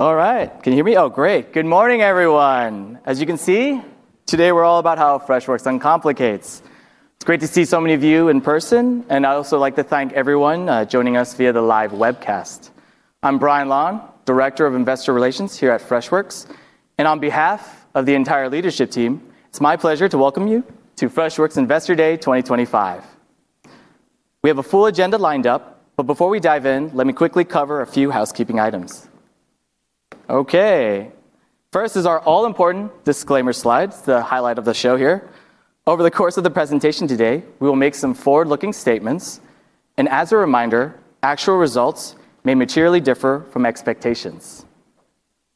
All right, can you hear me? Oh, great. Good morning, everyone. As you can see, today we're all about how Freshworks uncomplicates. It's great to see so many of you in person. I'd also like to thank everyone joining us via the live webcast. I'm Brian Lan, Director of Investor Relations here at Freshworks. On behalf of the entire leadership team, it's my pleasure to welcome you to Freshworks Investor Day 2025. We have a full agenda lined up, but before we dive in, let me quickly cover a few housekeeping items. First is our all-important disclaimer slides, the highlight of the show here. Over the course of the presentation today, we will make some forward-looking statements. As a reminder, actual results may materially differ from expectations.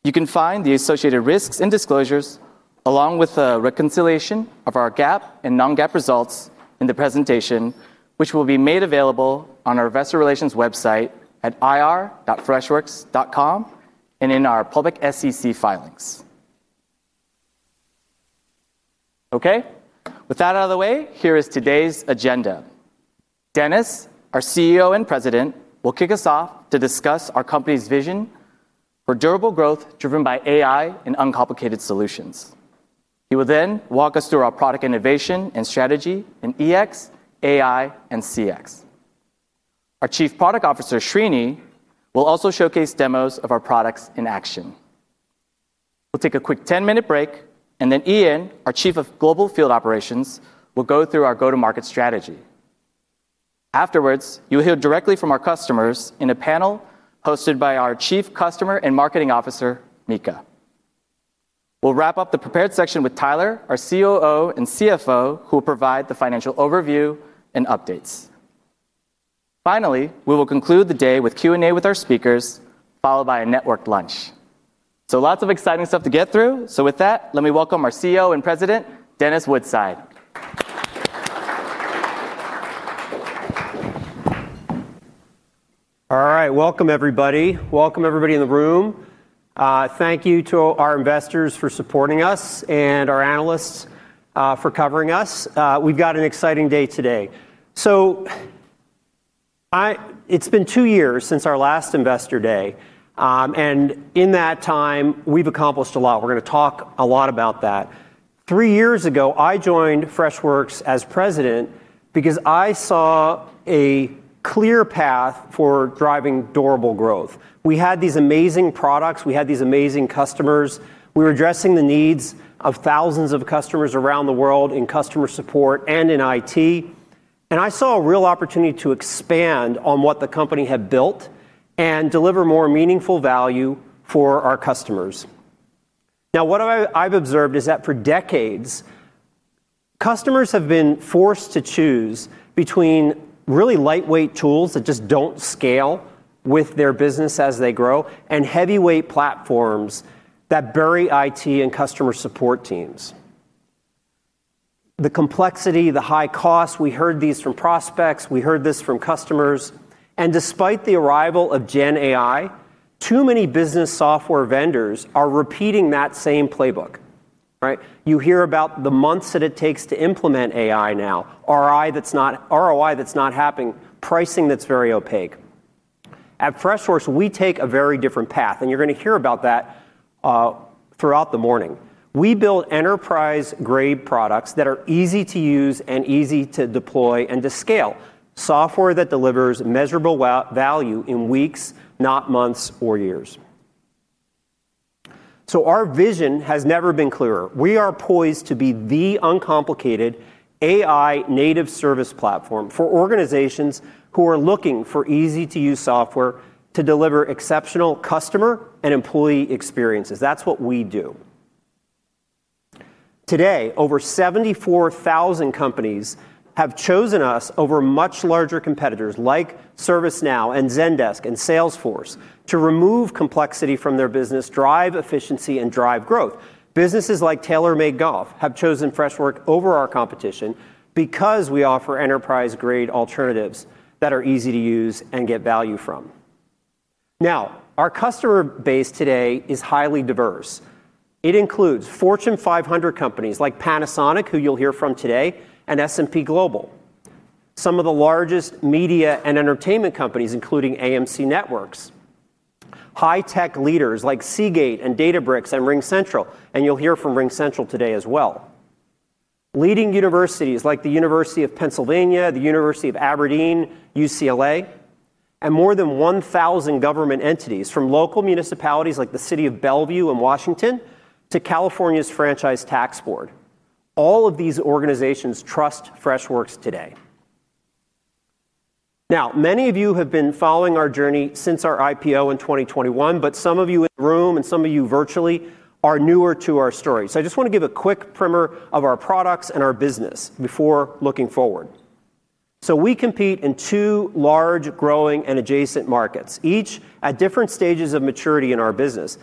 You can find the associated risks and disclosures, along with a reconciliation of our GAAP and non-GAAP results in the presentation, which will be made available on our Investor Relations website at ir.freshworks.com and in our public SEC filings. With that out of the way, here is today's agenda. Dennis, our CEO and President, will kick us off to discuss our company's vision for durable growth driven by AI and uncomplicated solutions. He will then walk us through our product innovation and strategy in EX, AI, and CX. Our Chief Product Officer, Srini, will also showcase demos of our products in action. We'll take a quick 10-minute break, and then Ian, our Chief of Global Field Operations, will go through our go-to-market strategy. Afterwards, you'll hear directly from our customers in a panel hosted by our Chief Customer and Marketing Officer, Mika. We'll wrap up the prepared section with Tyler, our COO and CFO, who will provide the financial overview and updates. Finally, we will conclude the day with Q&A with our speakers, followed by a networked lunch. Lots of exciting stuff to get through. With that, let me welcome our CEO and President, Dennis Woodside. All right, welcome everybody. Welcome everybody in the room. Thank you to our investors for supporting us and our analysts for covering us. We've got an exciting day today. It's been two years since our last Investor Day. In that time, we've accomplished a lot. We're going to talk a lot about that. Three years ago, I joined Freshworks as President because I saw a clear path for driving durable growth. We had these amazing products. We had these amazing customers. We were addressing the needs of thousands of customers around the world in customer support and in IT. I saw a real opportunity to expand on what the company had built and deliver more meaningful value for our customers. What I've observed is that for decades, customers have been forced to choose between really lightweight tools that just don't scale with their business as they grow and heavyweight platforms that bury IT and customer support teams. The complexity, the high cost, we heard these from prospects. We heard this from customers. Despite the arrival of Gen AI, too many business software vendors are repeating that same playbook. You hear about the months that it takes to implement AI now, ROI that's not happening, pricing that's very opaque. At Freshworks, we take a very different path, and you're going to hear about that throughout the morning. We build enterprise-grade products that are easy to use and easy to deploy and to scale, software that delivers measurable value in weeks, not months or years. Our vision has never been clearer. We are poised to be the uncomplicated AI-native service platform for organizations who are looking for easy-to-use software to deliver exceptional customer and employee experiences. That's what we do. Today, over 74,000 companies have chosen us over much larger competitors like ServiceNow and Zendesk and Salesforce to remove complexity from their business, drive efficiency, and drive growth. Businesses like TaylorMade Golf have chosen Freshworks over our competition because we offer enterprise-grade alternatives that are easy to use and get value from. Our customer base today is highly diverse. It includes Fortune 500 companies like Panasonic, who you'll hear from today, and S&P Global, some of the largest media and entertainment companies, including AMC Networks, high-tech leaders like Seagate and Databricks and RingCentral, and you'll hear from RingCentral today as well, leading universities like the University of Pennsylvania, the University of Aberdeen, UCLA, and more than 1,000 government entities from local municipalities like the City of Bellevue in Washington to California's Franchise Tax Board. All of these organizations trust Freshworks today. Now, many of you have been following our journey since our IPO in 2021, but some of you in the room and some of you virtually are newer to our story. I just want to give a quick primer of our products and our business before looking forward. We compete in two large growing and adjacent markets, each at different stages of maturity in our business.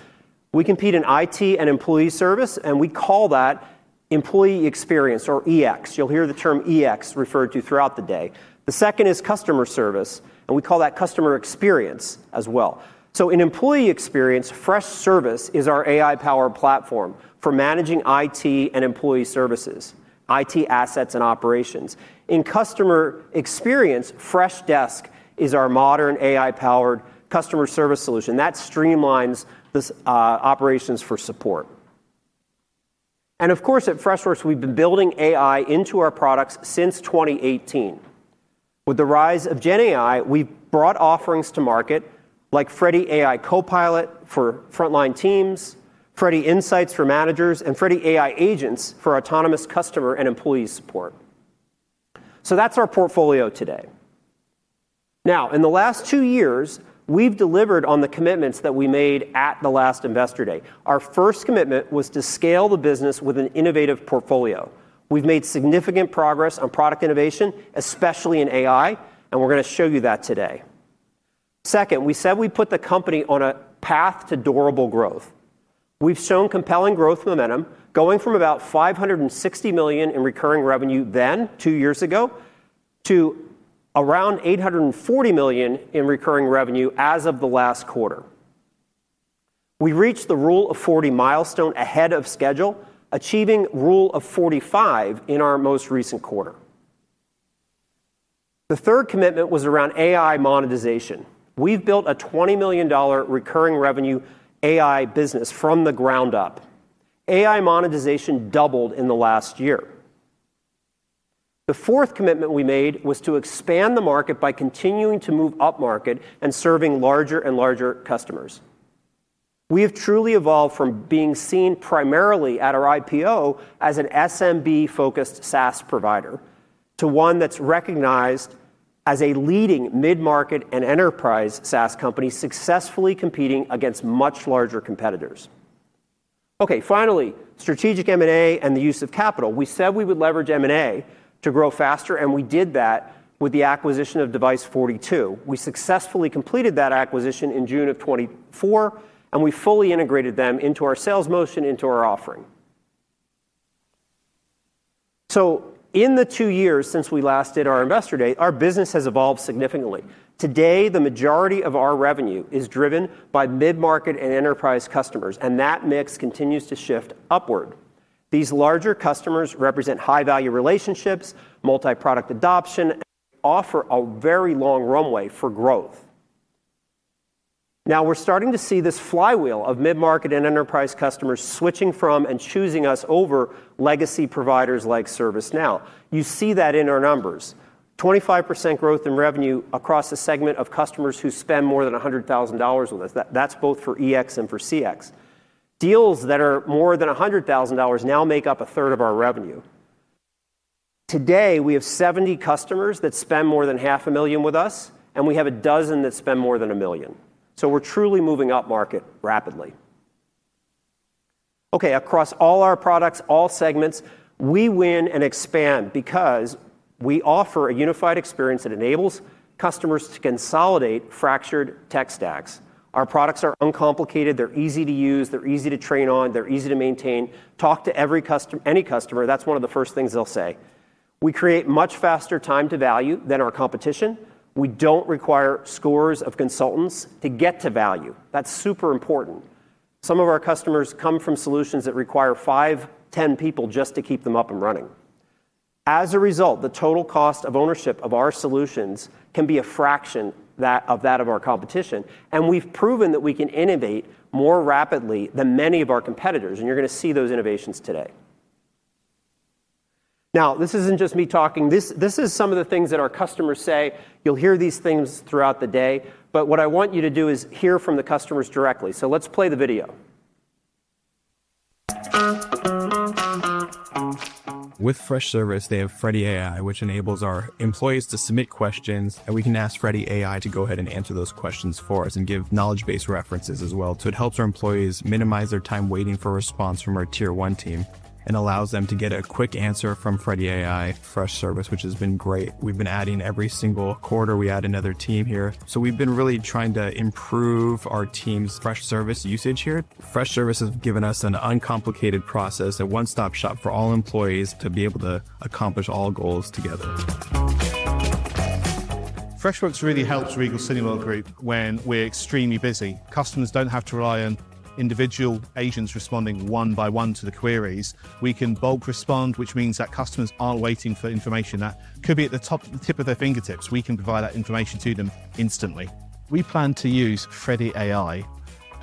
We compete in IT and employee service, and we call that employee experience or EX. You'll hear the term EX referred to throughout the day. The second is customer service, and we call that customer experience as well. In employee experience, Freshservice is our AI-powered platform for managing IT and employee services, IT assets and operations. In customer experience, Freshdesk is our modern AI-powered customer service solution that streamlines the operations for support. Of course, at Freshworks, we've been building AI into our products since 2018. With the rise of Gen AI, we've brought offerings to market like Freddy AI Copilot for frontline teams, Freddy Insights for managers, and Freddy AI Agents for autonomous customer and employee support. That's our portfolio today. In the last two years, we've delivered on the commitments that we made at the last Investor Day. Our first commitment was to scale the business with an innovative portfolio. We've made significant progress on product innovation, especially in AI, and we're going to show you that today. We said we'd put the company on a path to durable growth. We've shown compelling growth momentum, going from about $560 million in recurring revenue then two years ago to around $840 million in recurring revenue as of the last quarter. We reached the Rule of 40 milestone ahead of schedule, achieving Rule of 45 in our most recent quarter. The third commitment was around AI monetization. We've built a $20 million recurring revenue AI business from the ground up. AI monetization doubled in the last year. The fourth commitment we made was to expand the market by continuing to move upmarket and serving larger and larger customers. We have truly evolved from being seen primarily at our IPO as an SMB-focused SaaS provider to one that's recognized as a leading mid-market and enterprise SaaS company, successfully competing against much larger competitors. Finally, strategic M&A and the use of capital. We said we would leverage M&A to grow faster, and we did that with the acquisition of Device42. We successfully completed that acquisition in June of 2024, and we fully integrated them into our sales motion into our offering. In the two years since we last did our Investor Day, our business has evolved significantly. Today, the majority of our revenue is driven by mid-market and enterprise customers, and that mix continues to shift upward. These larger customers represent high-value relationships, multi-product adoption, and offer a very long runway for growth. Now, we're starting to see this flywheel of mid-market and enterprise customers switching from and choosing us over legacy providers like ServiceNow. You see that in our numbers: 25% growth in revenue across a segment of customers who spend more than $100,000 with us. That's both for EX and for CX. Deals that are more than $100,000 now make up a third of our revenue. Today, we have 70 customers that spend more than $500,000 with us, and we have a dozen that spend more than $1 million. We're truly moving upmarket rapidly. Across all our products, all segments, we win and expand because we offer a unified experience that enables customers to consolidate fractured tech stacks. Our products are uncomplicated. They're easy to use. They're easy to train on. They're easy to maintain. Talk to every customer, any customer, that's one of the first things they'll say. We create much faster time to value than our competition. We don't require scores of consultants to get to value. That's super important. Some of our customers come from solutions that require five, ten people just to keep them up and running. As a result, the total cost of ownership of our solutions can be a fraction of that of our competition, and we've proven that we can innovate more rapidly than many of our competitors, and you're going to see those innovations today. This isn't just me talking. This is some of the things that our customers say. You'll hear these things throughout the day, but what I want you to do is hear from the customers directly. Let's play the video. With Freshservice, they have Freddy AI, which enables our employees to submit questions, and we can ask Freddy AI to go ahead and answer those questions for us and give knowledge-based references as well. It helps our employees minimize their time waiting for a response from our tier one team and allows them to get a quick answer from Freddy AI. Freshservice, which has been great. We've been adding every single quarter. We add another team here. We've been really trying to improve our team's Freshservice usage here. Freshservice has given us an uncomplicated process, a one-stop shop for all employees to be able to accomplish all goals together. Freshworks really helps Regal Cineworld Group when we're extremely busy. Customers don't have to rely on individual agents responding one by one to the queries. We can bulk respond, which means that customers aren't waiting for information that could be at the tip of their fingertips. We can provide that information to them instantly. We plan to use Freddy AI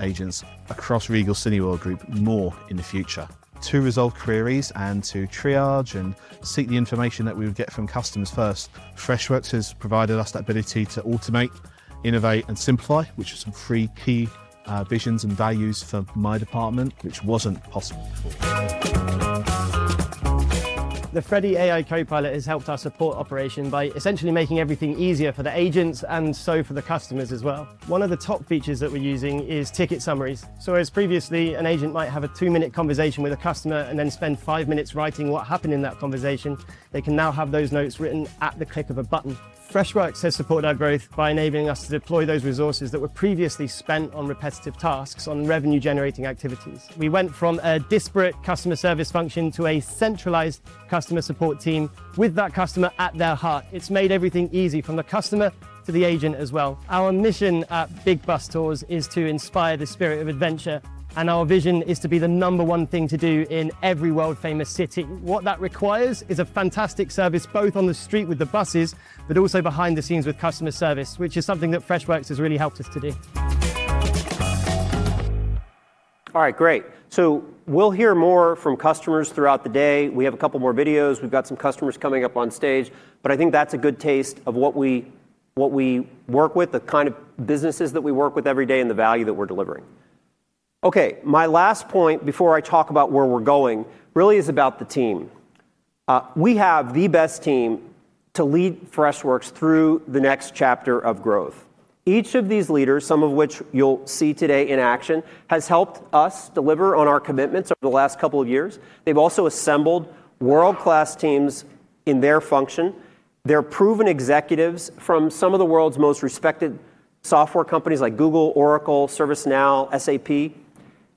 Agents across Regal Cineworld Group more in the future to resolve queries and to triage and seek the information that we would get from customers first. Freshworks has provided us the ability to automate, innovate, and simplify, which are some key visions and values for my department, which wasn't possible before. The Freddy AI Copilot has helped us support operation by essentially making everything easier for the agents and for the customers as well. One of the top features that we're using is ticket summaries. As previously, an agent might have a two-minute conversation with a customer and then spend five minutes writing what happened in that conversation, they can now have those notes written at the click of a button. Freshworks has supported our growth by enabling us to deploy those resources that were previously spent on repetitive tasks on revenue-generating activities. We went from a disparate customer service function to a centralized customer support team with that customer at their heart. It's made everything easy from the customer to the agent as well. Our mission at Big Bus Tours is to inspire the spirit of adventure, and our vision is to be the number one thing to do in every world-famous city. What that requires is a fantastic service both on the street with the buses, but also behind the scenes with customer service, which is something that Freshworks has really helped us to do. All right, great. We'll hear more from customers throughout the day. We have a couple more videos. We've got some customers coming up on stage, but I think that's a good taste of what we work with, the kind of businesses that we work with every day, and the value that we're delivering. Okay, my last point before I talk about where we're going really is about the team. We have the best team to lead Freshworks through the next chapter of growth. Each of these leaders, some of which you'll see today in action, has helped us deliver on our commitments over the last couple of years. They've also assembled world-class teams in their function. They're proven executives from some of the world's most respected software companies like Google, Oracle, ServiceNow, SAP, and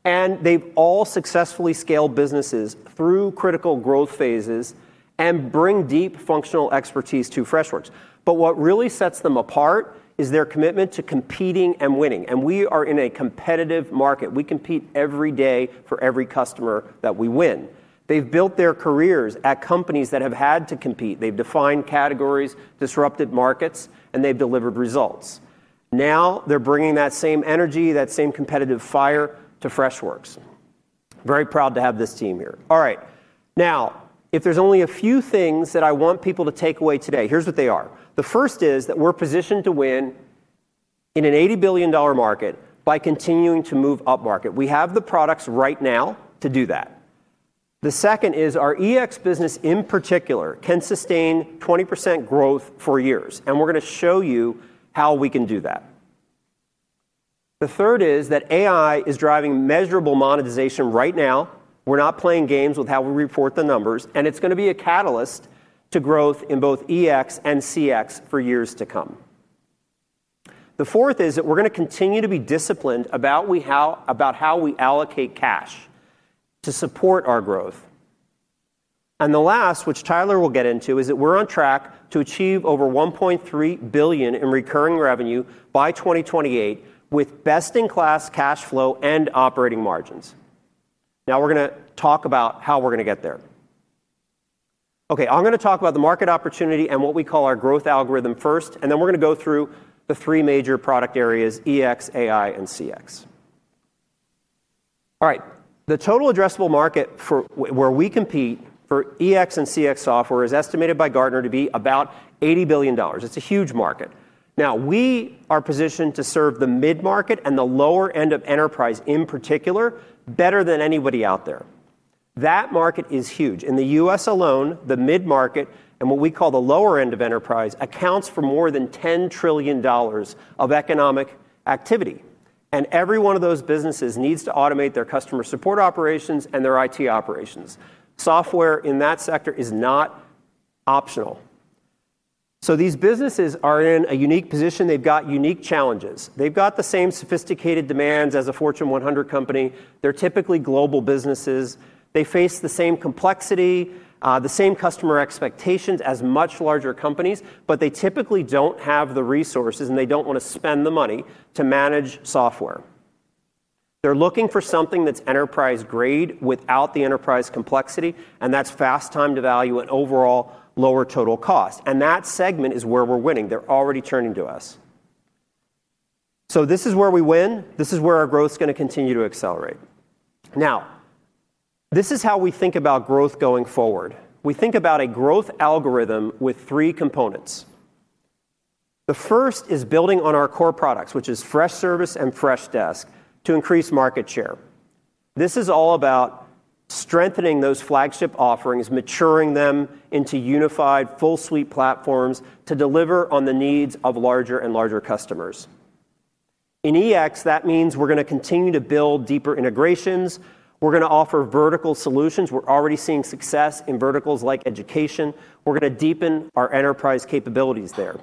they've all successfully scaled businesses through critical growth phases and bring deep functional expertise to Freshworks. What really sets them apart is their commitment to competing and winning. We are in a competitive market. We compete every day for every customer that we win. They've built their careers at companies that have had to compete. They've defined categories, disrupted markets, and they've delivered results. Now they're bringing that same energy, that same competitive fire to Freshworks. Very proud to have this team here. All right, now, if there's only a few things that I want people to take away today, here's what they are. The first is that we're positioned to win in an $80 billion market by continuing to move upmarket. We have the products right now to do that. The second is our EX business in particular can sustain 20% growth for years, and we're going to show you how we can do that. The third is that AI is driving measurable monetization right now. We're not playing games with how we report the numbers, and it's going to be a catalyst to growth in both EX and CX for years to come. The fourth is that we're going to continue to be disciplined about how we allocate cash to support our growth. The last, which Tyler will get into, is that we're on track to achieve over $1.3 billion in recurring revenue by 2028 with best-in-class cash flow and operating margins. Now we're going to talk about how we're going to get there. Okay, I'm going to talk about the market opportunity and what we call our growth algorithm first, and then we're going to go through the three major product areas: EX, AI, and CX. All right, the total addressable market for where we compete for EX and CX software is estimated by Gartner to be about $80 billion. It's a huge market. Now we are positioned to serve the mid-market and the lower end of enterprise in particular better than anybody out there. That market is huge. In the U.S. alone, the mid-market and what we call the lower end of enterprise accounts for more than $10 trillion of economic activity, and every one of those businesses needs to automate their customer support operations and their IT operations. Software in that sector is not optional. These businesses are in a unique position. They've got unique challenges. They've got the same sophisticated demands as a Fortune 100 company. They're typically global businesses. They face the same complexity, the same customer expectations as much larger companies, but they typically don't have the resources, and they don't want to spend the money to manage software. They're looking for something that's enterprise-grade without the enterprise complexity, that's fast time to value and overall lower total cost. That segment is where we're winning. They're already turning to us. This is where we win. This is where our growth is going to continue to accelerate. Now, this is how we think about growth going forward. We think about a growth algorithm with three components. The first is building on our core products, which is Freshservice and Freshdesk, to increase market share. This is all about strengthening those flagship offerings, maturing them into unified full-suite platforms to deliver on the needs of larger and larger customers. In EX, that means we're going to continue to build deeper integrations. We're going to offer vertical solutions. We're already seeing success in verticals like education. We're going to deepen our enterprise capabilities there.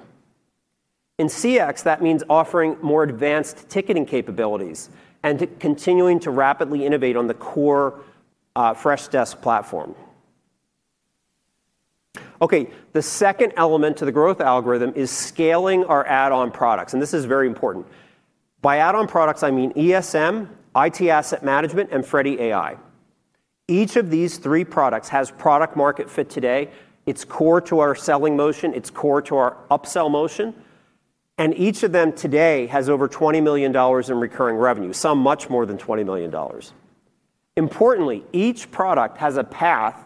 In CX, that means offering more advanced ticketing capabilities and continuing to rapidly innovate on the core Freshdesk platform. The second element to the growth algorithm is scaling our add-on products, and this is very important. By add-on products, I mean ESM, IT asset management, and Freddy AI. Each of these three products has product-market fit today. It's core to our selling motion. It's core to our upsell motion, and each of them today has over $20 million in recurring revenue, some much more than $20 million. Importantly, each product has a path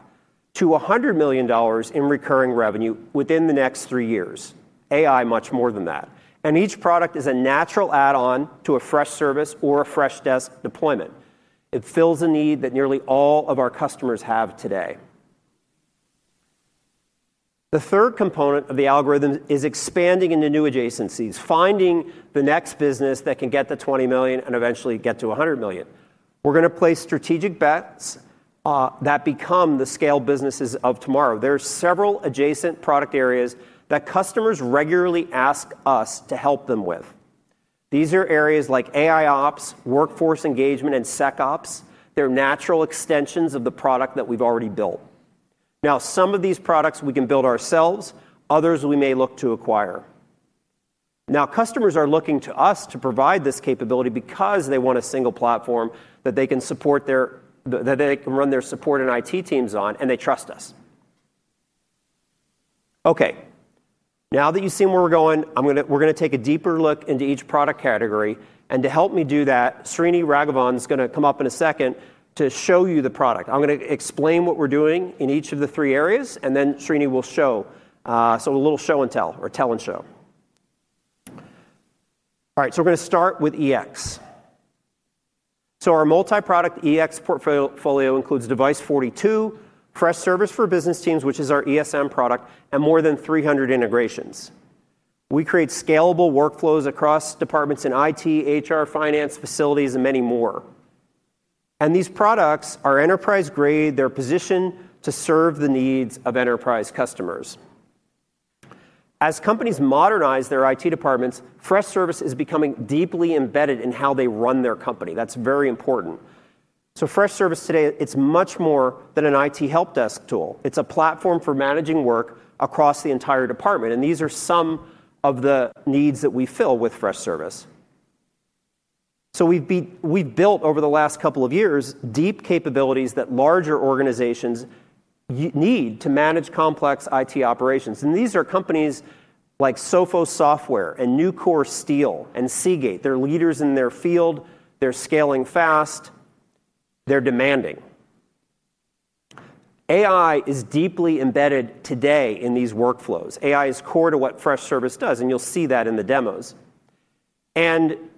to $100 million in recurring revenue within the next three years, AI much more than that. Each product is a natural add-on to a Freshservice or a Freshdesk deployment. It fills a need that nearly all of our customers have today. The third component of the algorithm is expanding into new adjacencies, finding the next business that can get to $20 million and eventually get to $100 million. We're going to place strategic bets that become the scale businesses of tomorrow. There are several adjacent product areas that customers regularly ask us to help them with. These are areas like AI Ops, workforce engagement, and SecOps. They're natural extensions of the product that we've already built. Some of these products we can build ourselves. Others we may look to acquire. Customers are looking to us to provide this capability because they want a single platform that they can support their support and IT teams on, and they trust us. Now that you've seen where we're going, we're going to take a deeper look into each product category. To help me do that, Srini is going to come up in a second to show you the product. I'm going to explain what we're doing in each of the three areas, and then Shrini will show, so a little show and tell or tell and show. All right, we're going to start with EX. Our multi-product EX portfolio includes Device42, Freshservice for business teams, which is our ESM product, and more than 300 integrations. We create scalable workflows across departments in IT, HR, finance, facilities, and many more. These products are enterprise-grade, and they're positioned to serve the needs of enterprise customers. As companies modernize their IT departments, Freshservice is becoming deeply embedded in how they run their company. That's very important. Freshservice today, it's much more than an IT helpdesk tool. It's a platform for managing work across the entire department. These are some of the needs that we fill with Freshservice. We've built over the last couple of years deep capabilities that larger organizations need to manage complex IT operations. These are companies like Sophos Software and Nucor Steel and Seagate. They're leaders in their field. They're scaling fast. They're demanding. AI is deeply embedded today in these workflows. AI is core to what Freshservice does, and you'll see that in the demos.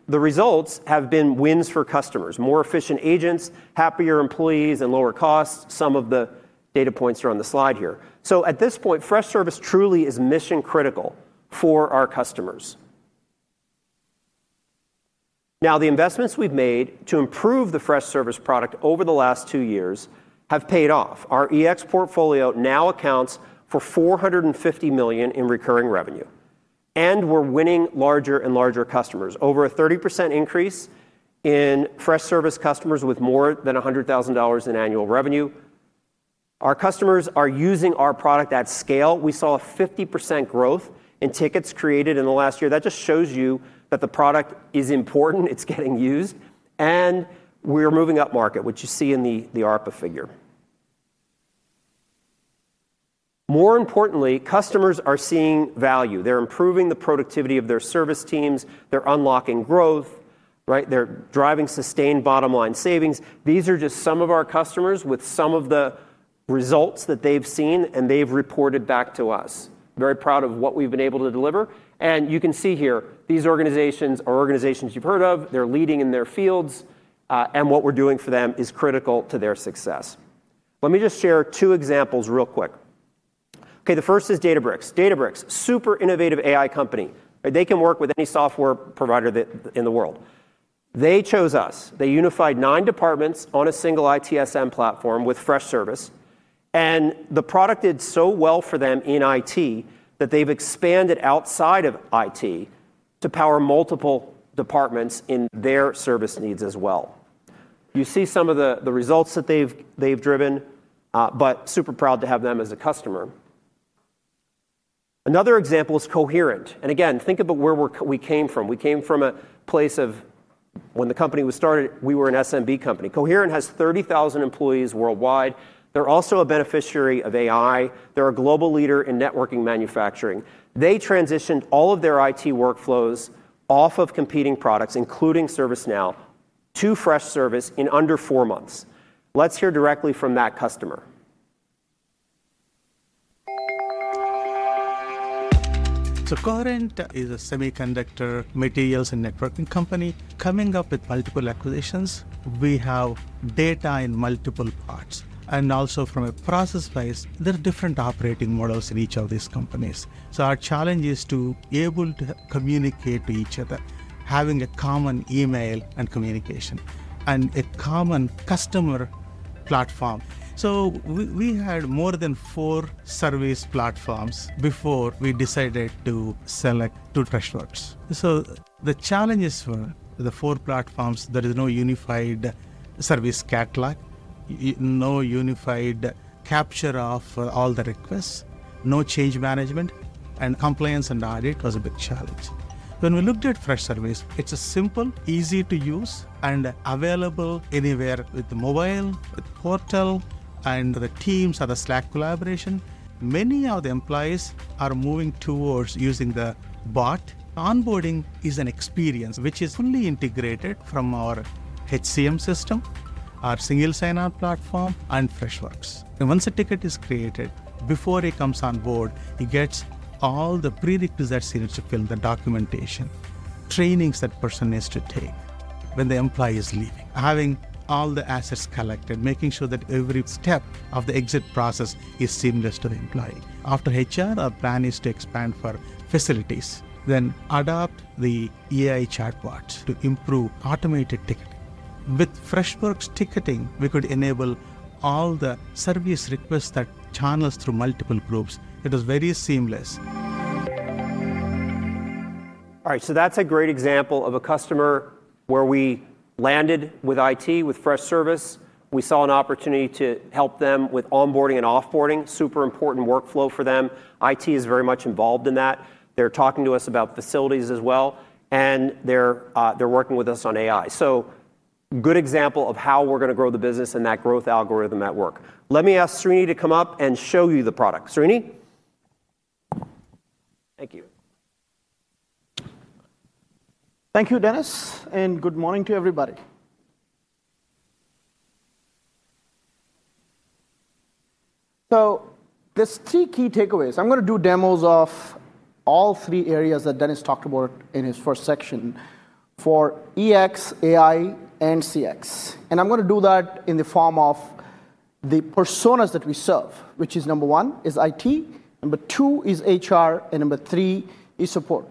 The results have been wins for customers: more efficient agents, happier employees, and lower costs. Some of the data points are on the slide here. At this point, Freshservice truly is mission-critical for our customers. The investments we've made to improve the Freshservice product over the last two years have paid off. Our EX portfolio now accounts for $450 million in recurring revenue, and we're winning larger and larger customers, over a 30% increase in Freshservice customers with more than $100,000 in annual revenue. Our customers are using our product at scale. We saw a 50% growth in tickets created in the last year. That just shows you that the product is important. It's getting used, and we're moving upmarket, which you see in the ARPA figure. More importantly, customers are seeing value. They're improving the productivity of their service teams. They're unlocking growth. They're driving sustained bottom-line savings. These are just some of our customers with some of the results that they've seen, and they've reported back to us. Very proud of what we've been able to deliver. You can see here, these organizations are organizations you've heard of. They're leading in their fields, and what we're doing for them is critical to their success. Let me just share two examples real quick. The first is Databricks. Databricks, super innovative AI company. They can work with any software provider in the world. They chose us. They unified nine departments on a single ITSM platform with Freshservice, and the product did so well for them in IT that they've expanded outside of IT to power multiple departments in their service needs as well. You see some of the results that they've driven, but super proud to have them as a customer. Another example is Coherent. Think about where we came from. We came from a place of when the company was started, we were an SMB company. Coherent has 30,000 employees worldwide. They're also a beneficiary of AI. They're a global leader in networking manufacturing. They transitioned all of their IT workflows off of competing products, including ServiceNow, to Freshservice in under four months. Let's hear directly from that customer. Coherent is a semiconductor materials and networking company coming up with multiple acquisitions. We have data in multiple parts, and also from a process base, there are different operating models in each of these companies. Our challenge is to be able to communicate to each other, having a common email and communication and a common customer platform. We had more than four service platforms before we decided to select Freshworks. The challenges were the four platforms. There is no unified service catalog, no unified capture of all the requests, no change management, and compliance and audit was a big challenge. When we looked at Freshservice, it's simple, easy to use, and available anywhere with the mobile, with the portal, and the Teams or the Slack collaboration. Many of the employees are moving towards using the bot. Onboarding is an experience which is fully integrated from our HCM system, our single sign-on platform, and Freshworks. Once a ticket is created, before it comes onboard, it gets all the prerequisites you need to fill, the documentation, trainings that a person needs to take when the employee is leaving, having all the assets collected, making sure that every step of the exit process is seamless to the employee. After HR, our plan is to expand for facilities. We will adopt the AI chatbots to improve automated ticketing. With Freshworks ticketing, we could enable all the service requests that channel through multiple groups. It was very seamless. All right, that's a great example of a customer where we landed with IT, with Freshservice. We saw an opportunity to help them with onboarding and offboarding, super important workflow for them. IT is very much involved in that. They're talking to us about facilities as well, and they're working with us on AI. Good example of how we're going to grow the business and that growth algorithm at work. Let me ask Srini to come up and show you the product. Thank you. Thank you, Dennis, and good morning to everybody. There are three key takeaways. I'm going to do demos of all three areas that Dennis talked about in his first section for EX, AI, and CX. I'm going to do that in the form of the personas that we serve, which is number one is IT, number two is HR, and number three is support.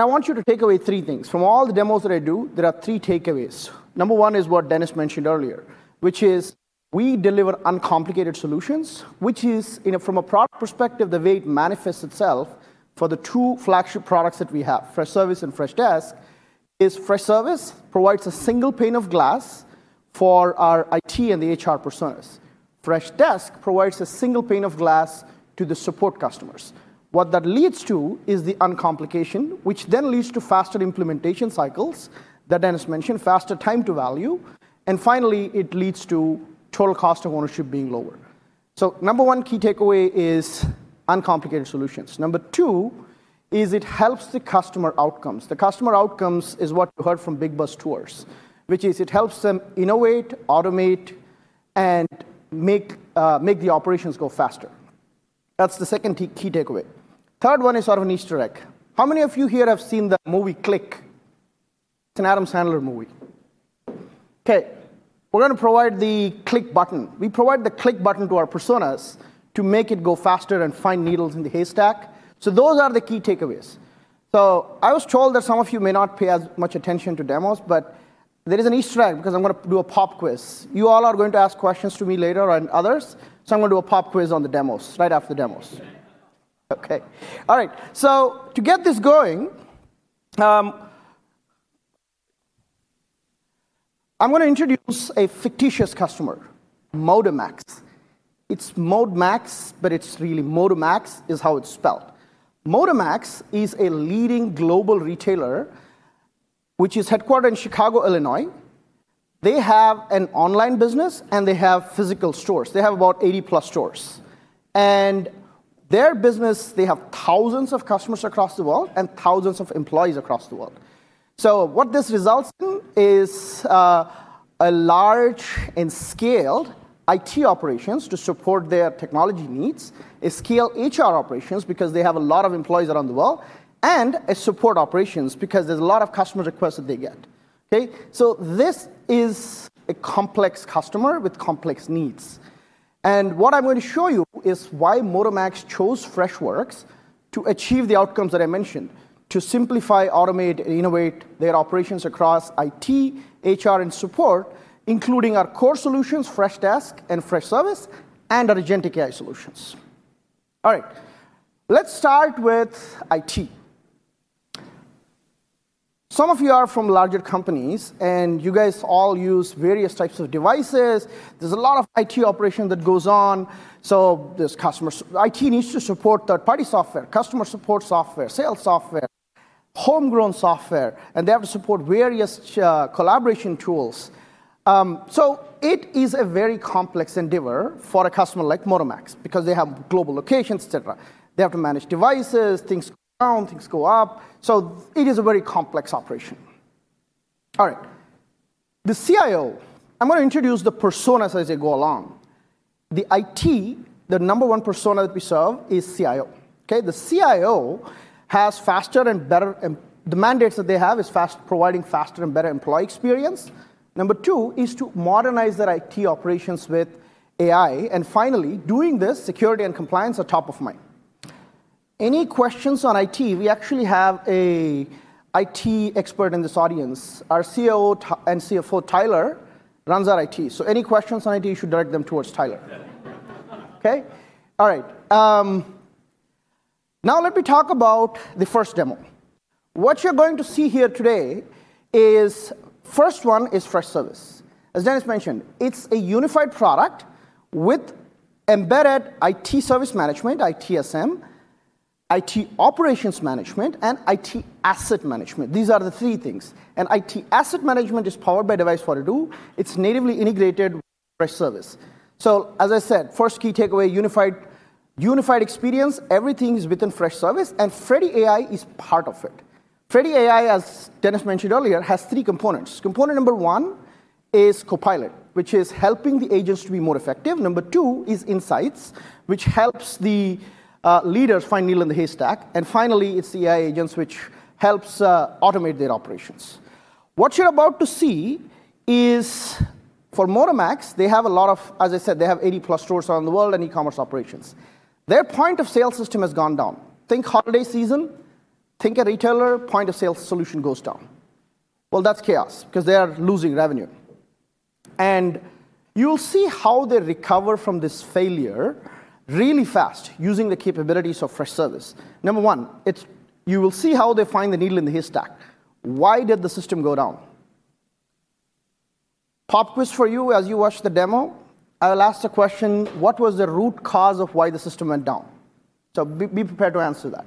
I want you to take away three things. From all the demos that I do, there are three takeaways. Number one is what Dennis mentioned earlier, which is we deliver uncomplicated solutions, which is, you know, from a product perspective, the way it manifests itself for the two flagship products that we have, Freshservice and Freshdesk, is Freshservice provides a single pane of glass for our IT and the HR personas. Freshdesk provides a single pane of glass to the support customers. What that leads to is the uncomplication, which then leads to faster implementation cycles that Dennis mentioned, faster time to value, and finally, it leads to total cost of ownership being lower. Number one key takeaway is uncomplicated solutions. Number two is it helps the customer outcomes. The customer outcomes is what we heard from Big Bus Tours, which is it helps them innovate, automate, and make the operations go faster. That's the second key takeaway. The third one is sort of an Easter egg. How many of you here have seen the movie Click? It's an Adam Sandler movie. We are going to provide the Click button. We provide the Click button to our personas to make it go faster and find needles in the haystack. Those are the key takeaways. I was told that some of you may not pay as much attention to demos, but there is an Easter egg because I'm going to do a pop quiz. You all are going to ask questions to me later and others. I'm going to do a pop quiz on the demos right after the demos. All right. To get this going, I'm going to introduce a fictitious customer, Modamax. It's Mode Max, but it's really Modamax is how it's spelled. Modamax is a leading global retailer, which is headquartered in Chicago, Illinois. They have an online business, and they have physical stores. They have about 80+ stores. Their business, they have thousands of customers across the world and thousands of employees across the world. What this results in is a large and scaled IT operations to support their technology needs, a scaled HR operations because they have a lot of employees around the world, and a support operations because there's a lot of customer requests that they get. This is a complex customer with complex needs. What I'm going to show you is why Modamax chose Freshworks to achieve the outcomes that I mentioned, to simplify, automate, and innovate their operations across IT, HR, and support, including our core solutions, Freshdesk and Freshservice, and our agentic AI solutions. Let's start with IT. Some of you are from larger companies, and you guys all use various types of devices. There's a lot of IT operation that goes on. There's customers. IT needs to support third-party software, customer support software, sales software, homegrown software, and they have to support various collaboration tools. It is a very complex endeavor for a customer like Modamax because they have global locations, etc. They have to manage devices. Things go down, things go up. It is a very complex operation. The CIO, I'm going to introduce the personas as they go along. The IT, the number one persona that we serve is CIO. The CIO has faster and better mandates that they have, providing faster and better employee experience. Number two is to modernize their IT operations with AI. Finally, doing this, security and compliance are top of mind. Any questions on IT? We actually have an IT expert in this audience. Our CEO and CFO, Tyler, runs our IT. Any questions on IT, you should direct them towards Tyler. Now, let me talk about the first demo. What you're going to see here today is the first one is Freshservice. As Dennis mentioned, it's a unified product with embedded IT service management, ITSM, IT operations management, and IT asset management. These are the three things. IT asset management is powered by Device42. It's natively integrated with Freshservice. First key takeaway, unified experience. Everything is within Freshservice, and Freddy AI is part of it. Freddy AI, as Dennis mentioned earlier, has three components. Component number one is Copilot, which is helping the agents to be more effective. Number two is Insights, which helps the leaders find needle in the haystack. Finally, it's the AI agents, which helps automate their operations. What you're about to see is for Modamax. They have a lot of, as I said, they have 80+ stores around the world and e-commerce operations. Their point of sale system has gone down. Think holiday season, think a retailer point of sale solution goes down. That's chaos because they are losing revenue. You'll see how they recover from this failure really fast using the capabilities of Freshservice. Number one, you will see how they find the needle in the haystack. Why did the system go down? Pop quiz for you as you watch the demo. I'll ask the question, what was the root cause of why the system went down? Be prepared to answer that.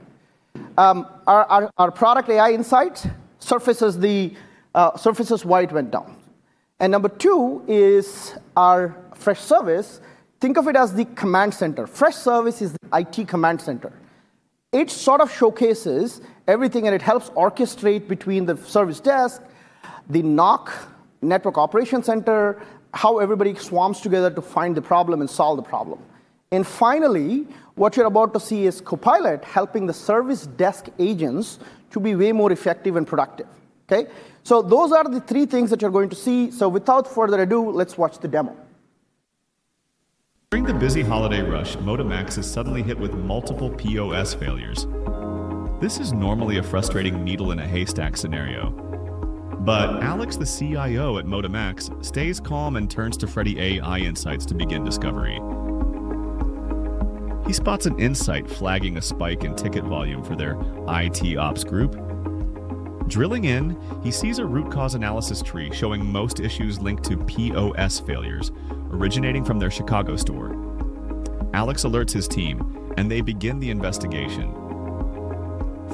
Our product Freddy Insights surfaces why it went down. Number two is our Freshservice. Think of it as the command center. Freshservice is the IT command center. It sort of showcases everything, and it helps orchestrate between the service desk, the NOC, network operations center, how everybody swarms together to find the problem and solve the problem. Finally, what you're about to see is Copilot helping the service desk agents to be way more effective and productive. Okay, those are the three things that you're going to see. Without further ado, let's watch the demo. During the busy holiday rush, Modamax is suddenly hit with multiple POS failures. This is normally a frustrating needle-in-a-haystack scenario. Alex, the CIO at Modamax, stays calm and turns to Freddy Insights to begin discovery. He spots an insight flagging a spike in ticket volume for their IT ops group. Drilling in, he sees a root cause analysis tree showing most issues linked to POS failures originating from their Chicago store. Alex alerts his team, and they begin the investigation.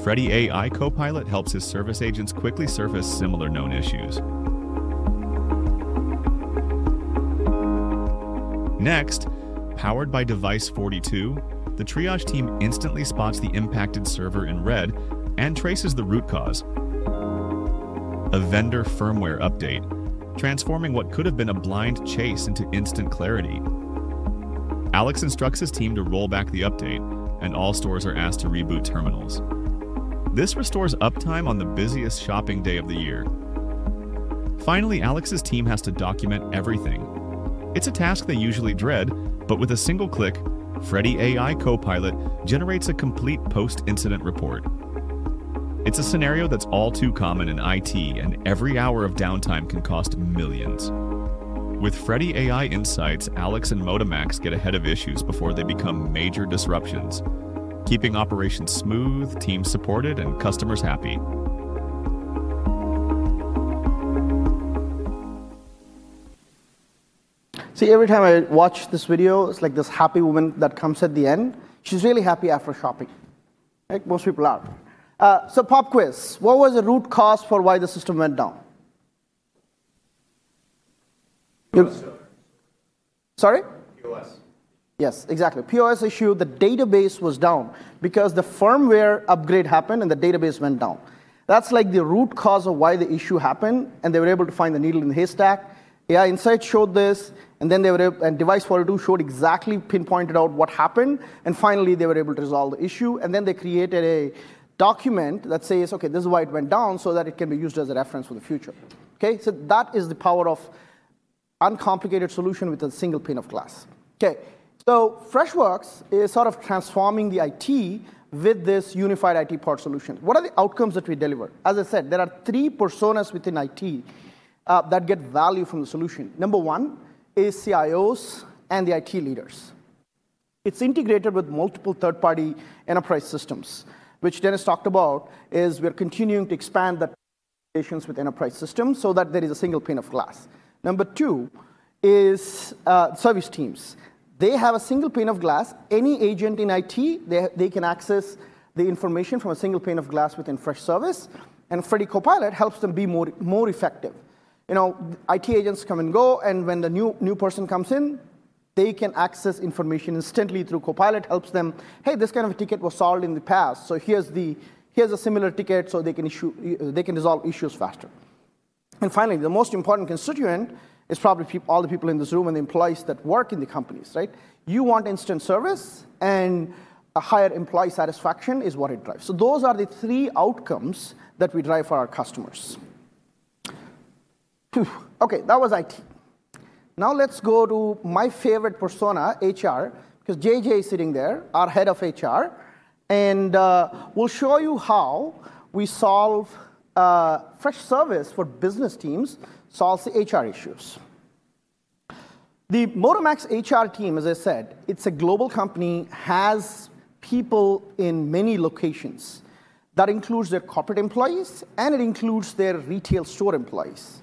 Freddy AI Copilot helps his service agents quickly surface similar known issues. Next, powered by Device42, the triage team instantly spots the impacted server in red and traces the root cause. A vendor firmware update transforms what could have been a blind chase into instant clarity. Alex instructs his team to roll back the update, and all stores are asked to reboot terminals. This restores uptime on the busiest shopping day of the year. Finally, Alex's team has to document everything. It's a task they usually dread, but with a single click, Freddy AI Copilot generates a complete post-incident report. It's a scenario that's all too common in IT, and every hour of downtime can cost millions. With Freddy Insights, Alex and Modamax get ahead of issues before they become major disruptions, keeping operations smooth, teams supported, and customers happy. See, every time I watch this video, it's like this happy woman that comes at the end. She's really happy after shopping. Most people laugh. Pop quiz. What was the root cause for why the system went down? Sorry? Yes, exactly. POS issue, the database was down because the firmware upgrade happened and the database went down. That's the root cause of why the issue happened, and they were able to find the needle in the haystack. AI Insights showed this, and then Device42 showed exactly, pinpointed out what happened, and finally, they were able to resolve the issue, and they created a document that says, okay, this is why it went down so that it can be used as a reference for the future. That is the power of uncomplicated solution with a single pane of glass. Freshworks is sort of transforming the IT with this unified IT part solution. What are the outcomes that we deliver? As I said, there are three personas within IT that get value from the solution. Number one is CIOs and the IT leaders. It's integrated with multiple third-party enterprise systems, which Dennis talked about, as we're continuing to expand that relationship with enterprise systems so that there is a single pane of glass. Number two is service teams. They have a single pane of glass. Any agent in IT, they can access the information from a single pane of glass within Freshservice, and Freddy Copilot helps them be more effective. You know, IT agents come and go, and when the new person comes in, they can access information instantly through Copilot, helps them, hey, this kind of a ticket was solved in the past, so here's a similar ticket, so they can resolve issues faster. Finally, the most important constituent is probably all the people in this room and the employees that work in the companies, right? You want instant service, and a higher employee satisfaction is what it drives. Those are the three outcomes that we drive for our customers. That was IT. Now let's go to my favorite persona, HR, because JJ is sitting there, our Head of HR, and we'll show you how we solve Freshservice for business teams solves HR issues. The Modamax HR team, as I said, it's a global company, has people in many locations. That includes their corporate employees, and it includes their retail store employees.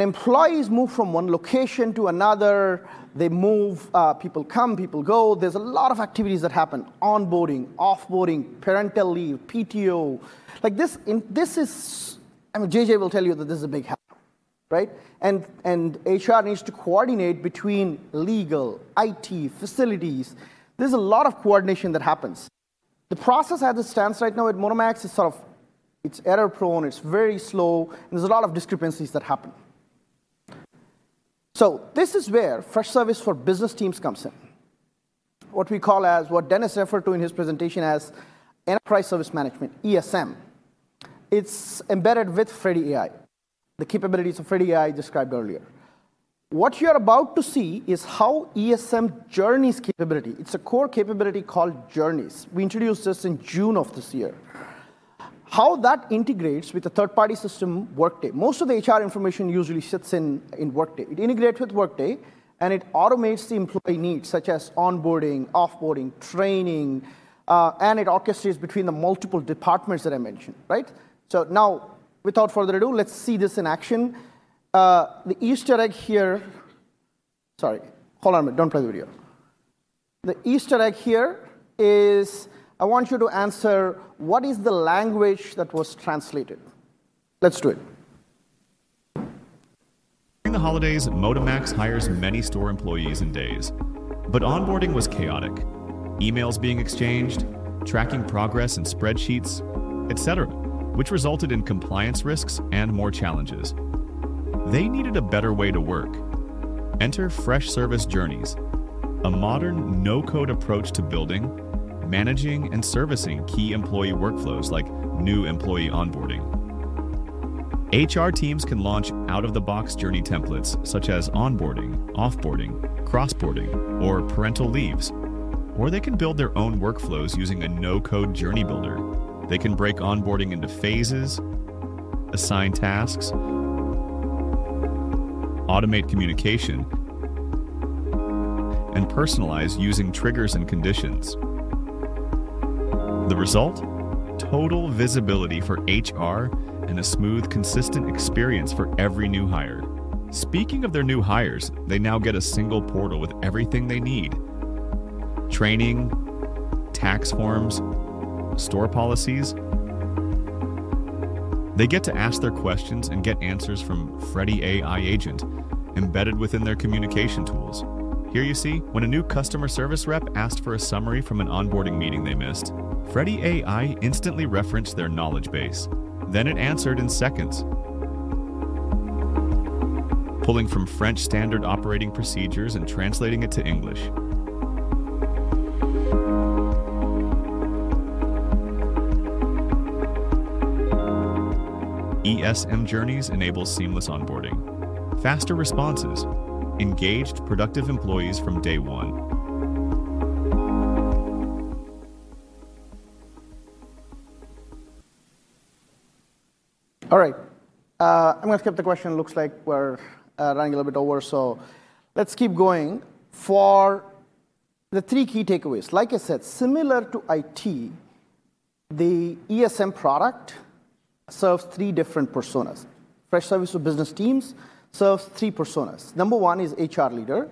Employees move from one location to another. They move, people come, people go. There's a lot of activities that happen: onboarding, offboarding, parental leave, PTO. This is, I mean, JJ will tell you that this is a big happen, right? HR needs to coordinate between legal, IT, facilities. There's a lot of coordination that happens. The process as it stands right now at Modamax is sort of, it's error-prone, it's very slow, and there's a lot of discrepancies that happen. This is where Freshservice for business teams comes in, what we call as what Dennis referred to in his presentation as enterprise service management, ESM. It's embedded with Freddy AI, the capabilities of Freddy AI described earlier. What you're about to see is how ESM journeys capability, it's a core capability called Journeys. We introduced this in June of this year. How that integrates with a third-party system, Workday. Most of the HR information usually sits in Workday. It integrates with Workday, and it automates the employee needs, such as onboarding, offboarding, training, and it orchestrates between the multiple departments that I mentioned, right? Now, without further ado, let's see this in action. The Easter egg here, sorry, hold on a minute, don't play the video. The Easter egg here is I want you to answer what is the language that was translated. Let's do it. In the holidays, Modamax hires many store employees in days, but onboarding was chaotic. Emails being exchanged, tracking progress in spreadsheets, etc., which resulted in compliance risks and more challenges. They needed a better way to work. Enter Freshservice Journeys, a modern no-code approach to building, managing, and servicing key employee workflows like new employee onboarding. HR teams can launch out-of-the-box journey templates such as onboarding, offboarding, crossboarding, or parental leaves, or they can build their own workflows using a no-code journey builder. They can break onboarding into phases, assign tasks, automate communication, and personalize using triggers and conditions. The result? Total visibility for HR and a smooth, consistent experience for every new hire. Speaking of their new hires, they now get a single portal with everything they need: training, tax forms, store policies. They get to ask their questions and get answers from Freddy AI Agent, embedded within their communication tools. Here you see, when a new customer service rep asked for a summary from an onboarding meeting they missed, Freddy AI instantly referenced their knowledge base. It answered in seconds, pulling from French standard operating procedures and translating it to English. ESM journeys enable seamless onboarding, faster responses, engaged, productive employees from day one. All right, I'm going to skip the question. It looks like we're running a little bit over, so let's keep going. For the three key takeaways, like I said, similar to IT, the ESM product serves three different personas. Freshservice for business teams serves three personas. Number one is HR leader,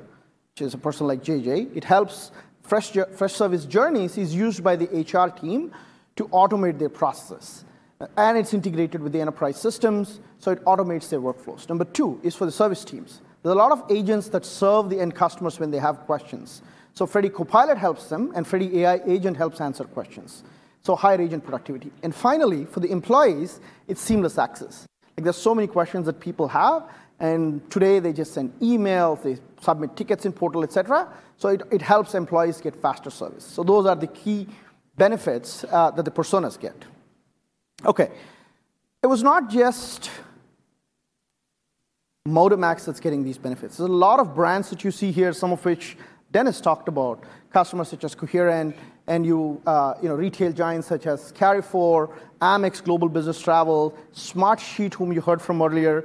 which is a person like JJ. It helps Freshservice Journeys. It's used by the HR team to automate their processes, and it's integrated with the enterprise systems, so it automates their workflows. Number two is for the service teams. There are a lot of agents that serve the end customers when they have questions. Freddy AI Copilot helps them, and Freddy AI Agents help answer questions, so higher agent productivity. Finally, for the employees, it's seamless access. There are so many questions that people have, and today they just send emails, they submit tickets in portal, etc., so it helps employees get faster service. Those are the key benefits that the personas get. It was not just Modamax that's getting these benefits. There are a lot of brands that you see here, some of which Dennis talked about, customers such as Coherent, and retail giants such as Carrefour, Amex Global Business Travel, Smartsheet, whom you heard from earlier,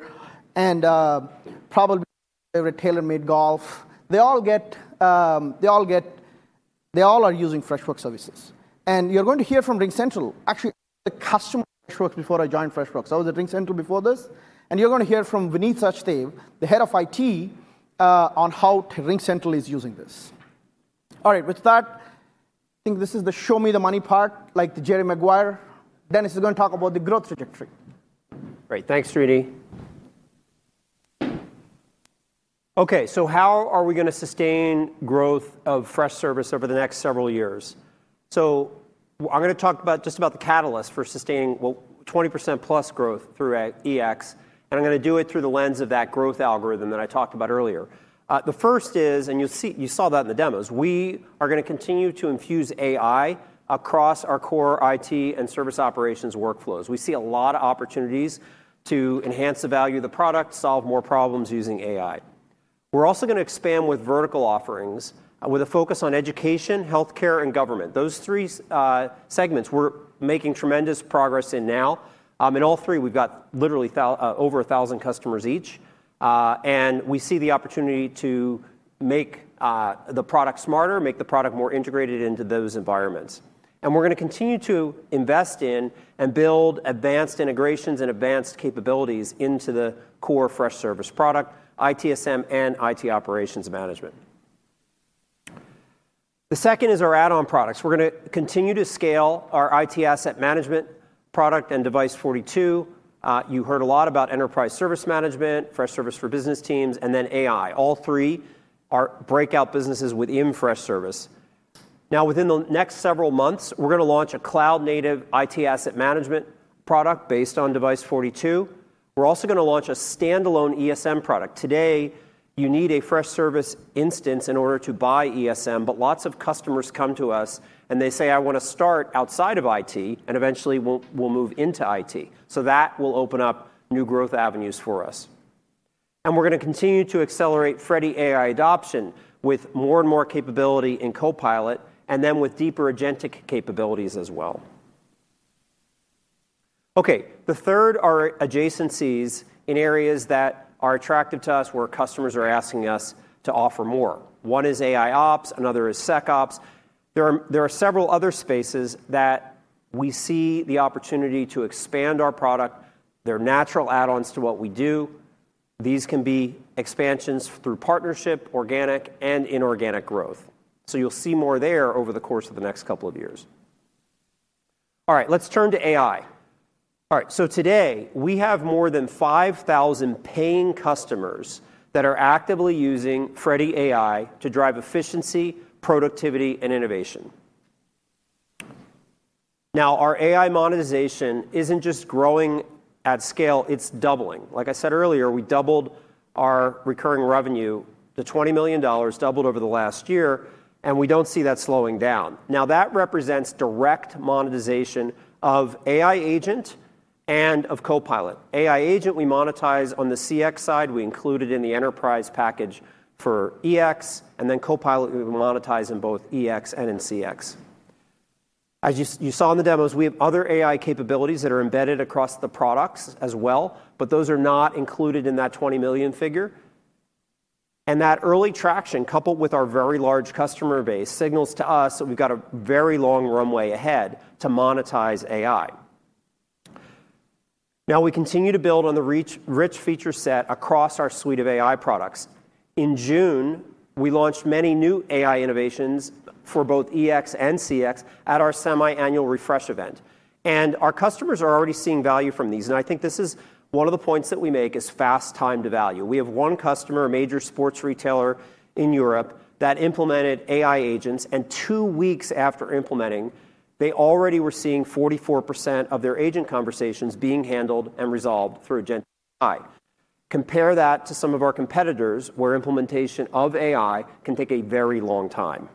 and probably even TaylorMade Golf. They all are using Freshworks services. You're going to hear from RingCentral, actually, the customer. Shortly before I joined Freshworks, I was at RingCentral before this, and you're going to hear from Vineet Sachdev, the Head of IT, on how RingCentral is using this. All right, with that, I think this is the show-me-the-money part, like the Jerry Maguire. Dennis is going to talk about the growth trajectory. Right, thanks, Srini. Okay, how are we going to sustain growth of Freshservice over the next several years? I'm going to talk about just about the catalyst for sustaining 20%+ growth through EX, and I'm going to do it through the lens of that growth algorithm that I talked about earlier. The first is, and you saw that in the demos, we are going to continue to infuse AI across our core IT and service operations workflows. We see a lot of opportunities to enhance the value of the product, solve more problems using AI. We're also going to expand with vertical offerings with a focus on education, healthcare, and government. Those three segments we're making tremendous progress in now. In all three, we've got literally over 1,000 customers each, and we see the opportunity to make the product smarter, make the product more integrated into those environments. We're going to continue to invest in and build advanced integrations and advanced capabilities into the core Freshservice product, ITSM, and IT operations management. The second is our add-on products. We're going to continue to scale our IT asset management product and Device42. You heard a lot about enterprise service management, Freshservice for business teams, and then AI. All three are breakout businesses within Freshservice. Within the next several months, we're going to launch a cloud-native IT asset management product based on Device42. We're also going to launch a standalone ESM product. Today, you need a Freshservice instance in order to buy ESM, but lots of customers come to us and they say, "I want to start outside of IT," and eventually we'll move into IT. That will open up new growth avenues for us. We're going to continue to accelerate Freddy AI adoption with more and more capability in Copilot, and then with deeper agentic capabilities as well. The third are adjacencies in areas that are attractive to us where customers are asking us to offer more. One is AI Ops, another is SecOps. There are several other spaces that we see the opportunity to expand our product. They're natural add-ons to what we do. These can be expansions through partnership, organic, and inorganic growth. You'll see more there over the course of the next couple of years. All right, let's turn to AI. Today we have more than 5,000 paying customers that are actively using Freddy AI to drive efficiency, productivity, and innovation. Now, our AI monetization isn't just growing at scale, it's doubling. Like I said earlier, we doubled our recurring revenue. The $20 million doubled over the last year, and we don't see that slowing down. That represents direct monetization of AI Agent and of Copilot. AI Agent, we monetize on the CX side. We include it in the enterprise package for EX, and then Copilot, we monetize in both EX and in CX. As you saw in the demos, we have other AI capabilities that are embedded across the products as well, but those are not included in that $20 million figure. That early traction, coupled with our very large customer base, signals to us that we've got a very long runway ahead to monetize AI. We continue to build on the rich feature set across our suite of AI products. In June, we launched many new AI innovations for both EX and CX at our semi-annual refresh event. Our customers are already seeing value from these. I think this is one of the points that we make is fast time to value. We have one customer, a major sports retailer in Europe, that implemented AI agents, and two weeks after implementing, they already were seeing 44% of their agent conversations being handled and resolved through agent AI. Compare that to some of our competitors where implementation of AI can take a very long time.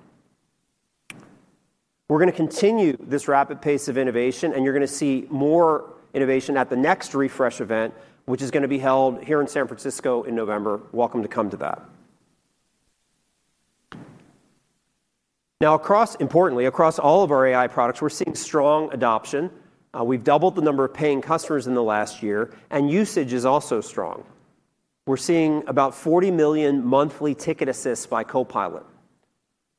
We are going to continue this rapid pace of innovation, and you're going to see more innovation at the next refresh event, which is going to be held here in San Francisco in November. Welcome to come to that. Importantly, across all of our AI products, we're seeing strong adoption. We've doubled the number of paying customers in the last year, and usage is also strong. We're seeing about 40 million monthly ticket assists by Copilot.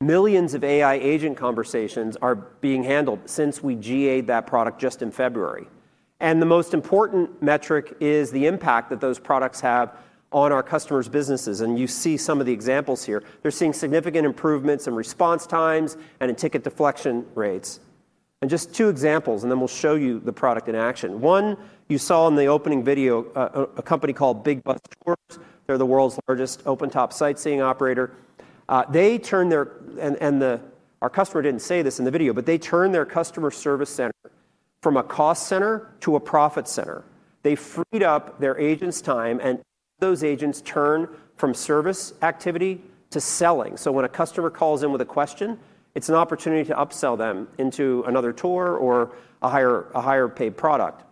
Millions of AI agent conversations are being handled since we GA'd that product just in February. The most important metric is the impact that those products have on our customers' businesses. You see some of the examples here. They're seeing significant improvements in response times and in ticket deflection rates. Just two examples, and then we'll show you the product in action. One, you saw in the opening video, a company called Big Bus Tours. They're the world's largest open-top sightseeing operator. They turned their, and our customer didn't say this in the video, but they turned their customer service center from a cost center to a profit center. They freed up their agents' time, and those agents turned from service activity to selling. When a customer calls in with a question, it's an opportunity to upsell them into another tour or a higher paid product.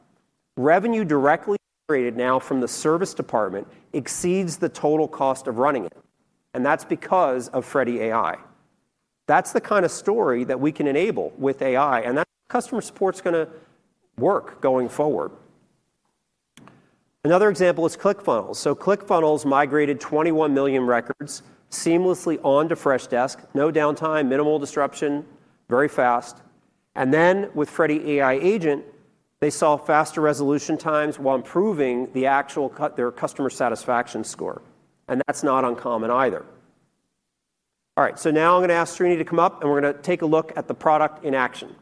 Revenue directly created now from the service department exceeds the total cost of running it, and that's because of Freddy AI. That's the kind of story that we can enable with AI, and that customer support's going to work going forward. Another example is ClickFunnels. ClickFunnels migrated 21 million records seamlessly onto Freshdesk. No downtime, minimal disruption, very fast. With Freddy AI Agent, they saw faster resolution times while improving their customer satisfaction score. That's not uncommon either. All right, now I'm going to ask Srini to come up, and we're going to take a look at the product in action.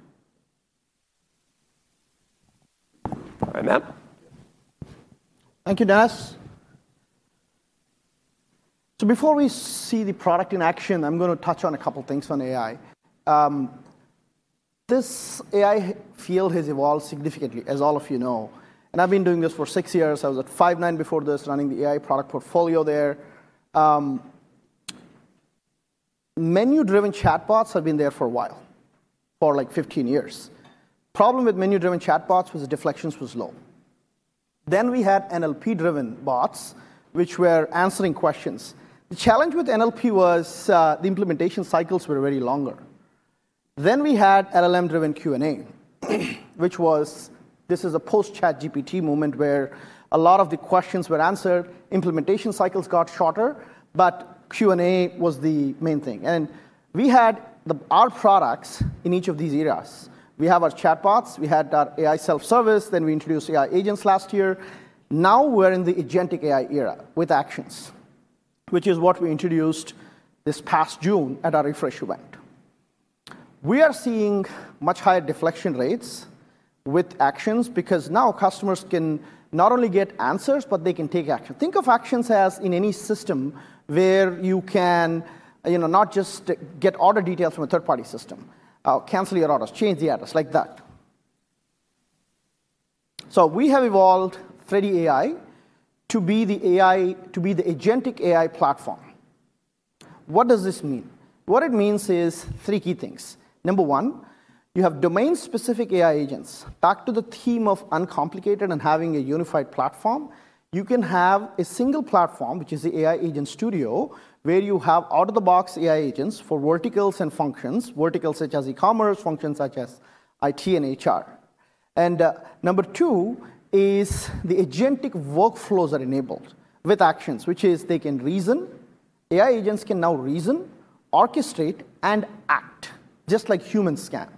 All right, man. Thank you, Dennis. Before we see the product in action, I'm going to touch on a couple of things on AI. This AI field has evolved significantly, as all of you know. I've been doing this for six years. I was at Five9 before this, running the AI product portfolio there. Menu-driven chatbots have been there for a while, for like 15 years. The problem with menu-driven chatbots was the deflections were low. We had NLP-driven bots, which were answering questions. The challenge with NLP was the implementation cycles were very longer. We had LLM-driven Q&A, which was, this is a post-ChatGPT moment where a lot of the questions were answered. Implementation cycles got shorter, but Q&A was the main thing. We had our products in each of these eras. We have our chatbots, we had our AI self-service, then we introduced AI agents last year. Now we're in the agentic AI era with Actions, which is what we introduced this past June at our refresh event. We are seeing much higher deflection rates with Actions because now customers can not only get answers, but they can take action. Think of Actions as in any system where you can, you know, not just get order details from a third-party system, cancel your orders, change the address, like that. We have evolved Freddy AI to be the agentic AI platform. What does this mean? What it means is three key things. Number one, you have domain-specific AI agents. Back to the theme of uncomplicated and having a unified platform, you can have a single platform, which is the AI Agent Studio, where you have out-of-the-box AI agents for verticals and functions, verticals such as e-commerce, functions such as IT and HR. Number two is the agentic workflows are enabled with Actions, which is they can reason. AI agents can now reason, orchestrate, and act, just like humans can.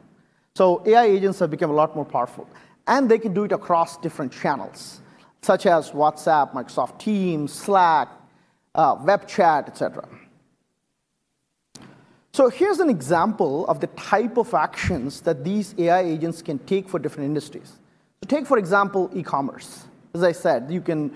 AI agents have become a lot more powerful, and they can do it across different channels, such as WhatsApp, Microsoft Teams, Slack, WebChat, etc. Here's an example of the type of actions that these AI agents can take for different industries. Take, for example, e-commerce. As I said, you can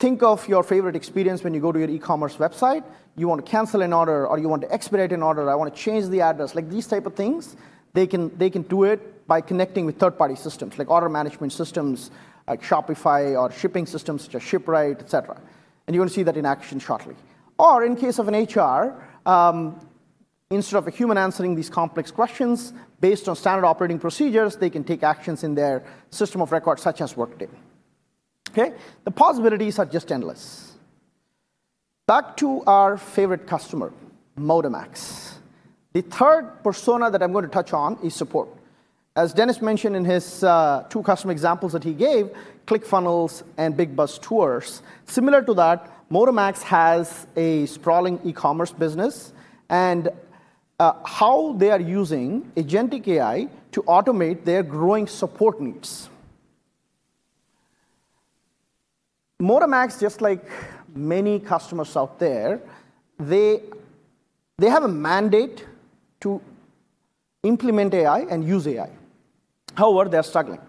think of your favorite experience when you go to your e-commerce website. You want to cancel an order, or you want to expedite an order, I want to change the address, like these types of things. They can do it by connecting with third-party systems, like order management systems, like Shopify, or shipping systems such as ShipRite, etc. You're going to see that in Actions shortly. In case of an HR, instead of a human answering these complex questions, based on standard operating procedures, they can take actions in their system of record, such as Workday. The possibilities are just endless. Back to our favorite customer, Modamax. The third persona that I'm going to touch on is support. As Dennis mentioned in his two customer examples that he gave, ClickFunnels and Big Bus Tours, similar to that, Modamax has a sprawling e-commerce business and how they are using agentic AI to automate their growing support needs. Modamax, just like many customers out there, have a mandate to implement AI and use AI. However, they're struggling.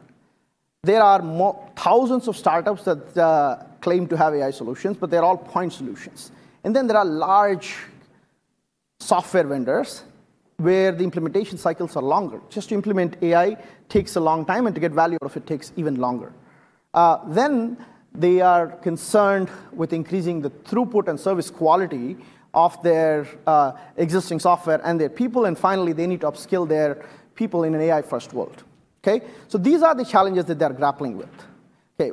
There are thousands of startups that claim to have AI solutions, but they're all point solutions. There are large software vendors where the implementation cycles are longer. Just to implement AI takes a long time, and to get value out of it takes even longer. They are concerned with increasing the throughput and service quality of their existing software and their people, and finally, they need to upskill their people in an AI-first world. These are the challenges that they're grappling with.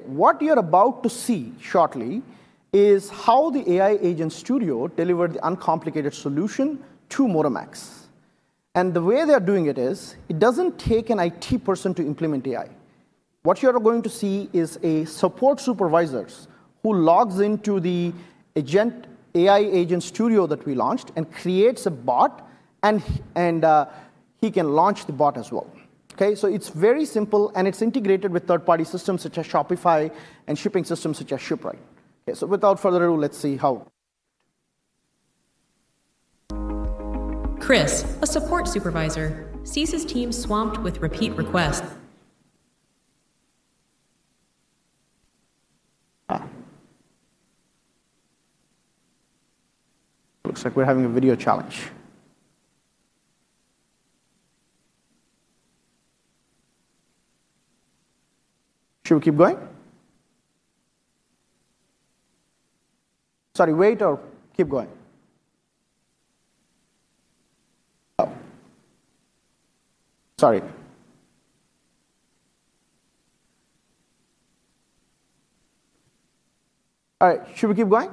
What you're about to see shortly is how the Freddy AI Agent Studio delivered the uncomplicated solution to Modamax. The way they're doing it is it doesn't take an IT person to implement AI. What you're going to see is a support supervisor who logs into the Freddy AI Agent Studio that we launched and creates a bot, and he can launch the bot as well. It's very simple, and it's integrated with third-party systems such as Shopify and shipping systems such as ShipRite. Without further ado, let's see how. Chris, a Support Supervisor, sees his team swamped with repeat requests. Looks like we're having a video challenge. Should we keep going? Sorry, wait or keep going? All right. Should we keep going?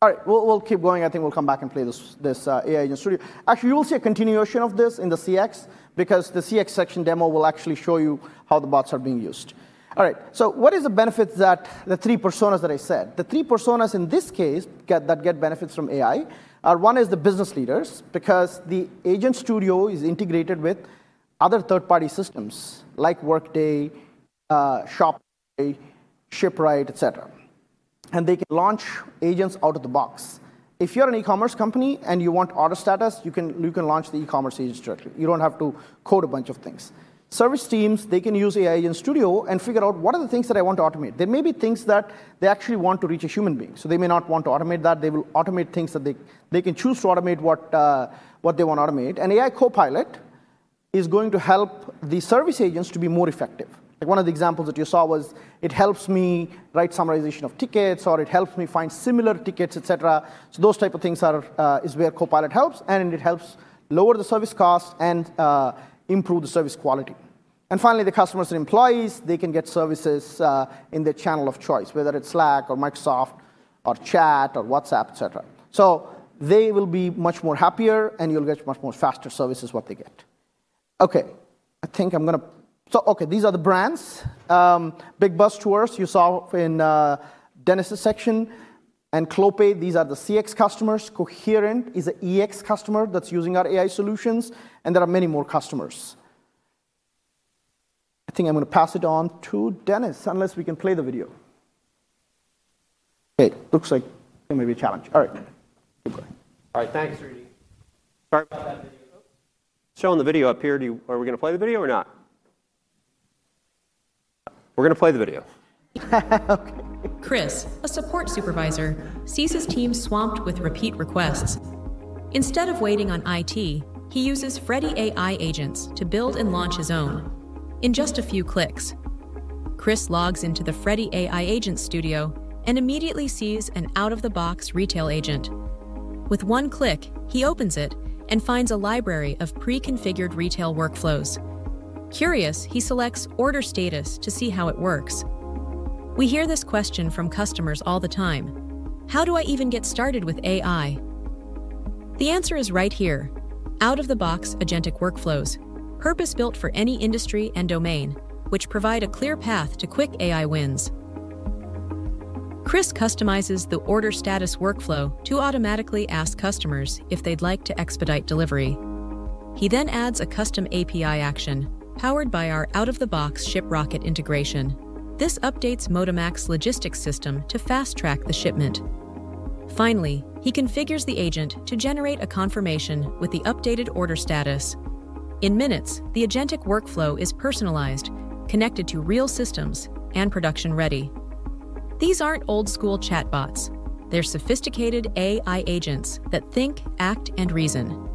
All right, we'll keep going. I think we'll come back and play this Freddy AI Agent Studio. Actually, you will see a continuation of this in the CX because the CX section demo will actually show you how the bots are being used. What are the benefits that the three personas that I said? The three personas in this case that get benefits from AI are, one is the business leaders because the Agent Studio is integrated with other third-party systems like Workday, [Shopee], ShipRite, etc. They can launch agents out of the box. If you're an e-commerce company and you want order status, you can launch the e-commerce agents directly. You don't have to code a bunch of things. Service teams can use Freddy AI Agent Studio and figure out what are the things that I want to automate. There may be things that they actually want to reach a human being. They may not want to automate that. They will automate things that they can choose to automate what they want to automate. Freddy AI Copilot is going to help the service agents to be more effective. Like one of the examples that you saw was it helps me write summarization of tickets, or it helps me find similar tickets, etc. Those types of things are where Copilot helps, and it helps lower the service cost and improve the service quality. Finally, the customers and employees can get services in their channel of choice, whether it's Slack or Microsoft or Chat or WhatsApp, etc. They will be much more happier, and you'll get much more faster services what they get. These are the brands. Big Bus Tours, you saw in Dennis's section, and Clopay, these are the CX customers. Coherent is an EX customer that's using our AI solutions, and there are many more customers. I think I'm going to pass it on to Dennis unless we can play the video. Looks like it may be a challenge. All right, keep going. All right, thanks, Srini. Showing the video up here. Are we going to play the video or not? We're going to play the video. Okay. Chris, a Support Supervisor, sees his team swamped with repeat requests. Instead of waiting on IT, he uses Freddy AI Agents to build and launch his own in just a few clicks. Chris logs into the Freddy AI Agent Studio and immediately sees an out-of-the-box retail agent. With one click, he opens it and finds a library of pre-configured retail workflows. Curious, he selects order status to see how it works. We hear this question from customers all the time. How do I even get started with AI? The answer is right here. Out-of-the-box agentic workflows, purpose-built for any industry and domain, which provide a clear path to quick AI wins. Chris customizes the order status workflow to automatically ask customers if they'd like to expedite delivery. He then adds a custom API action powered by our out-of-the-box Shiprocket integration. This updates Modamax's logistics system to fast-track the shipment. Finally, he configures the agent to generate a confirmation with the updated order status. In minutes, the agentic workflow is personalized, connected to real systems, and production-ready. These aren't old-school chatbots. They're sophisticated AI Agents that think, act, and reason.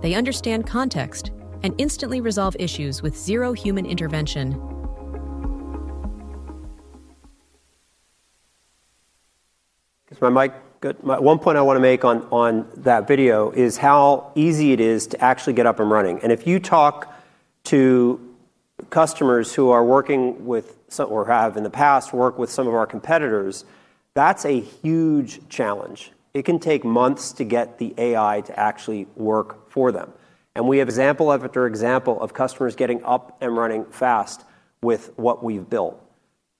They understand context and instantly resolve issues with zero human intervention. One point I want to make on that video is how easy it is to actually get up and running. If you talk to customers who are working with some, or have in the past worked with some of our competitors, that's a huge challenge. It can take months to get the AI to actually work for them. We have example after example of customers getting up and running fast with what we've built.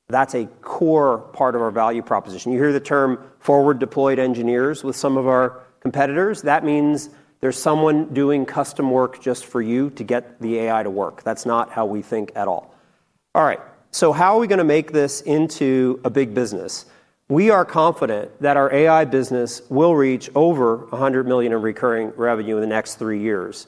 That's a core part of our value proposition. You hear the term forward-deployed engineers with some of our competitors. That means there's someone doing custom work just for you to get the AI to work. That's not how we think at all. All right, how are we going to make this into a big business? We are confident that our AI business will reach over $100 million in recurring revenue in the next three years.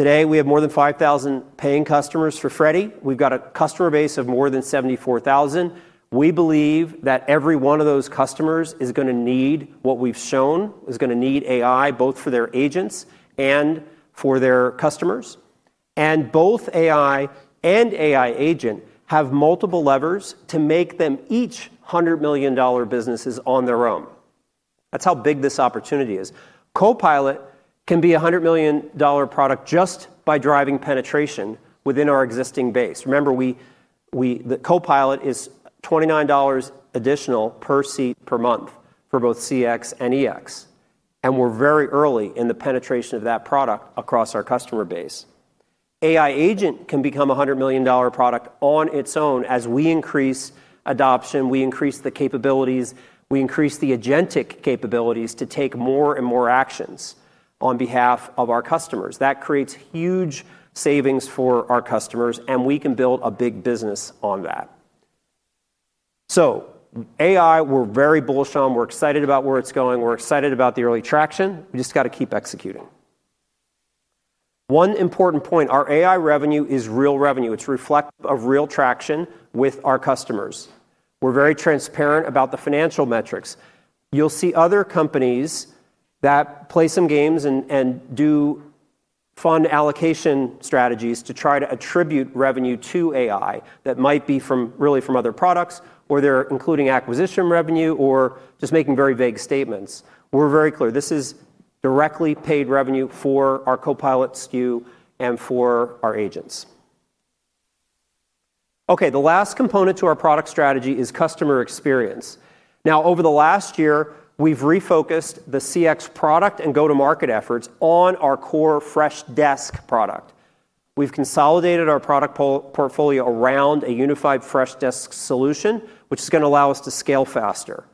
Today, we have more than 5,000 paying customers for Freddy. We've got a customer base of more than 74,000. We believe that every one of those customers is going to need what we've shown, is going to need AI both for their agents and for their customers. Both AI and AI agent have multiple levers to make them each $100 million businesses on their own. That's how big this opportunity is. Copilot can be a $100 million product just by driving penetration within our existing base. Remember, the Copilot is $29 additional per seat per month for both CX and EX. We're very early in the penetration of that product across our customer base. AI agent can become a $100 million product on its own as we increase adoption, we increase the capabilities, we increase the agentic capabilities to take more and more actions on behalf of our customers. That creates huge savings for our customers, and we can build a big business on that. AI, we're very bullish on. We're excited about where it's going. We're excited about the early traction. We just got to keep executing. One important point, our AI revenue is real revenue. It's a reflection of real traction with our customers. We're very transparent about the financial metrics. You'll see other companies that play some games and do fund allocation strategies to try to attribute revenue to AI that might be really from other products, or they're including acquisition revenue, or just making very vague statements. We're very clear. This is directly paid revenue for our Copilot SKU and for our agents. Okay, the last component to our product strategy is customer experience. Now, over the last year, we've refocused the CX product and go-to-market efforts on our core Freshdesk product. We've consolidated our product portfolio around a unified Freshdesk solution, which is going to allow us to scale faster.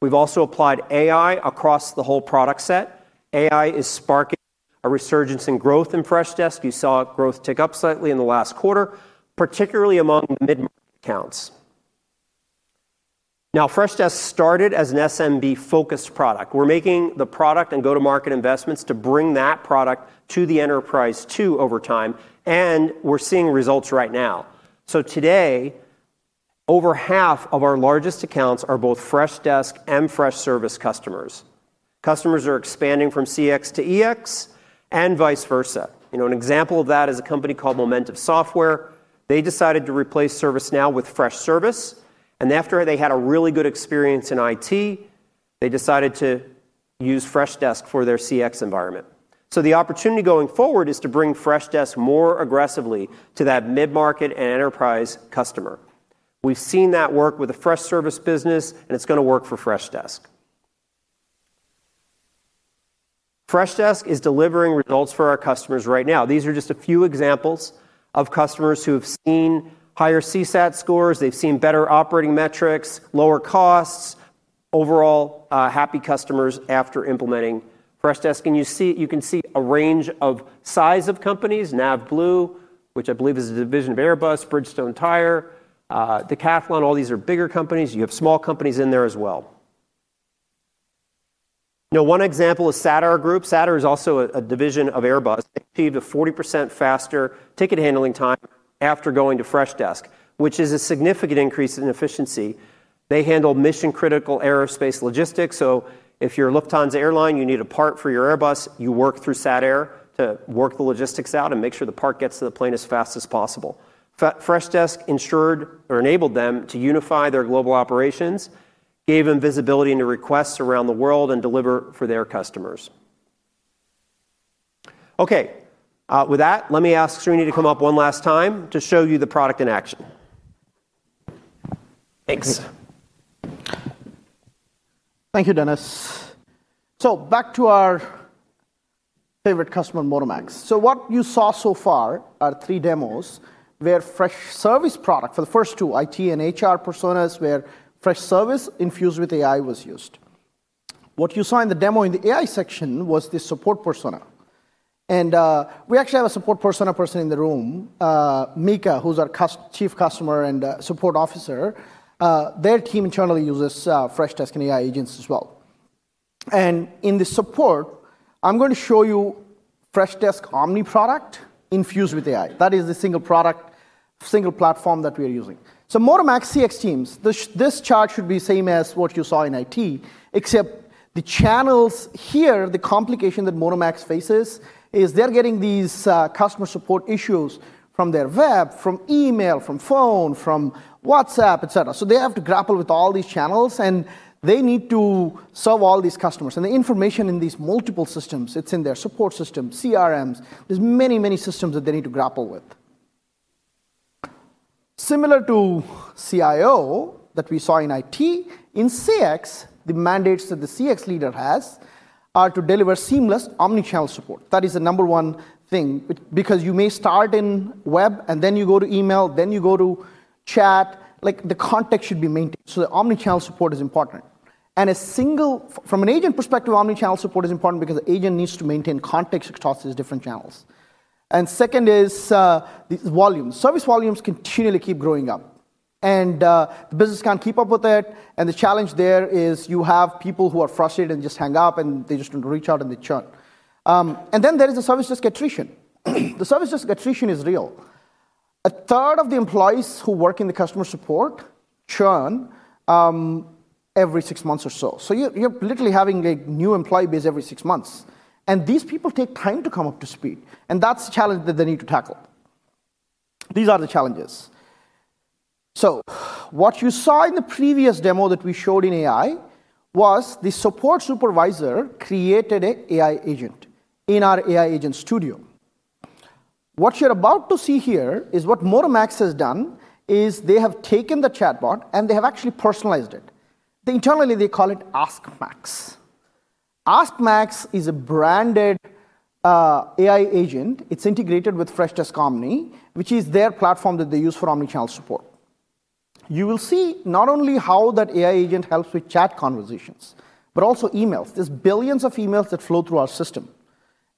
We've also applied AI across the whole product set. AI is sparking a resurgence in growth in Freshdesk. You saw growth tick up slightly in the last quarter, particularly among mid-counts. Now, Freshdesk started as an SMB-focused product. We're making the product and go-to-market investments to bring that product to the enterprise too over time, and we're seeing results right now. Today, over half of our largest accounts are both Freshdesk and Freshservice customers. Customers are expanding from CX to EX and vice versa. An example of that is a company called Momentum Software. They decided to replace ServiceNow with Freshservice, and after they had a really good experience in IT, they decided to use Freshdesk for their CX environment. The opportunity going forward is to bring Freshdesk more aggressively to that mid-market and enterprise customer. We've seen that work with the Freshservice business, and it's going to work for Freshdesk. Freshdesk is delivering results for our customers right now. These are just a few examples of customers who have seen higher CSAT scores. They've seen better operating metrics, lower costs, overall happy customers after implementing Freshdesk. You can see a range of size of companies, NAVBLUE, which I believe is a division of Airbus, Bridgestone Tires, Decathlon, all these are bigger companies. You have small companies in there as well. One example is Sadar Group. Sadar is also a division of Airbus. They achieved a 40% faster ticket handling time after going to Freshdesk, which is a significant increase in efficiency. They handle mission-critical aerospace logistics. If you're a Lufthansa airline, you need a part for your Airbus, you work through Sadar to work the logistics out and make sure the part gets to the plane as fast as possible. Freshdesk ensured or enabled them to unify their global operations, gave them visibility into requests around the world and delivered for their customers. With that, let me ask Srini to come up one last time to show you the product in action. Thanks. Thank you, Dennis. Back to our favorite customer, Modamax. What you saw so far are three demos where Freshservice product, for the first two, IT and HR personas where Freshservice infused with AI was used. What you saw in the demo in the AI section was this support persona. We actually have a support persona person in the room, Mika, who's our Chief Customer and Support Officer. Their team internally uses Freshdesk and AI agents as well. In the support, I'm going to show you Freshdesk Omni product infused with AI. That is the single product, single platform that we are using. Modamax CX teams, this chart should be the same as what you saw in IT, except the channels here, the complication that Modamax faces is they're getting these customer support issues from their web, from email, from phone, from WhatsApp, etc. They have to grapple with all these channels, and they need to serve all these customers. The information in these multiple systems, it's in their support system, CRMs. There are many, many systems that they need to grapple with. Similar to CIO that we saw in IT, in CX, the mandates that the CX leader has are to deliver seamless omnichannel support. That is the number one thing, which is because you may start in web, and then you go to email, then you go to chat, like the context should be maintained. The omnichannel support is important. From an agent perspective, omnichannel support is important because the agent needs to maintain context across these different channels. Second is these volumes. Service volumes continually keep growing up. The business can't keep up with it. The challenge there is you have people who are frustrated and just hang up, and they just want to reach out and they churn. There is the service risk attrition. The service risk attrition is real. A third of the employees who work in the customer support churn every six months or so. You're literally having a new employee base every six months. These people take time to come up to speed. That's the challenge that they need to tackle. These are the challenges. What you saw in the previous demo that we showed in AI was the support supervisor created an AI agent in our Freddy AI Agent Studio. What you're about to see here is what Modamax has done is they have taken the chatbot and they have actually personalized it. Internally, they call it AskMax. AskMax is a branded AI agent, it's integrated with Freshworks, which is their platform that they use for omnichannel support. You will see not only how that AI agent helps with chat conversations, but also emails. There are billions of emails that flow through our system.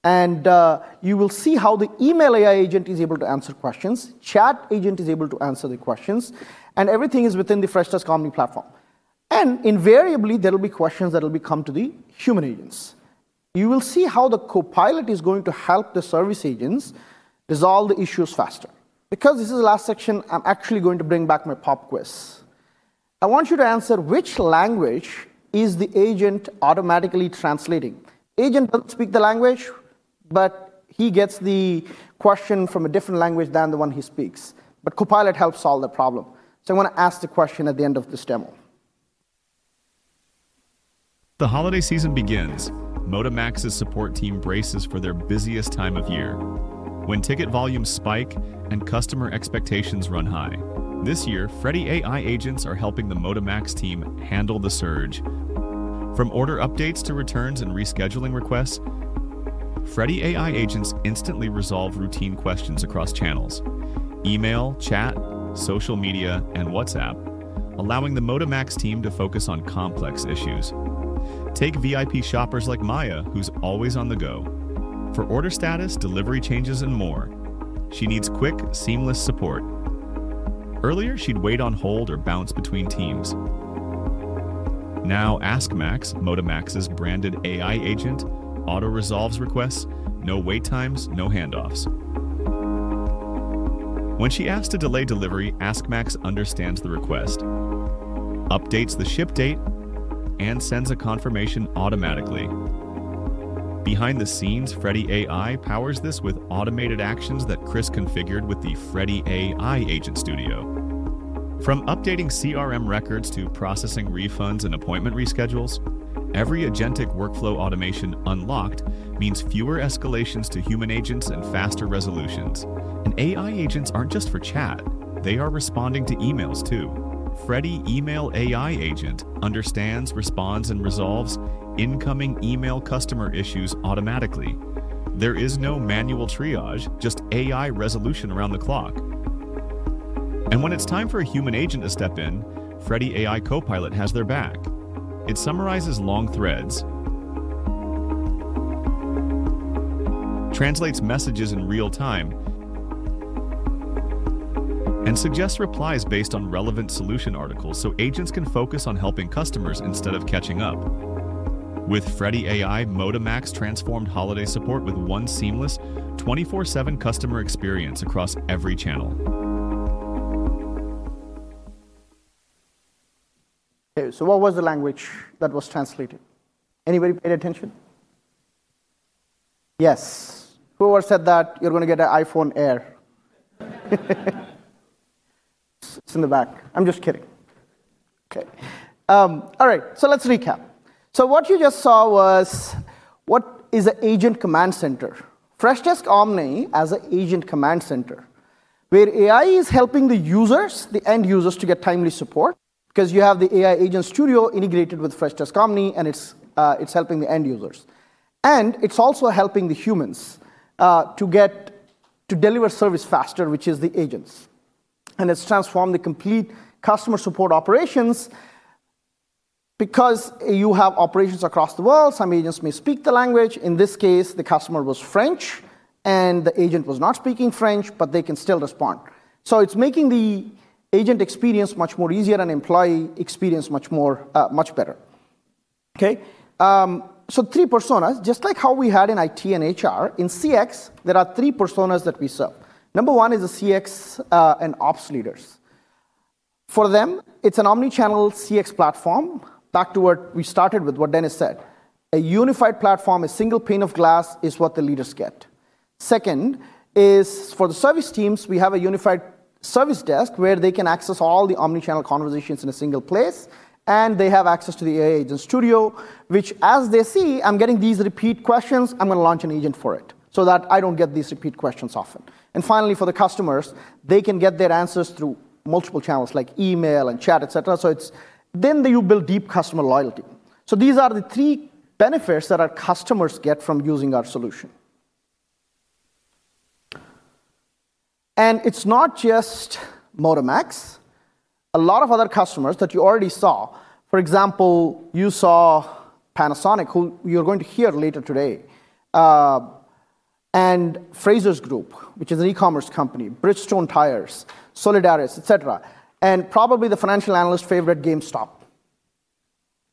You will see how the email AI agent is able to answer questions, the chat agent is able to answer the questions, and everything is within the Freshworks platform. Invariably, there will be questions that will come to the human agents. You will see how the copilot is going to help the service agents resolve the issues faster. Because this is the last section, I'm actually going to bring back my pop quiz. I want you to answer which language is the agent automatically translating. The agent doesn't speak the language, but he gets the question from a different language than the one he speaks. The copilot helps solve the problem. I'm going to ask the question at the end of this demo. The holiday season begins. Motamax's support team braces for their busiest time of year. When ticket volumes spike and customer expectations run high, this year, Freddy AI agents are helping the Motamax team handle the surge. From order updates to returns and rescheduling requests, Freddy AI agents instantly resolve routine questions across channels: email, chat, social media, and WhatsApp, allowing the Motamax team to focus on complex issues. Take VIP shoppers like Maya, who's always on the go. For order status, delivery changes, and more, she needs quick, seamless support. Earlier, she'd wait on hold or bounce between teams. Now, Ask Max, Motamax's branded AI agent, auto-resolves requests, no wait times, no handoffs. When she asks to delay delivery, Ask Max understands the request, updates the ship date, and sends a confirmation automatically. Behind the scenes, Freddy AI powers this with automated actions that Chris configured with the Freddy AI Agent Studio. From updating CRM records to processing refunds and appointment reschedules, every agentic workflow automation unlocked means fewer escalations to human agents and faster resolutions. AI agents aren't just for chat; they are responding to emails too. Freddy email AI agent understands, responds, and resolves incoming email customer issues automatically. There is no manual triage, just AI resolution around the clock. When it's time for a human agent to step in, Freddy AI Copilot has their back. It summarizes long threads, translates messages in real time, and suggests replies based on relevant solution articles so agents can focus on helping customers instead of catching up. With Freddy AI, Motamax transformed holiday support with one seamless 24/7 customer experience across every channel. Okay, so what was the language that was translated? Anybody pay attention? Yes. Whoever said that, you're going to get an iPhone Air. It's in the back. I'm just kidding. Okay. All right. Let's recap. What you just saw was what is an agent command center. Freshworks' Omni has an agent command center where AI is helping the users, the end users, to get timely support because you have the Freddy AI Agent Studio integrated with Freshworks' Omni, and it's helping the end users. It's also helping the humans to deliver service faster, which is the agents. It's transformed the complete customer support operations because you have operations across the world. Some agents may speak the language. In this case, the customer was French, and the agent was not speaking French, but they can still respond. It's making the agent experience much more easier and the employee experience much better. Three personas, just like how we had in IT and HR. In CX, there are three personas that we serve. Number one is the CX and ops leaders. For them, it's an omnichannel CX platform. Back to what we started with, what Dennis said, a unified platform, a single pane of glass is what the leaders get. Second is for the service teams, we have a unified service desk where they can access all the omnichannel conversations in a single place, and they have access to the Freddy AI Agent Studio, which, as they see, I'm getting these repeat questions. I'm going to launch an agent for it so that I don't get these repeat questions often. Finally, for the customers, they can get their answers through multiple channels, like email and chat, et cetera. You build deep customer loyalty. These are the three benefits that our customers get from using our solution. It's not just Motamax. A lot of other customers that you already saw, for example, you saw Panasonic, who you're going to hear later today, and Frasers Group, which is an e-commerce company, Bridgestone Tires, Solidaris, et cetera, and probably the financial analyst's favorite, GameStop.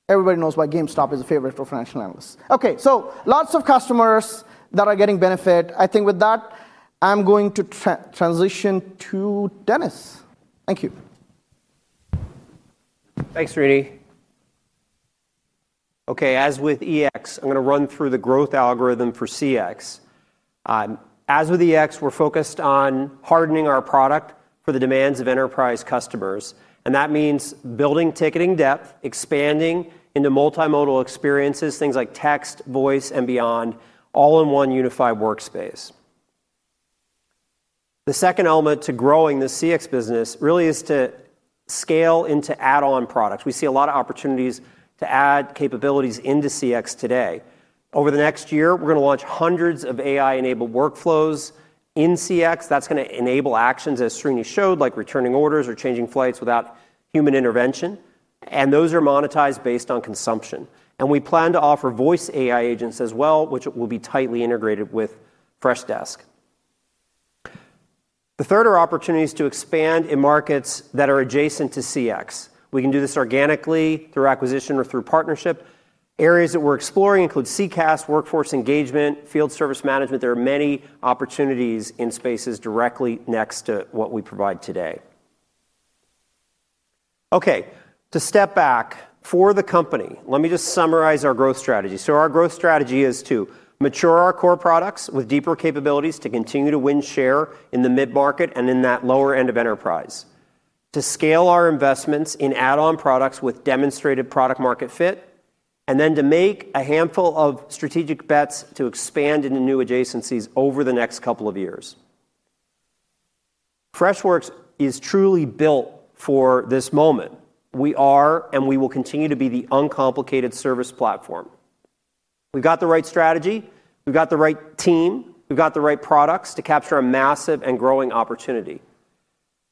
Everybody knows why GameStop is a favorite for financial analysts. Lots of customers that are getting benefit. I think with that, I'm going to transition to Dennis. Thank you. Thanks, Srini. Okay, as with EX, I'm going to run through the growth algorithm for CX. As with EX, we're focused on hardening our product for the demands of enterprise customers. That means building ticketing depth, expanding into multimodal experiences, things like text, voice, and beyond, all in one unified workspace. The second element to growing the CX business really is to scale into add-on products. We see a lot of opportunities to add capabilities into CX today. Over the next year, we're going to launch hundreds of AI-enabled workflows in CX. That's going to enable actions, as Srinivasagopalan showed, like returning orders or changing flights without human intervention. Those are monetized based on consumption. We plan to offer voice AI agents as well, which will be tightly integrated with Freshdesk. The third are opportunities to expand in markets that are adjacent to CX. We can do this organically through acquisition or through partnership. Areas that we're exploring include CCaaS, workforce engagement, field service management. There are many opportunities in spaces directly next to what we provide today. Okay, to step back for the company, let me just summarize our growth strategy. Our growth strategy is to mature our core products with deeper capabilities to continue to win share in the mid-market and in that lower end of enterprise, to scale our investments in add-on products with demonstrated product-market fit, and to make a handful of strategic bets to expand into new adjacencies over the next couple of years. Freshworks is truly built for this moment. We are, and we will continue to be, the uncomplicated service platform. We've got the right strategy. We've got the right team. We've got the right products to capture a massive and growing opportunity.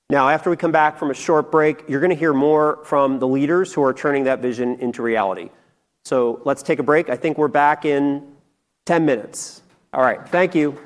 Now, after we come back from a short break, you're going to hear more from the leaders who are turning that vision into reality. Let's take a break. I think we're back in 10 minutes. All right. Thank you.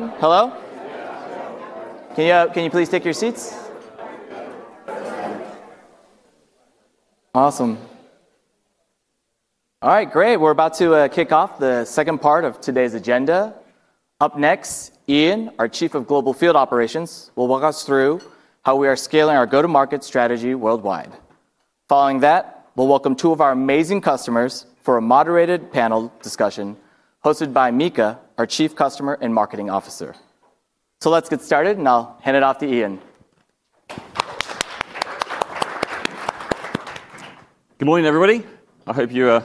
Hello? Can you please take your seats? Awesome. All right, great. We're about to kick off the second part of today's agenda. Up next, Ian, our Chief of Global Field Operations, will walk us through how we are scaling our go-to-market strategy worldwide. Following that, we'll welcome two of our amazing customers for a moderated panel discussion hosted by Mika, our Chief Customer and Marketing Officer. Let's get started, and I'll hand it off to Ian. Good morning, everybody. I hope you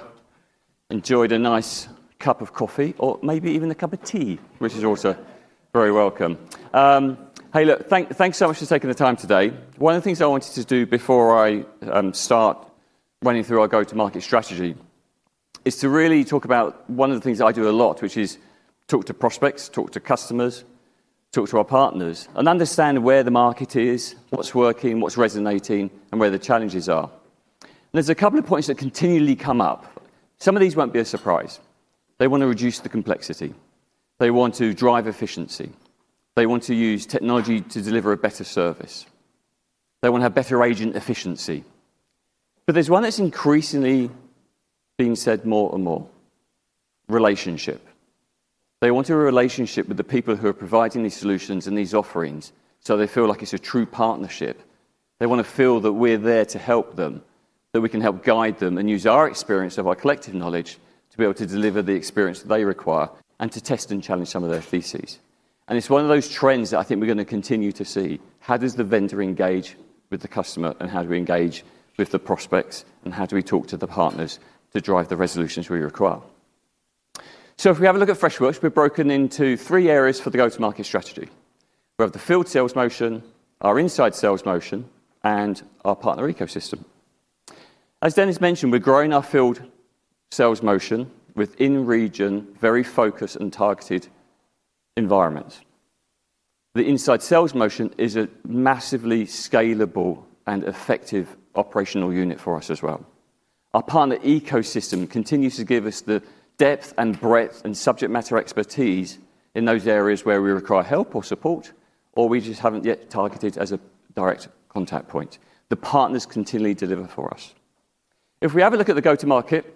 enjoyed a nice cup of coffee or maybe even a cup of tea, which is also very welcome. Hey, look, thanks so much for taking the time today. One of the things I wanted to do before I start running through our go-to-market strategy is to really talk about one of the things I do a lot, which is talk to prospects, talk to customers, talk to our partners, and understand where the market is, what's working, what's resonating, and where the challenges are. There are a couple of points that continually come up. Some of these won't be a surprise. They want to reduce the complexity. They want to drive efficiency. They want to use technology to deliver a better service. They want to have better agent efficiency. There's one that's increasingly being said more and more: relationship. They want a relationship with the people who are providing these solutions and these offerings so they feel like it's a true partnership. They want to feel that we're there to help them, that we can help guide them and use our experience of our collective knowledge to be able to deliver the experience that they require and to test and challenge some of their theses. It's one of those trends that I think we're going to continue to see. How does the vendor engage with the customer? How do we engage with the prospects? How do we talk to the partners to drive the resolutions we require? If we have a look at Freshworks, we're broken into three areas for the go-to-market strategy. We have the field sales motion, our inside sales motion, and our partner ecosystem. As Dennis mentioned, we're growing our field sales motion within region, very focused and targeted environments. The inside sales motion is a massively scalable and effective operational unit for us as well. Our partner ecosystem continues to give us the depth and breadth and subject matter expertise in those areas where we require help or support, or we just haven't yet targeted as a direct contact point. The partners continually deliver for us. If we have a look at the go-to-market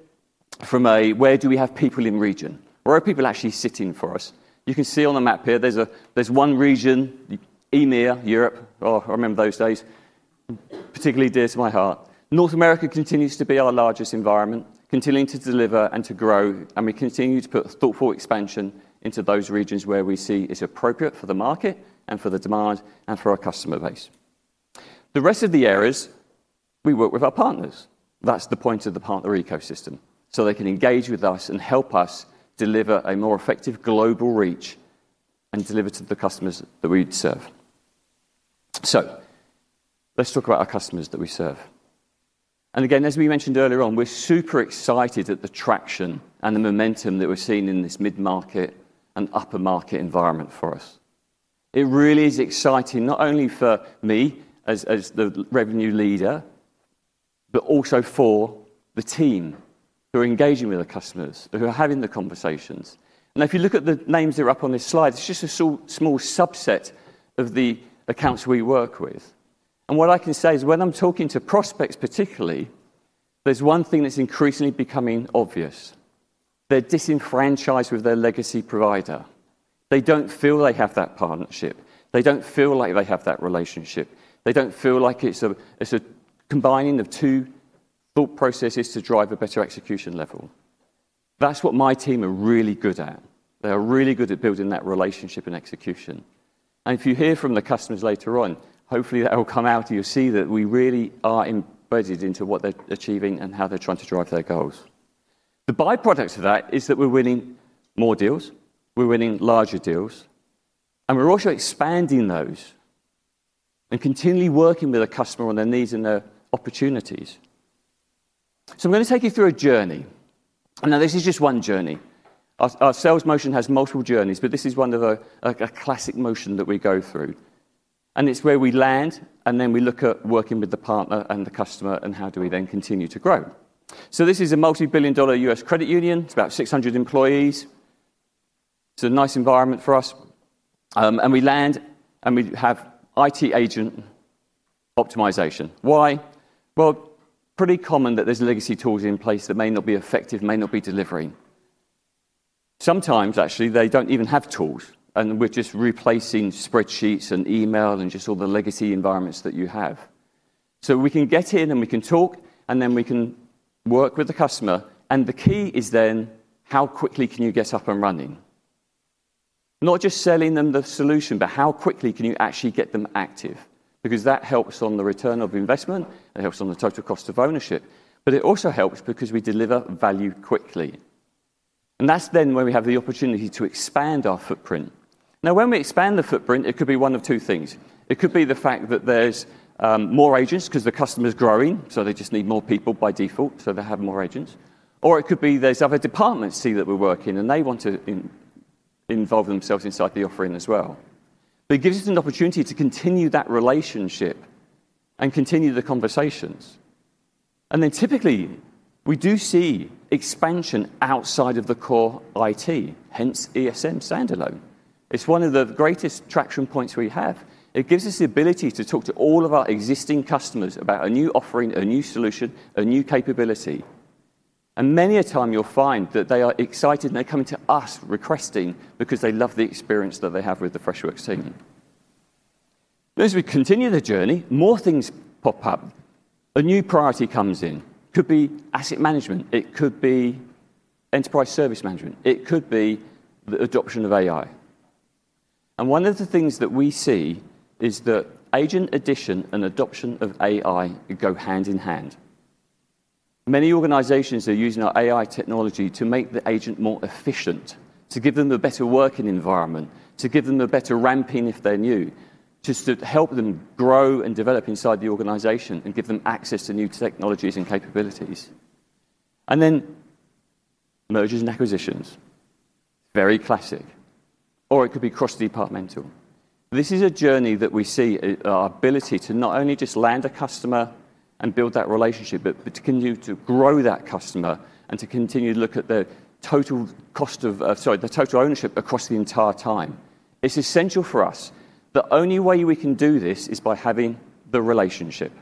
from a where do we have people in region? Where are people actually sitting for us? You can see on the map here, there's one region, EMEA, Europe. Oh, I remember those days, particularly dear to my heart. North America continues to be our largest environment, continuing to deliver and to grow. We continue to put thoughtful expansion into those regions where we see it's appropriate for the market and for the demand and for our customer base. The rest of the areas, we work with our partners. That's the point of the partner ecosystem, so they can engage with us and help us deliver a more effective global reach and deliver to the customers that we serve. Let's talk about our customers that we serve. As we mentioned earlier on, we're super excited at the traction and the momentum that we're seeing in this mid-market and upper market environment for us. It really is exciting, not only for me as the Revenue Leader, but also for the team who are engaging with the customers, who are having the conversations. If you look at the names that are up on this slide, it's just a small subset of the accounts we work with. What I can say is when I'm talking to prospects, particularly, there's one thing that's increasingly becoming obvious. They're disenfranchised with their legacy provider. They don't feel they have that partnership. They don't feel like they have that relationship. They don't feel like it's a combining of two thought processes to drive a better execution level. That's what my team are really good at. They are really good at building that relationship and execution. If you hear from the customers later on, hopefully that will come out, and you'll see that we really are embedded into what they're achieving and how they're trying to drive their goals. The byproduct of that is that we're winning more deals. We're winning larger deals. We're also expanding those and continually working with a customer on their needs and their opportunities. I'm going to take you through a journey. This is just one journey. Our sales motion has multiple journeys, but this is one of the classic motions that we go through. It's where we land, and then we look at working with the partner and the customer, and how do we then continue to grow? This is a multi-billion dollar U.S. credit union. It's about 600 employees. It's a nice environment for us. We land, and we have IT agent optimization. Why? Pretty common that there's legacy tools in place that may not be effective, may not be delivering. Sometimes, actually, they don't even have tools, and we're just replacing spreadsheets and email and just all the legacy environments that you have. We can get in, and we can talk, and then we can work with the customer. The key is then how quickly can you get up and running? Not just selling them the solution, but how quickly can you actually get them active? That helps on the return of investment. It helps on the total cost of ownership. It also helps because we deliver value quickly. That's then when we have the opportunity to expand our footprint. When we expand the footprint, it could be one of two things. It could be the fact that there's more agents because the customer is growing, so they just need more people by default, so they have more agents. It could be there's other departments that see that we're working, and they want to involve themselves inside the offering as well. It gives us an opportunity to continue that relationship and continue the conversations. Typically, we do see expansion outside of the core IT, hence ESM standalone. It's one of the greatest traction points we have. It gives us the ability to talk to all of our existing customers about a new offering, a new solution, a new capability. Many a time, you'll find that they are excited, and they're coming to us requesting because they love the experience that they have with the Freshworks team. As we continue the journey, more things pop up. A new priority comes in. It could be asset management. It could be enterprise service management. It could be the adoption of AI. One of the things that we see is that agent addition and adoption of AI go hand in hand. Many organizations are using our AI technology to make the agent more efficient, to give them a better working environment, to give them a better ramping if they're new, just to help them grow and develop inside the organization and give them access to new technologies and capabilities. Mergers and acquisitions, very classic. It could be cross-departmental. This is a journey that we see our ability to not only just land a customer and build that relationship, but continue to grow that customer and to continue to look at the total cost of, sorry, the total ownership across the entire time. It's essential for us. The only way we can do this is by having the relationship.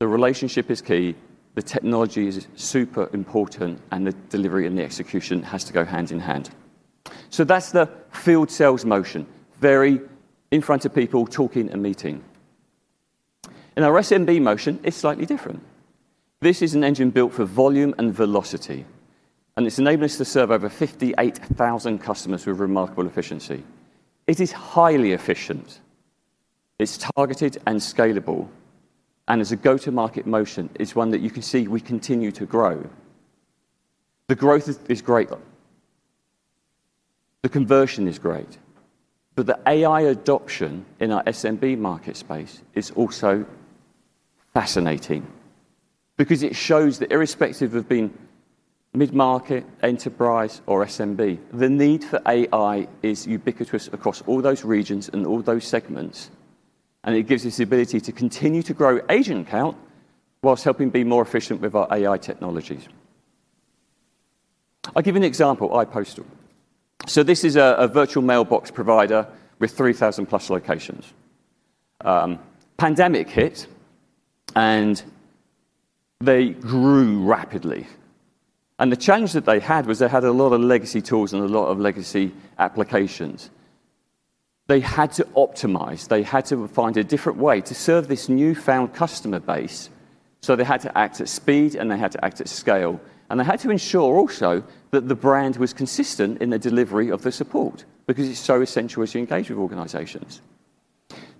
The relationship is key. The technology is super important, and the delivery and the execution have to go hand in hand. That's the field sales motion, very in front of people, talking, and meeting. In our SMB motion, it's slightly different. This is an engine built for volume and velocity, and it's enabling us to serve over 58,000 customers with remarkable efficiency. It is highly efficient, targeted, and scalable. As a go-to-market motion, it's one that you can see we continue to grow. The growth is great, the conversion is great, but the AI adoption in our SMB market space is also fascinating because it shows that irrespective of being mid-market, enterprise, or SMB, the need for AI is ubiquitous across all those regions and all those segments. It gives us the ability to continue to grow agent count whilst helping be more efficient with our AI technologies. I'll give you an example: iPostal. This is a virtual mailbox provider with 3,000+ locations. Pandemic hit, and they grew rapidly. The challenge that they had was they had a lot of legacy tools and a lot of legacy applications. They had to optimize, they had to find a different way to serve this newfound customer base. They had to act at speed, and they had to act at scale. They had to ensure also that the brand was consistent in the delivery of the support because it's so essential as you engage with organizations.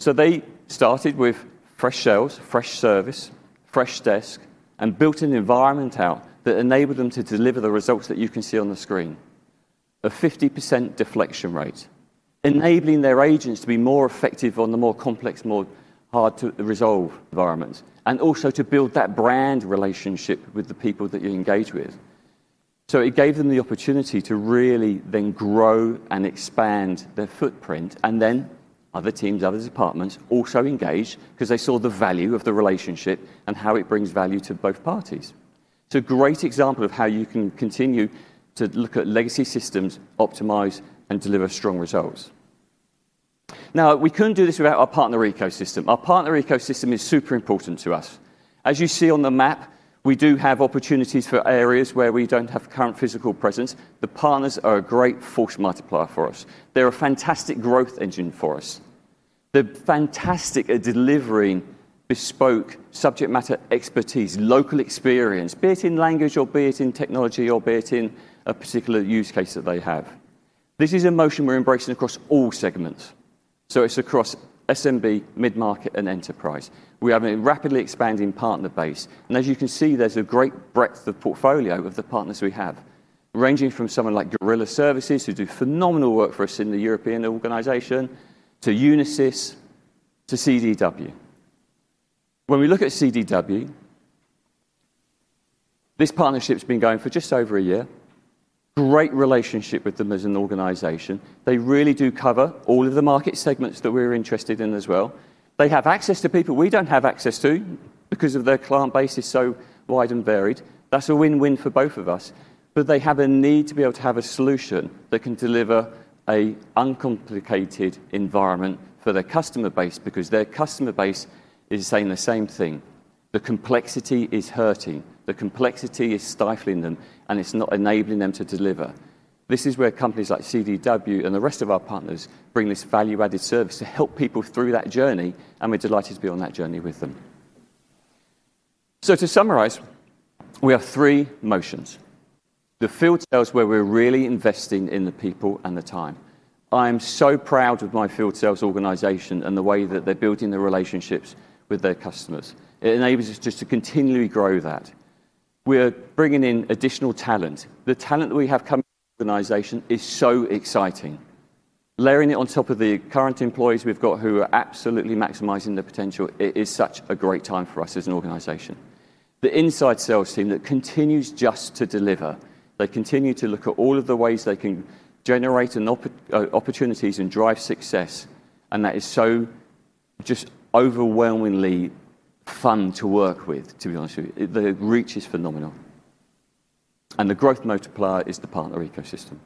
They started with Freshsales, Freshservice, Freshdesk, and built an environment out that enabled them to deliver the results that you can see on the screen: a 50% deflection rate, enabling their agents to be more effective on the more complex, more hard-to-resolve environments, and also to build that brand relationship with the people that you engage with. It gave them the opportunity to really then grow and expand their footprint. Other teams, other departments also engaged because they saw the value of the relationship and how it brings value to both parties. It's a great example of how you can continue to look at legacy systems, optimize, and deliver strong results. We couldn't do this without our partner ecosystem. Our partner ecosystem is super important to us. As you see on the map, we do have opportunities for areas where we don't have current physical presence. The partners are a great force multiplier for us. They're a fantastic growth engine for us. They're fantastic at delivering bespoke subject matter expertise, local experience, be it in language or be it in technology or be it in a particular use case that they have. This is a motion we're embracing across all segments. It's across SMB, mid-market, and enterprise. We have a rapidly expanding partner base, and as you can see, there's a great breadth of portfolio of the partners we have, ranging from someone like Gorilla Services, who do phenomenal work for us in the European organization, to Unisys, to CDW. When we look at CDW, this partnership's been going for just over a year. Great relationship with them as an organization. They really do cover all of the market segments that we're interested in as well. They have access to people we don't have access to because their client base is so wide and varied. That's a win-win for both of us. They have a need to be able to have a solution that can deliver an uncomplicated environment for their customer base because their customer base is saying the same thing. The complexity is hurting. The complexity is stifling them, and it's not enabling them to deliver. This is where companies like CDW and the rest of our partners bring this value-added service to help people through that journey, and we're delighted to be on that journey with them. To summarize, we have three motions: the field sales where we're really investing in the people and the time. I am so proud of my field sales organization and the way that they're building the relationships with their customers. It enables us just to continually grow that. We're bringing in additional talent. The talent that we have come to the organization is so exciting. Layering it on top of the current employees we've got who are absolutely maximizing their potential, it is such a great time for us as an organization. The inside sales team that continues just to deliver. They continue to look at all of the ways they can generate opportunities and drive success. That is so just overwhelmingly fun to work with, to be honest with you. The reach is phenomenal. The growth multiplier is the partner ecosystem.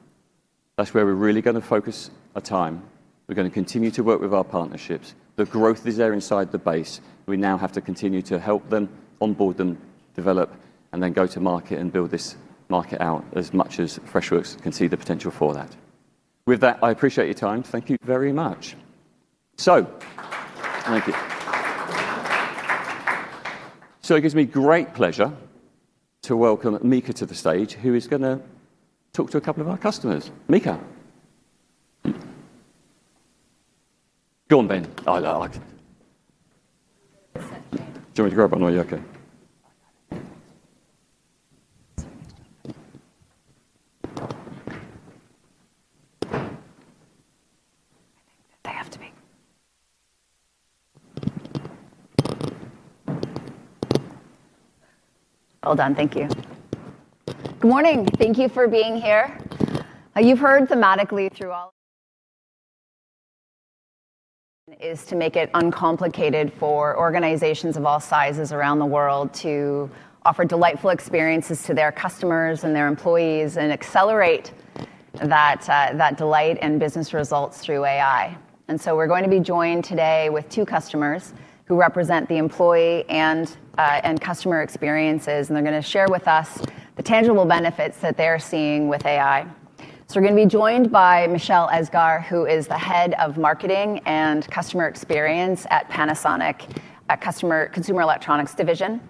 That's where we're really going to focus our time. We're going to continue to work with our partnerships. The growth is there inside the base. We now have to continue to help them, onboard them, develop, and then go to market and build this market out as much as Freshworks can see the potential for that. With that, I appreciate your time. Thank you very much. Thank you. It gives me great pleasure to welcome Mika to the stage, who is going to talk to a couple of our customers. Mika. Go on, Ben. Do you want me to grab on or are you okay? Hold on. Thank you. Good morning. Thank you for being here. You've heard thematically through all. It is to make it uncomplicated for organizations of all sizes around the world to offer delightful experiences to their customers and their employees and accelerate that delight in business results through AI. We're going to be joined today with two customers who represent the employee and customer experiences, and they're going to share with us the tangible benefits that they're seeing with AI. We're going to be joined by Michelle Esgar, who is the Head of Marketing and Customer Experience at Panasonic at the Consumer Electronics division.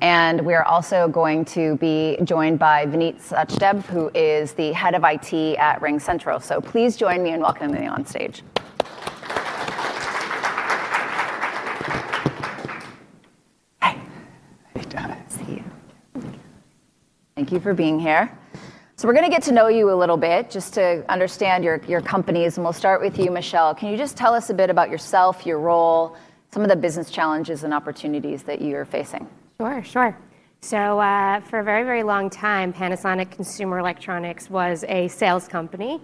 We are also going to be joined by Vineet Sachdev, who is the Head of IT at RingCentral. Please join me in welcoming them on stage. Hey, [Diana]. Thank you for being here. We're going to get to know you a little bit just to understand your companies. We'll start with you, Michelle. Can you just tell us a bit about yourself, your role, some of the business challenges and opportunities that you're facing? Sure. For a very, very long time, Panasonic Consumer Electronics was a sales company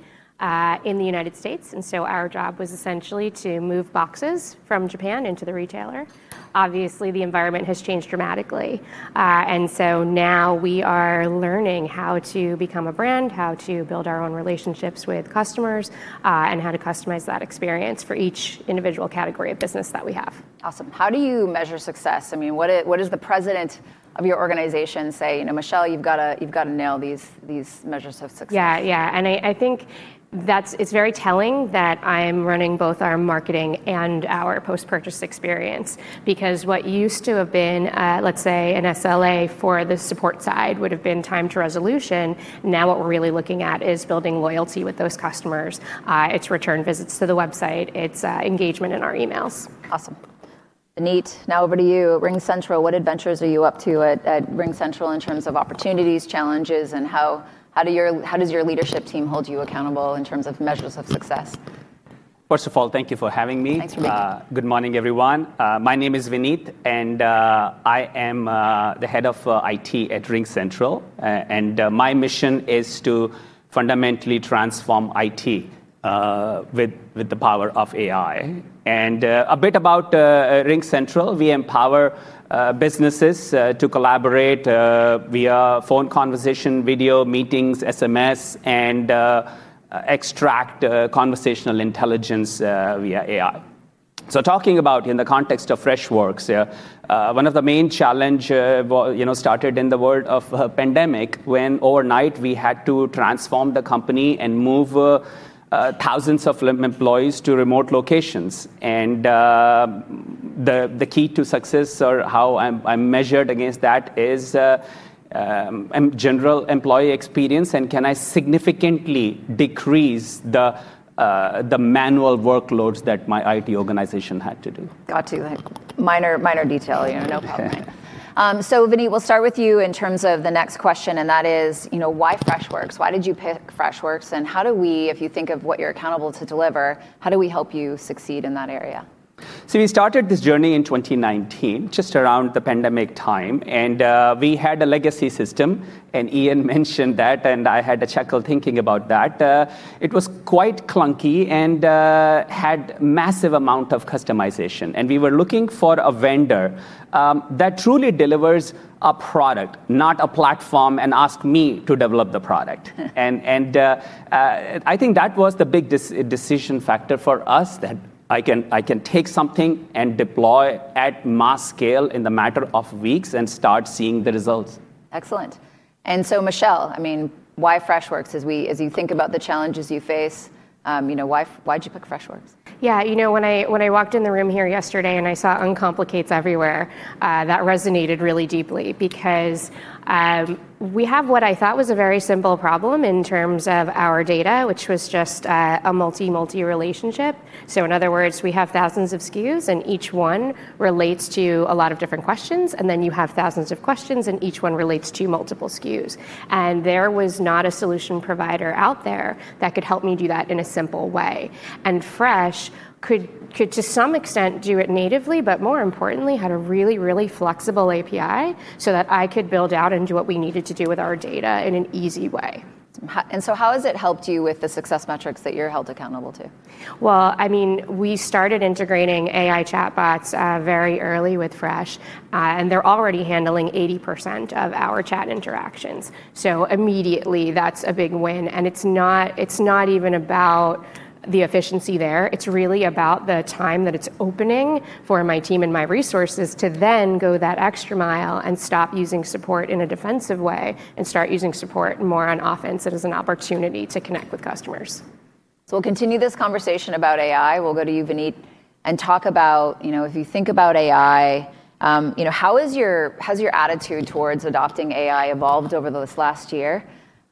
in the United States. Our job was essentially to move boxes from Japan into the retailer. Obviously, the environment has changed dramatically. Now we are learning how to become a brand, how to build our own relationships with customers, and how to customize that experience for each individual category of business that we have. Awesome. How do you measure success? I mean, what does the President of your organization say? You know, Michelle, you've got to nail these measures of success. Yeah, yeah. I think it's very telling that I'm running both our marketing and our post-purchase experience because what used to have been, let's say, an SLA for the support side would have been time to resolution. Now what we're really looking at is building loyalty with those customers. It's return visits to the website. It's engagement in our emails. Awesome. Vineet, now over to you. RingCentral, what adventures are you up to at RingCentral in terms of opportunities, challenges, and how does your leadership team hold you accountable in terms of measures of success? First of all, thank you for having me. Thanks for being here. Good morning, everyone. My name is Vinit, and I am the Head of IT at RingCentral. My mission is to fundamentally transform IT with the power of AI. A bit about RingCentral, we empower businesses to collaborate via phone conversation, video meetings, SMS, and extract conversational intelligence via AI. Talking about in the context of Freshworks, one of the main challenges started in the world of the pandemic when overnight we had to transform the company and move thousands of employees to remote locations. The key to success or how I measured against that is general employee experience. Can I significantly decrease the manual workloads that my IT organization had to do? Got you. Minor detail. No problem. Vineet, we'll start with you in terms of the next question. That is, you know, why Freshworks? Why did you pick Freshworks? How do we, if you think of what you're accountable to deliver, help you succeed in that area? We started this journey in 2019, just around the pandemic time. We had a legacy system. Ian mentioned that, and I had a chuckle thinking about that. It was quite clunky and had a massive amount of customization. We were looking for a vendor that truly delivers a product, not a platform, and asked me to develop the product. I think that was the big decision factor for us that I can take something and deploy at mass scale in the matter of weeks and start seeing the results. Excellent. Michelle, I mean, why Freshworks? As you think about the challenges you face, why did you pick Freshworks? Yeah, you know, when I walked in the room here yesterday and I saw uncomplicates everywhere, that resonated really deeply because we have what I thought was a very simple problem in terms of our data, which was just a multi-multi relationship. In other words, we have thousands of SKUs, and each one relates to a lot of different questions. You have thousands of questions, and each one relates to multiple SKUs. There was not a solution provider out there that could help me do that in a simple way. Freshworks could, to some extent, do it natively, but more importantly, had a really, really flexible API so that I could build out and do what we needed to do with our data in an easy way. How has it helped you with the success metrics that you're held accountable to? I mean, we started integrating AI chatbots very early with Fresh, and they're already handling 80% of our chat interactions. Immediately, that's a big win. It's not even about the efficiency there. It's really about the time that it's opening for my team and my resources to then go that extra mile and stop using support in a defensive way and start using support more on offense and as an opportunity to connect with customers. We'll continue this conversation about AI. We'll go to you, Vinit, and talk about, you know, if you think about AI, how has your attitude towards adopting AI evolved over this last year?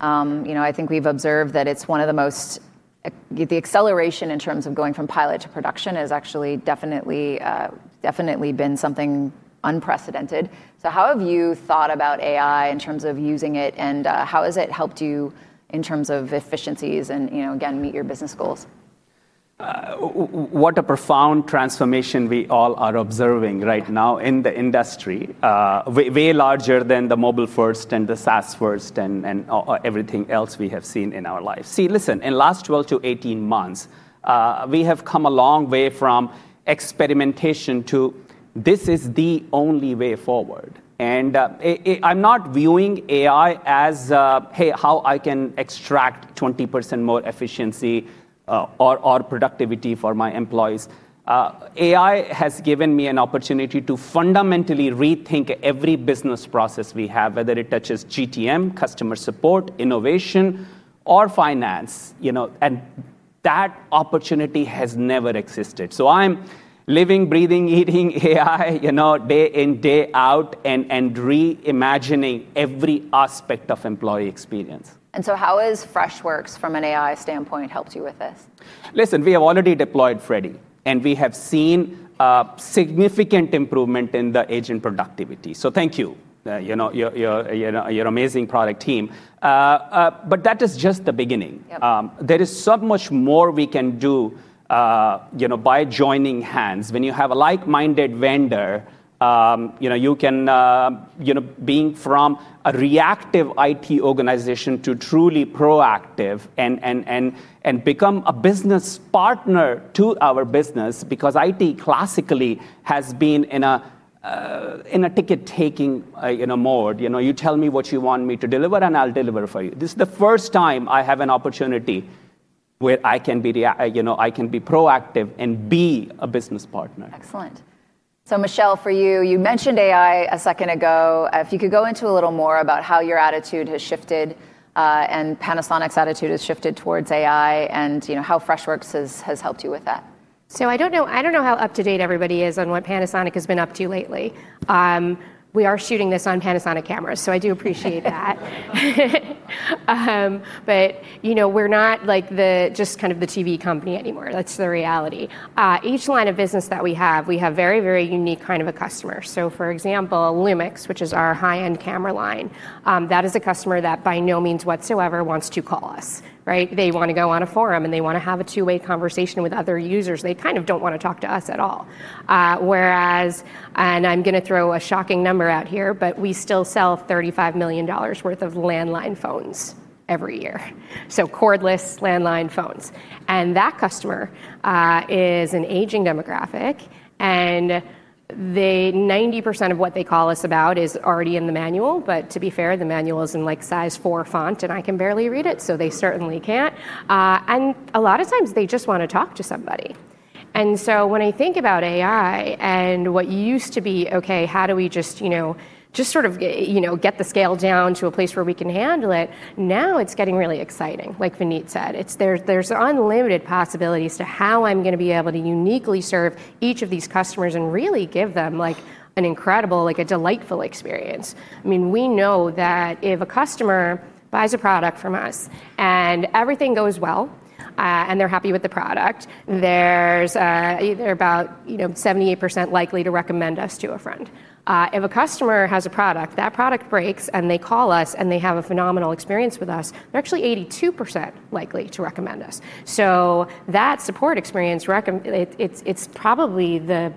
I think we've observed that it's one of the most, the acceleration in terms of going from pilot to production has actually definitely been something unprecedented. How have you thought about AI in terms of using it, and how has it helped you in terms of efficiencies and, you know, again, meet your business goals? What a profound transformation we all are observing right now in the industry, way larger than the mobile-first and the SaaS-first and everything else we have seen in our lives. In the last 12-18 months, we have come a long way from experimentation to this is the only way forward. I'm not viewing AI as, hey, how I can extract 20% more efficiency or productivity for my employees. AI has given me an opportunity to fundamentally rethink every business process we have, whether it touches GTM, customer support, innovation, or finance. That opportunity has never existed. I'm living, breathing, eating AI, day in, day out, and reimagining every aspect of employee experience. How has Freshworks, from an AI standpoint, helped you with this? Listen, we have already deployed Freddy, and we have seen a significant improvement in the agent productivity. Thank you, your amazing product team. That is just the beginning. There is so much more we can do by joining hands. When you have a like-minded vendor, you can go from a reactive IT organization to truly proactive and become a business partner to our business because IT classically has been in a ticket-taking mode. You tell me what you want me to deliver, and I'll deliver for you. This is the first time I have an opportunity where I can be proactive and be a business partner. Excellent. Michelle, for you, you mentioned AI a second ago. If you could go into a little more about how your attitude has shifted and Panasonic's attitude has shifted towards AI and how Freshworks has helped you with that. I don't know how up-to-date everybody is on what Panasonic has been up to lately. We are shooting this on Panasonic cameras, so I do appreciate that. You know, we're not like just kind of the TV company anymore. That's the reality. Each line of business that we have, we have a very, very unique kind of a customer. For example, Lumix, which is our high-end camera line, that is a customer that by no means whatsoever wants to call us, right? They want to go on a forum, and they want to have a two-way conversation with other users. They kind of don't want to talk to us at all. Whereas, and I'm going to throw a shocking number out here, we still sell $35 million worth of landline phones every year. Cordless landline phones. That customer is an aging demographic. 90% of what they call us about is already in the manual. To be fair, the manual is in like size four font, and I can barely read it, so they certainly can't. A lot of times, they just want to talk to somebody. When I think about AI and what used to be, okay, how do we just, you know, just sort of, you know, get the scale down to a place where we can handle it? Now it's getting really exciting. Like Vineet said, there's unlimited possibilities to how I'm going to be able to uniquely serve each of these customers and really give them like an incredible, like a delightful experience. We know that if a customer buys a product from us and everything goes well, and they're happy with the product, they're about 78% likely to recommend us to a friend. If a customer has a product, that product breaks, and they call us, and they have a phenomenal experience with us, they're actually 82% likely to recommend us. That support experience, it's probably the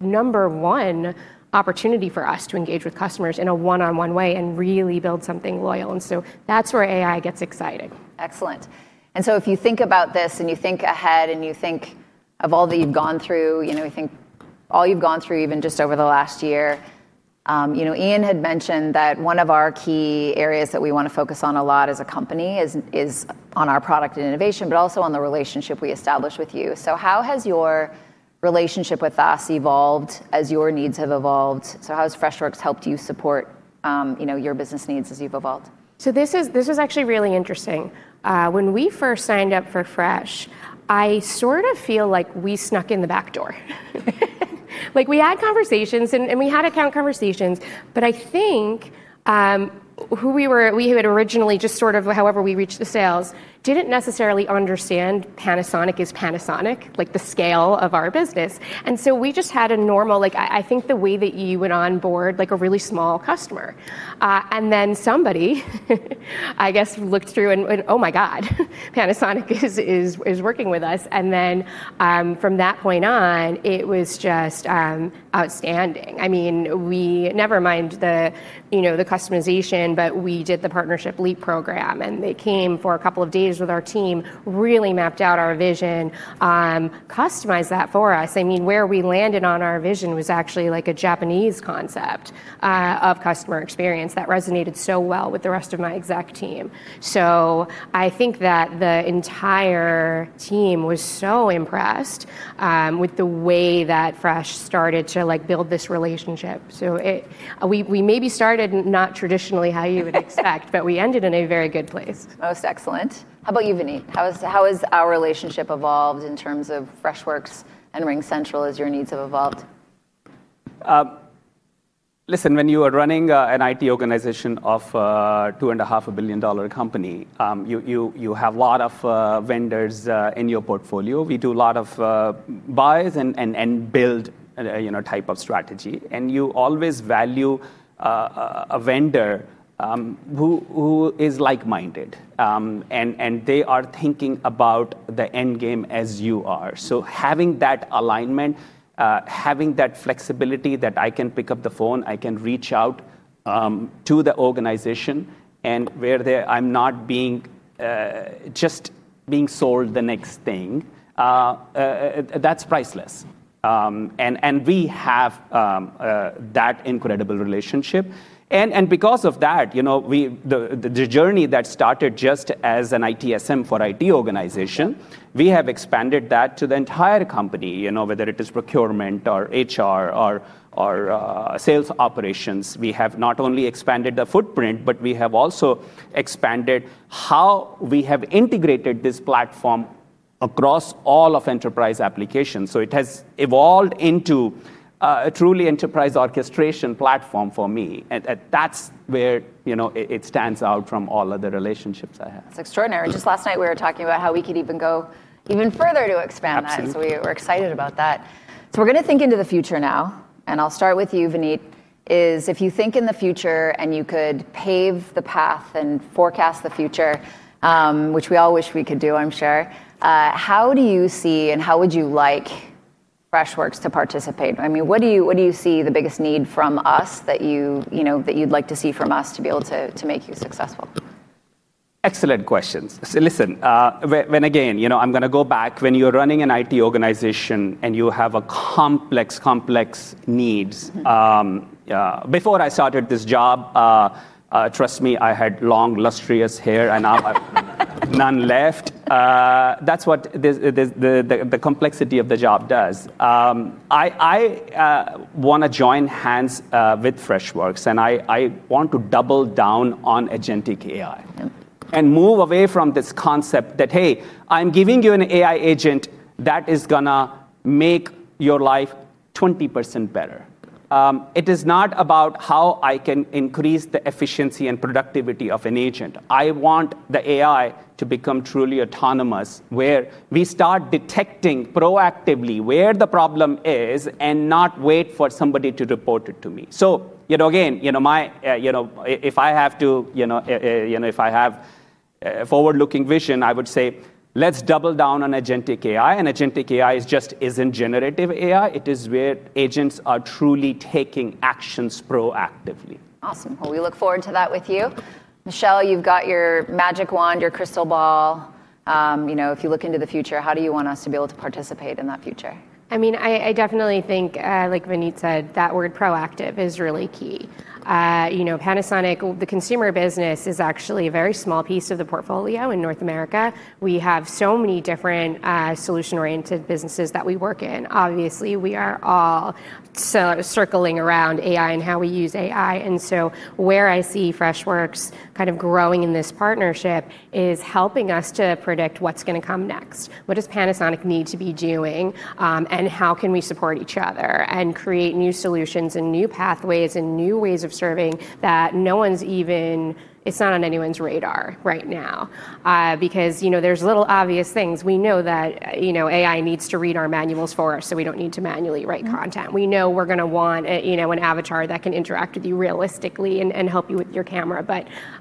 number one opportunity for us to engage with customers in a one-on-one way and really build something loyal. That's where AI gets exciting. Excellent. If you think about this and you think ahead and you think of all that you've gone through, I think all you've gone through even just over the last year, Ian had mentioned that one of our key areas that we want to focus on a lot as a company is on our product and innovation, but also on the relationship we established with you. How has your relationship with us evolved as your needs have evolved? How has Freshworks helped you support your business needs as you've evolved? This is actually really interesting. When we first signed up for Freshworks, I sort of feel like we snuck in the back door. We had conversations, and we had account conversations, but I think who we were, we had originally just sort of, however we reached the sales, didn't necessarily understand Panasonic is Panasonic, like the scale of our business. We just had a normal, like the way that you would onboard a really small customer. Then somebody, I guess, looked through and went, oh my God, Panasonic is working with us. From that point on, it was just outstanding. We never mind the customization, but we did the partnership leap program, and they came for a couple of days with our team, really mapped out our vision, customized that for us. Where we landed on our vision was actually like a Japanese concept of customer experience that resonated so well with the rest of my exec team. I think that the entire team was so impressed with the way that Freshworks started to build this relationship. We maybe started not traditionally how you would expect, but we ended in a very good place. That was excellent. How about you, Vineet? How has our relationship evolved in terms of Freshworks and RingCentral as your needs have evolved? Listen, when you are running an IT organization of a $2.5 billion company, you have a lot of vendors in your portfolio. We do a lot of buy and build, you know, type of strategy. You always value a vendor who is like-minded, and they are thinking about the end game as you are. Having that alignment, having that flexibility that I can pick up the phone, I can reach out to the organization, and where I'm not just being sold the next thing, that's priceless. We have that incredible relationship. Because of that, the journey that started just as an ITSM for IT organization, we have expanded that to the entire company, whether it is procurement or HR or sales operations. We have not only expanded the footprint, but we have also expanded how we have integrated this platform across all of enterprise applications. It has evolved into a truly enterprise orchestration platform for me. That's where it stands out from all other relationships I have. It's extraordinary. Just last night, we were talking about how we could even go further to expand that. We're excited about that. We're going to think into the future now. I'll start with you, Vinit. If you think in the future and you could pave the path and forecast the future, which we all wish we could do, I'm sure, how do you see and how would you like Freshworks to participate? I mean, what do you see the biggest need from us that you'd like to see from us to be able to make you successful? Excellent questions. Listen, when again, you know, I'm going to go back. When you're running an IT organization and you have complex, complex needs, before I started this job, trust me, I had long, lustrous hair, and now none left. That's what the complexity of the job does. I want to join hands with Freshworks, and I want to double down on agentic AI and move away from this concept that, hey, I'm giving you an AI agent that is going to make your life 20% better. It is not about how I can increase the efficiency and productivity of an agent. I want the AI to become truly autonomous, where we start detecting proactively where the problem is and not wait for somebody to report it to me. If I have to, you know, if I have a forward-looking vision, I would say let's double down on agentic AI. Agentic AI just isn't generative AI. It is where agents are truly taking actions proactively. Awesome. I look forward to that with you. Michelle, you've got your magic wand, your crystal ball. If you look into the future, how do you want us to be able to participate in that future? I mean, I definitely think, like Vineet said, that word proactive is really key. You know, Panasonic, the consumer business is actually a very small piece of the portfolio in North America. We have so many different solution-oriented businesses that we work in. Obviously, we are all circling around AI and how we use AI. Where I see Freshworks kind of growing in this partnership is helping us to predict what's going to come next. What does Panasonic need to be doing? How can we support each other and create new solutions and new pathways and new ways of serving that no one's even, it's not on anyone's radar right now? There are little obvious things. We know that AI needs to read our manuals for us, so we don't need to manually write content. We know we're going to want an avatar that can interact with you realistically and help you with your camera.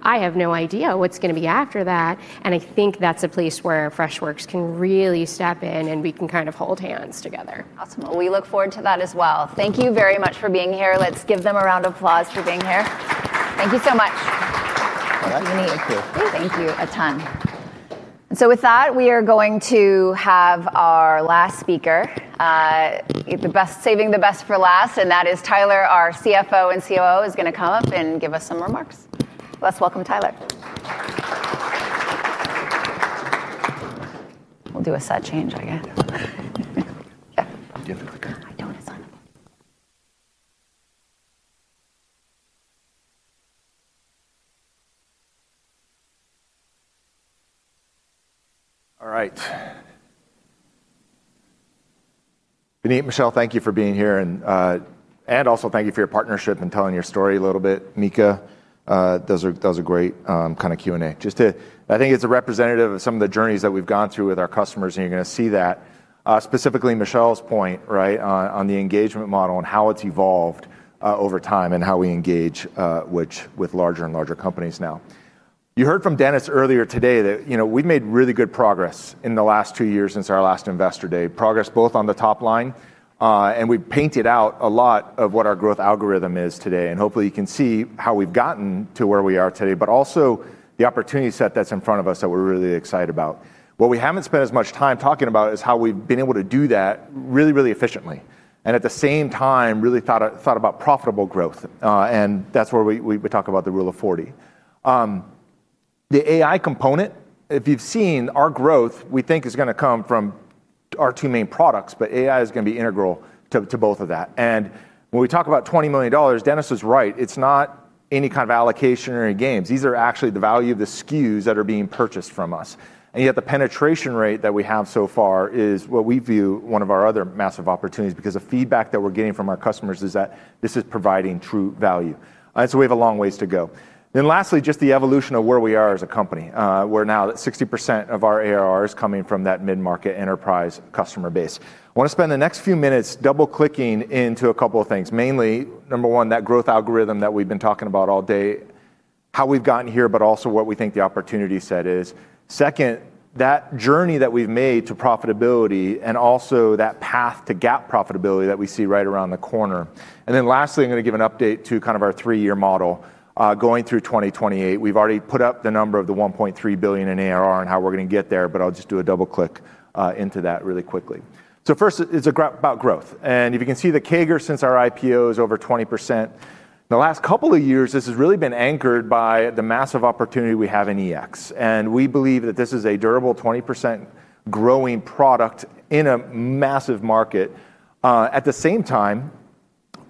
I have no idea what's going to be after that. I think that's a place where Freshworks can really step in, and we can kind of hold hands together. Awesome. We look forward to that as well. Thank you very much for being here. Let's give them a round of applause for being here. Thank you so much. Thank you. Thank you a ton. With that, we are going to have our last speaker, saving the best for last, and that is Tyler, our CFO and COO, is going to come up and give us some remarks. Let's welcome Tyler. We'll do a set change, I guess. Difficult. I don't hesitate. All right. Vineet, Michelle, thank you for being here. Also, thank you for your partnership and telling your story a little bit. Mika does a great kind of Q&A. I think it's a representative of some of the journeys that we've gone through with our customers, and you're going to see that. Specifically, Michelle's point on the engagement model and how it's evolved over time and how we engage with larger and larger companies now. You heard from Dennis earlier today that we've made really good progress in the last two years since our last investor day, progress both on the top line. We painted out a lot of what our growth algorithm is today. Hopefully, you can see how we've gotten to where we are today, but also the opportunity set that's in front of us that we're really excited about. What we haven't spent as much time talking about is how we've been able to do that really, really efficiently. At the same time, we've really thought about profitable growth. That's where we talk about the rule of 40. The AI component, if you've seen our growth, we think is going to come from our two main products, but AI is going to be integral to both of that. When we talk about $20 million, Dennis is right. It's not any kind of allocation or any games. These are actually the value of the SKUs that are being purchased from us. Yet the penetration rate that we have so far is what we view as one of our other massive opportunities because the feedback that we're getting from our customers is that this is providing true value. We have a long ways to go. Lastly, just the evolution of where we are as a company. We're now at 60% of our ARR coming from that mid-market enterprise customer base. I want to spend the next few minutes double-clicking into a couple of things. Mainly, number one, that growth algorithm that we've been talking about all day, how we've gotten here, but also what we think the opportunity set is. Second, that journey that we've made to profitability and also that path to GAAP profitability that we see right around the corner. Lastly, I'm going to give an update to our three-year model going through 2028. We've already put up the number of the $1.3 billion in ARR and how we're going to get there, but I'll just do a double-click into that really quickly. First, it's about growth. If you can see, the CAGR since our IPO is over 20%. In the last couple of years, this has really been anchored by the massive opportunity we have in EX. We believe that this is a durable 20% growing product in a massive market. At the same time,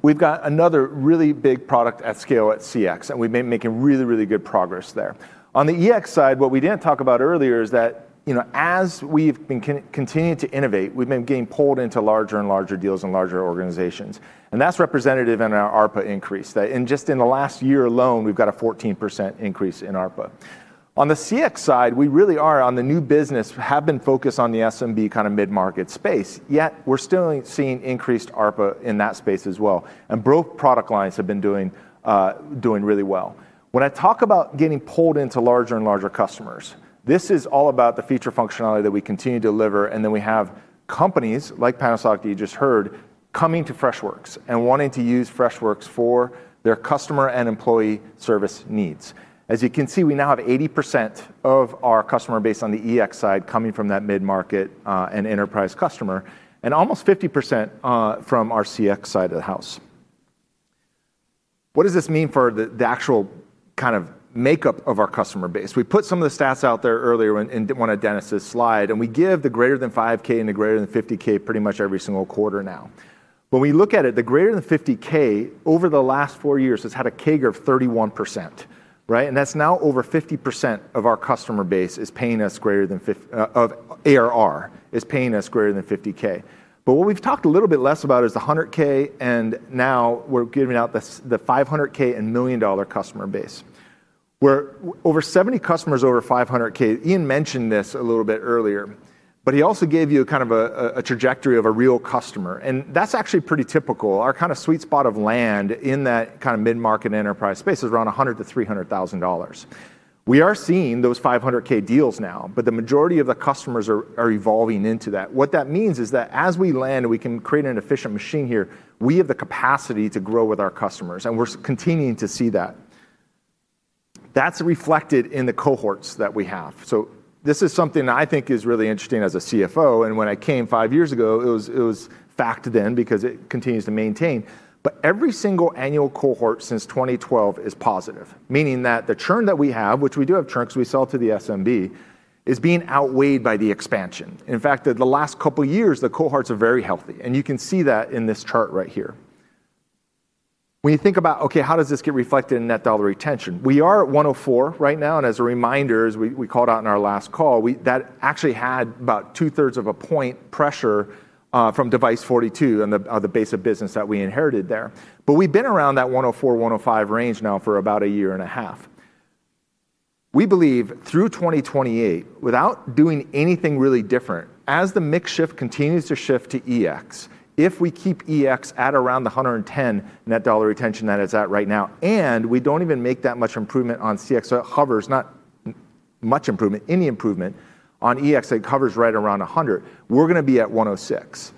we've got another really big product at scale at CX, and we've been making really, really good progress there. On the EX side, what we didn't talk about earlier is that, as we've been continuing to innovate, we've been getting pulled into larger and larger deals and larger organizations. That's representative in our ARPA increase. Just in the last year alone, we've got a 14% increase in ARPA. On the CX side, we really are on the new business, have been focused on the SMB kind of mid-market space. Yet we're still seeing increased ARPA in that space as well. Both product lines have been doing really well. When I talk about getting pulled into larger and larger customers, this is all about the feature functionality that we continue to deliver. We have companies like Panasonic that you just heard coming to Freshworks and wanting to use Freshworks for their customer and employee service needs. As you can see, we now have 80% of our customer base on the EX side coming from that mid-market and enterprise customer and almost 50% from our CX side of the house. What does this mean for the actual kind of makeup of our customer base? We put some of the stats out there earlier in one of Dennis's slides, and we give the greater than $5,000 and the greater than $50,000 pretty much every single quarter now. When we look at it, the greater than $50,000 over the last four years has had a CAGR of 31%, right? That's now over 50% of our customer base is paying us greater than ARR is paying us greater than $50,000. What we've talked a little bit less about is the $100,000, and now we're giving out the $500,000 and million-dollar customer base. We're over 70 customers over $500,000. Ian mentioned this a little bit earlier, but he also gave you kind of a trajectory of a real customer. That's actually pretty typical. Our kind of sweet spot of land in that kind of mid-market enterprise space is around $100,000-$300,000. We are seeing those $500,000 deals now, but the majority of the customers are evolving into that. What that means is that as we land and we can create an efficient machine here, we have the capacity to grow with our customers, and we're continuing to see that. That's reflected in the cohorts that we have. This is something I think is really interesting as a CFO. When I came five years ago, it was fact then because it continues to maintain. Every single annual cohort since 2012 is positive, meaning that the churn that we have, which we do have churn because we sell to the SMB, is being outweighed by the expansion. In fact, the last couple of years, the cohorts are very healthy. You can see that in this chart right here. When you think about, okay, how does this get reflected in net dollar retention? We are at 104 right now. As a reminder, as we called out in our last call, that actually had about two-thirds of a point pressure from Device42 and the base of business that we inherited there. We have been around that 104, 105 range now for about a year and a half. We believe through 2028, without doing anything really different, as the mix shift continues to shift to EX, if we keep EX at around the 110 net dollar retention that it's at right now, and we do not even make that much improvement on CX, so it hovers, not much improvement, any improvement on EX, it hovers right around 100, we are going to be at 106.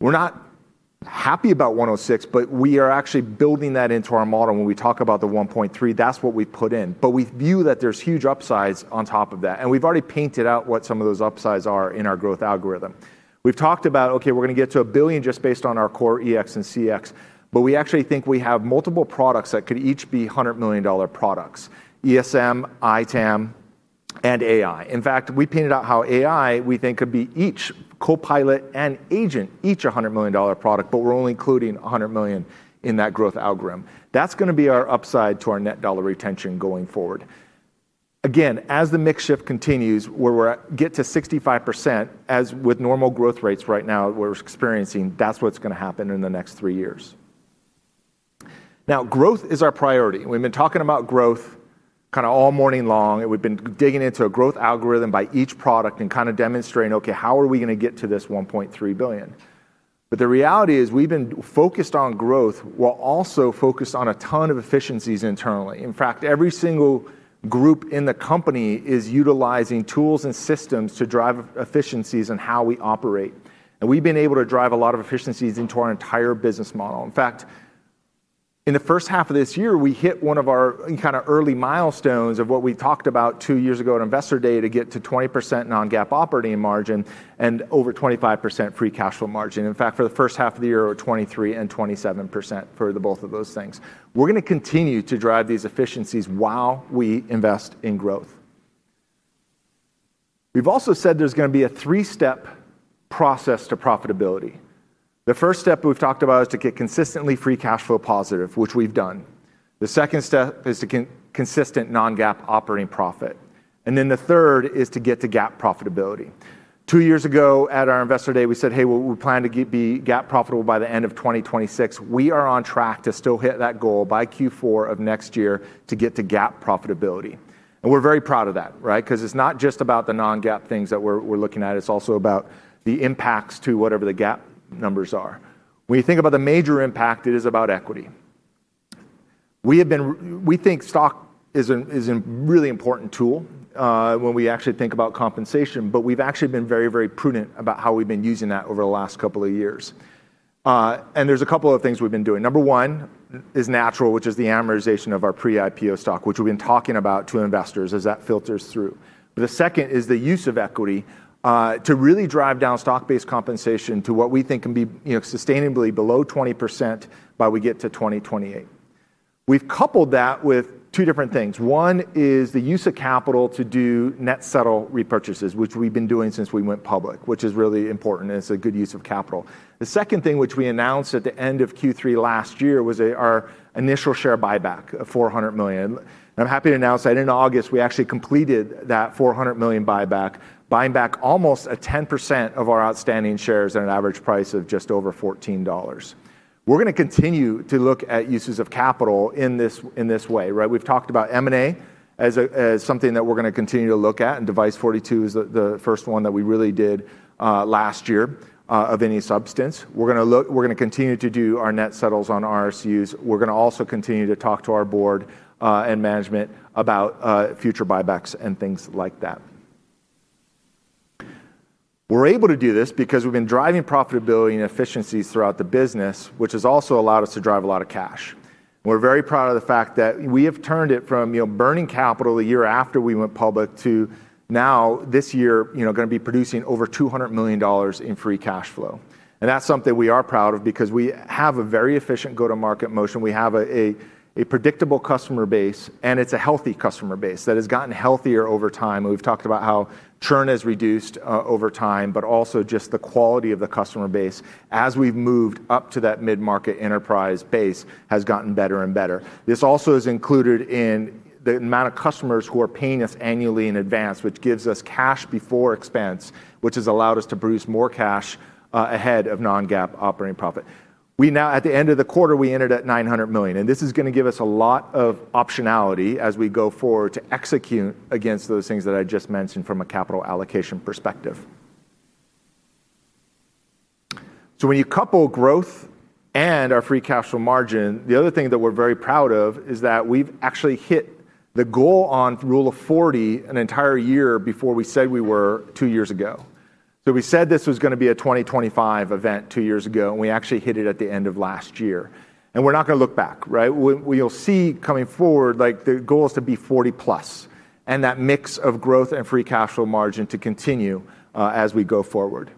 We are not happy about 106, but we are actually building that into our model. When we talk about the $1.3 billion, that's what we put in. We view that there's huge upsides on top of that. We have already painted out what some of those upsides are in our growth algorithm. We have talked about, okay, we are going to get to a billion just based on our core EX and CX. We actually think we have multiple products that could each be $100 million products: ESM, ITAM, and AI. In fact, we painted out how AI we think could be each Copilot and Agent, each $100 million product, but we are only including $100 million in that growth algorithm. That is going to be our upside to our net dollar retention going forward. Again, as the mix shift continues, where we get to 65%, as with normal growth rates right now we are experiencing, that is what is going to happen in the next three years. Growth is our priority. We have been talking about growth kind of all morning long. We have been digging into a growth algorithm by each product and kind of demonstrating, okay, how are we going to get to this $1.3 billion? The reality is we have been focused on growth while also focused on a ton of efficiencies internally. In fact, every single group in the company is utilizing tools and systems to drive efficiencies in how we operate. We have been able to drive a lot of efficiencies into our entire business model. In fact, in the first half of this year, we hit one of our early milestones of what we talked about two years ago at Investor Day to get to 20% non-GAAP operating margin and over 25% free cash flow margin. In fact, for the first half of the year, we're at 23% and 27% for both of those things. We are going to continue to drive these efficiencies while we invest in growth. We have also said there is going to be a three-step process to profitability. The first step we have talked about is to get consistently free cash flow positive, which we have done. The second step is to get consistent non-GAAP operating profit. The third is to get to GAAP profitability. Two years ago at our Investor Day, we said, hey, we plan to be GAAP profitable by the end of 2026. We are on track to still hit that goal by Q4 of next year to get to GAAP profitability. We are very proud of that, right? Because it is not just about the non-GAAP things that we are looking at. It is also about the impacts to whatever the GAAP numbers are. When you think about the major impact, it is about equity. We think stock is a really important tool when we actually think about compensation, but we have actually been very, very prudent about how we have been using that over the last couple of years. There are a couple of things we have been doing. Number one is natural, which is the amortization of our pre-IPO stock, which we have been talking about to investors as that filters through. The second is the use of equity to really drive down stock-based compensation to what we think can be sustainably below 20% by the time we get to 2028. We have coupled that with two different things. One is the use of capital to do net settle repurchases, which we have been doing since we went public, which is really important. It is a good use of capital. The second thing, which we announced at the end of Q3 last year, was our initial share buyback of $400 million. I am happy to announce that in August, we actually completed that $400 million buyback, buying back almost 10% of our outstanding shares at an average price of just over $14. We are going to continue to look at uses of capital in this way, right? We have talked about M&A as something that we are going to continue to look at. Device42 is the first one that we really did last year of any substance. We are going to continue to do our net settles on RSUs. We're going to also continue to talk to our board and management about future buybacks and things like that. We're able to do this because we've been driving profitability and efficiencies throughout the business, which has also allowed us to drive a lot of cash. We're very proud of the fact that we have turned it from burning capital the year after we went public to now this year, going to be producing over $200 million in free cash flow. That's something we are proud of because we have a very efficient go-to-market motion. We have a predictable customer base, and it's a healthy customer base that has gotten healthier over time. We've talked about how churn has reduced over time, but also just the quality of the customer base, as we've moved up to that mid-market enterprise base, has gotten better and better. This also is included in the amount of customers who are paying us annually in advance, which gives us cash before expense, which has allowed us to produce more cash ahead of non-GAAP operating profit. We now, at the end of the quarter, we entered at $900 million. This is going to give us a lot of optionality as we go forward to execute against those things that I just mentioned from a capital allocation perspective. When you couple growth and our free cash flow margin, the other thing that we're very proud of is that we've actually hit the goal on rule of 40 an entire year before we said we were two years ago. We said this was going to be a 2025 event two years ago, and we actually hit it at the end of last year. We're not going to look back, right? We'll see coming forward, like the goal is to be 40+, and that mix of growth and free cash flow margin to continue as we go forward.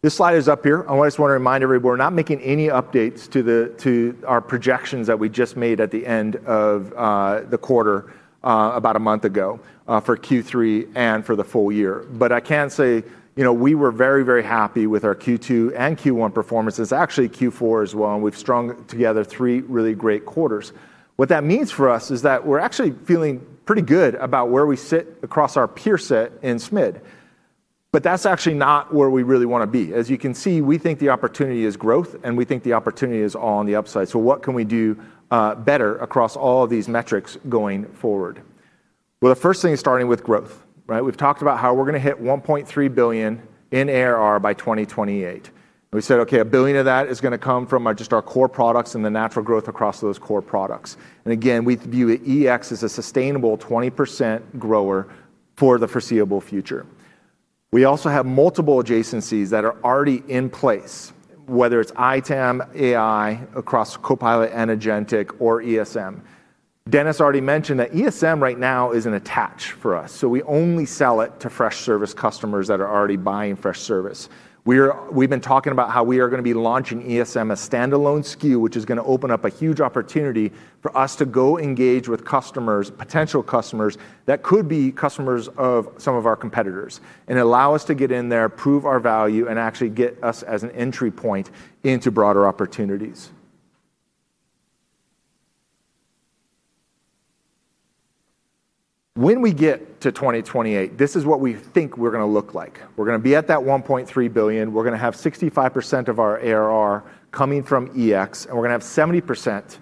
This slide is up here. I just want to remind everyone, we're not making any updates to our projections that we just made at the end of the quarter about a month ago for Q3 and for the full year. I can say, you know, we were very, very happy with our Q2 and Q1 performances, actually Q4 as well. We've strung together three really great quarters. What that means for us is that we're actually feeling pretty good about where we sit across our peer set in SMID. That's actually not where we really want to be. As you can see, we think the opportunity is growth, and we think the opportunity is all on the upside. What can we do better across all of these metrics going forward? The first thing is starting with growth, right? We've talked about how we're going to hit $1.3 billion in ARR by 2028. We said, okay, a billion of that is going to come from just our core products and the natural growth across those core products. Again, we view EX as a sustainable 20% grower for the foreseeable future. We also have multiple adjacencies that are already in place, whether it's ITAM, AI, across Copilot and agentic, or ESM. Dennis already mentioned that ESM right now is an attach for us. We only sell it to Freshservice customers that are already buying Freshservice. We've been talking about how we are going to be launching ESM as a standalone SKU, which is going to open up a huge opportunity for us to go engage with customers, potential customers that could be customers of some of our competitors, and allow us to get in there, prove our value, and actually get us as an entry point into broader opportunities. When we get to 2028, this is what we think we're going to look like. We're going to be at that $1.3 billion. We're going to have 65% of our ARR coming from EX, and we're going to have 70%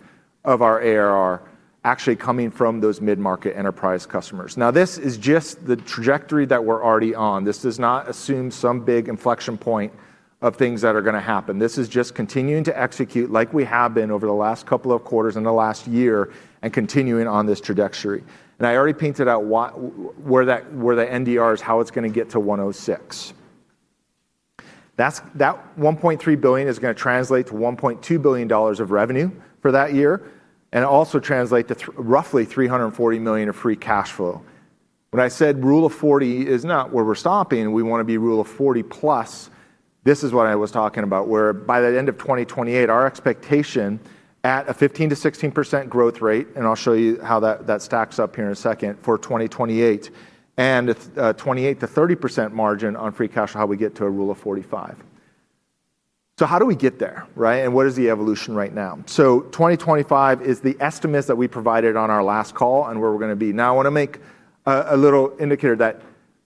of our ARR actually coming from those mid-market enterprise customers. This is just the trajectory that we're already on. This does not assume some big inflection point of things that are going to happen. This is just continuing to execute like we have been over the last couple of quarters in the last year and continuing on this trajectory. I already painted out where the NDR is, how it's going to get to $106. That $1.3 billion is going to translate to $1.2 billion of revenue for that year and also translate to roughly $340 million of free cash flow. When I said rule of 40 is not where we're stopping, we want to be rule of 40 plus, this is what I was talking about, where by the end of 2028, our expectation at a 15%-16% growth rate, and I'll show you how that stacks up here in a second for 2028, and a 28%-30% margin on free cash flow, how we get to a rule of 45. How do we get there, right? What is the evolution right now? 2025 is the estimates that we provided on our last call and where we're going to be. I want to make a little indicator that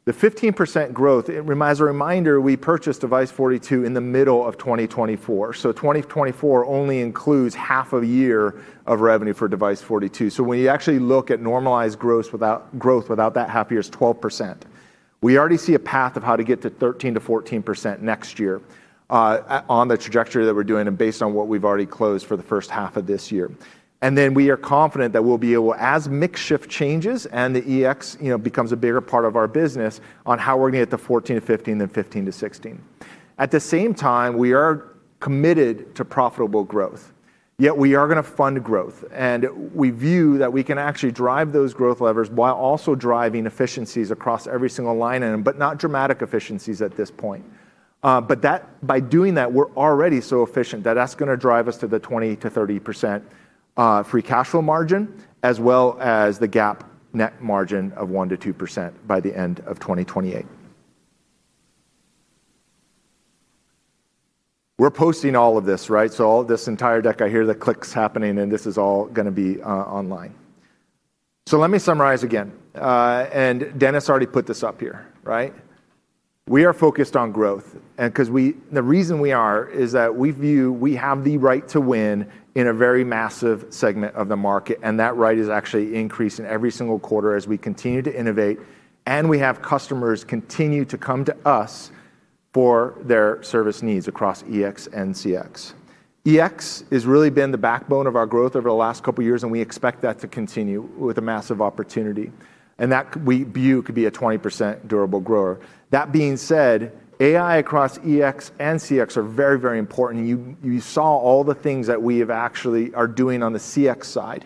the 15% growth, as a reminder, we purchased Device42 in the middle of 2024. 2024 only includes half a year of revenue for Device42. When you actually look at normalized growth without that half year, it is 12%. We already see a path of how to get to 13%-14% next year on the trajectory that we're doing and based on what we've already closed for the first half of this year. We are confident that we'll be able, as mix shift changes. The EX, you know, becomes a bigger part of our business on how we're going to get to $1.4 billion-$1.5 billion than $1.5 billion-$1.6 billion. At the same time, we are committed to profitable growth. Yet we are going to fund growth, and we view that we can actually drive those growth levers while also driving efficiencies across every single line item, but not dramatic efficiencies at this point. By doing that, we're already so efficient that that's going to drive us to the 20%-30% free cash flow margin, as well as the GAAP net margin of 1%-2% by the end of 2028. We're posting all of this, right? All of this entire deck, I hear the clicks happening, and this is all going to be online. Let me summarize again. Dennis already put this up here, right? We are focused on growth, and the reason we are is that we view we have the right to win in a very massive segment of the market. That right is actually increasing every single quarter as we continue to innovate, and we have customers continue to come to us for their service needs across EX and CX. EX has really been the backbone of our growth over the last couple of years, and we expect that to continue with a massive opportunity. We view that could be a 20% durable growth. That being said, AI across EX and CX are very, very important. You saw all the things that we have actually are doing on the CX side.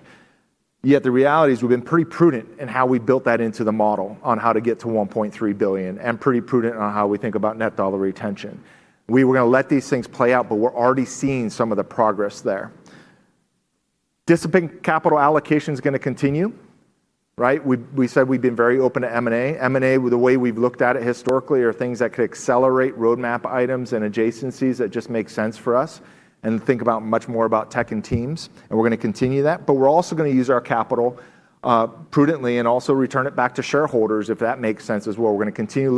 Yet the reality is we've been pretty prudent in how we built that into the model on how to get to $1.3 billion and pretty prudent on how we think about net dollar retention. We were going to let these things play out, but we're already seeing some of the progress there. Discipline capital allocation is going to continue, right? We said we've been very open to M&A. M&A, the way we've looked at it historically, are things that could accelerate roadmap items and adjacencies that just make sense for us and think about much more about tech and teams. We're going to continue that, but we're also going to use our capital prudently and also return it back to shareholders if that makes sense as well. We're going to continue to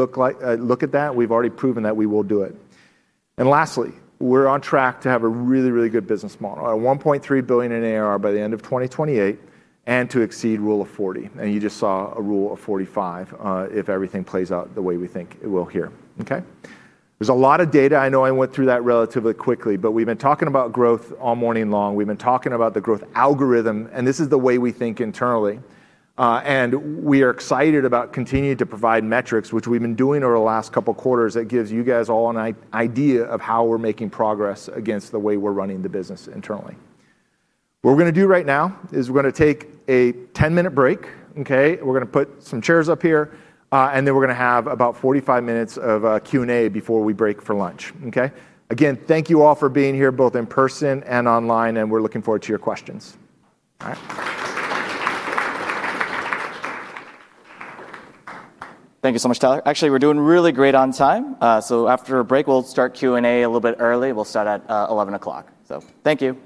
look at that. We've already proven that we will do it. Lastly, we're on track to have a really, really good business model at $1.3 billion in ARR by the end of 2028 and to exceed rule of 40. You just saw a rule of 45, if everything plays out the way we think it will here. There's a lot of data. I know I went through that relatively quickly, but we've been talking about growth all morning long. We've been talking about the growth algorithm, and this is the way we think internally. We are excited about continuing to provide metrics, which we've been doing over the last couple of quarters. That gives you guys all an idea of how we're making progress against the way we're running the business internally. What we're going to do right now is we're going to take a 10-minute break. We're going to put some chairs up here, and then we're going to have about 45 minutes of a Q&A before we break for lunch. Again, thank you all for being here both in person and online, and we're looking forward to your questions. All right. Thank you so much, Tyler. Actually, we're doing really great on time. After a break, we'll start Q&A a little bit early. We'll start at 11:00 A.M. Thank you.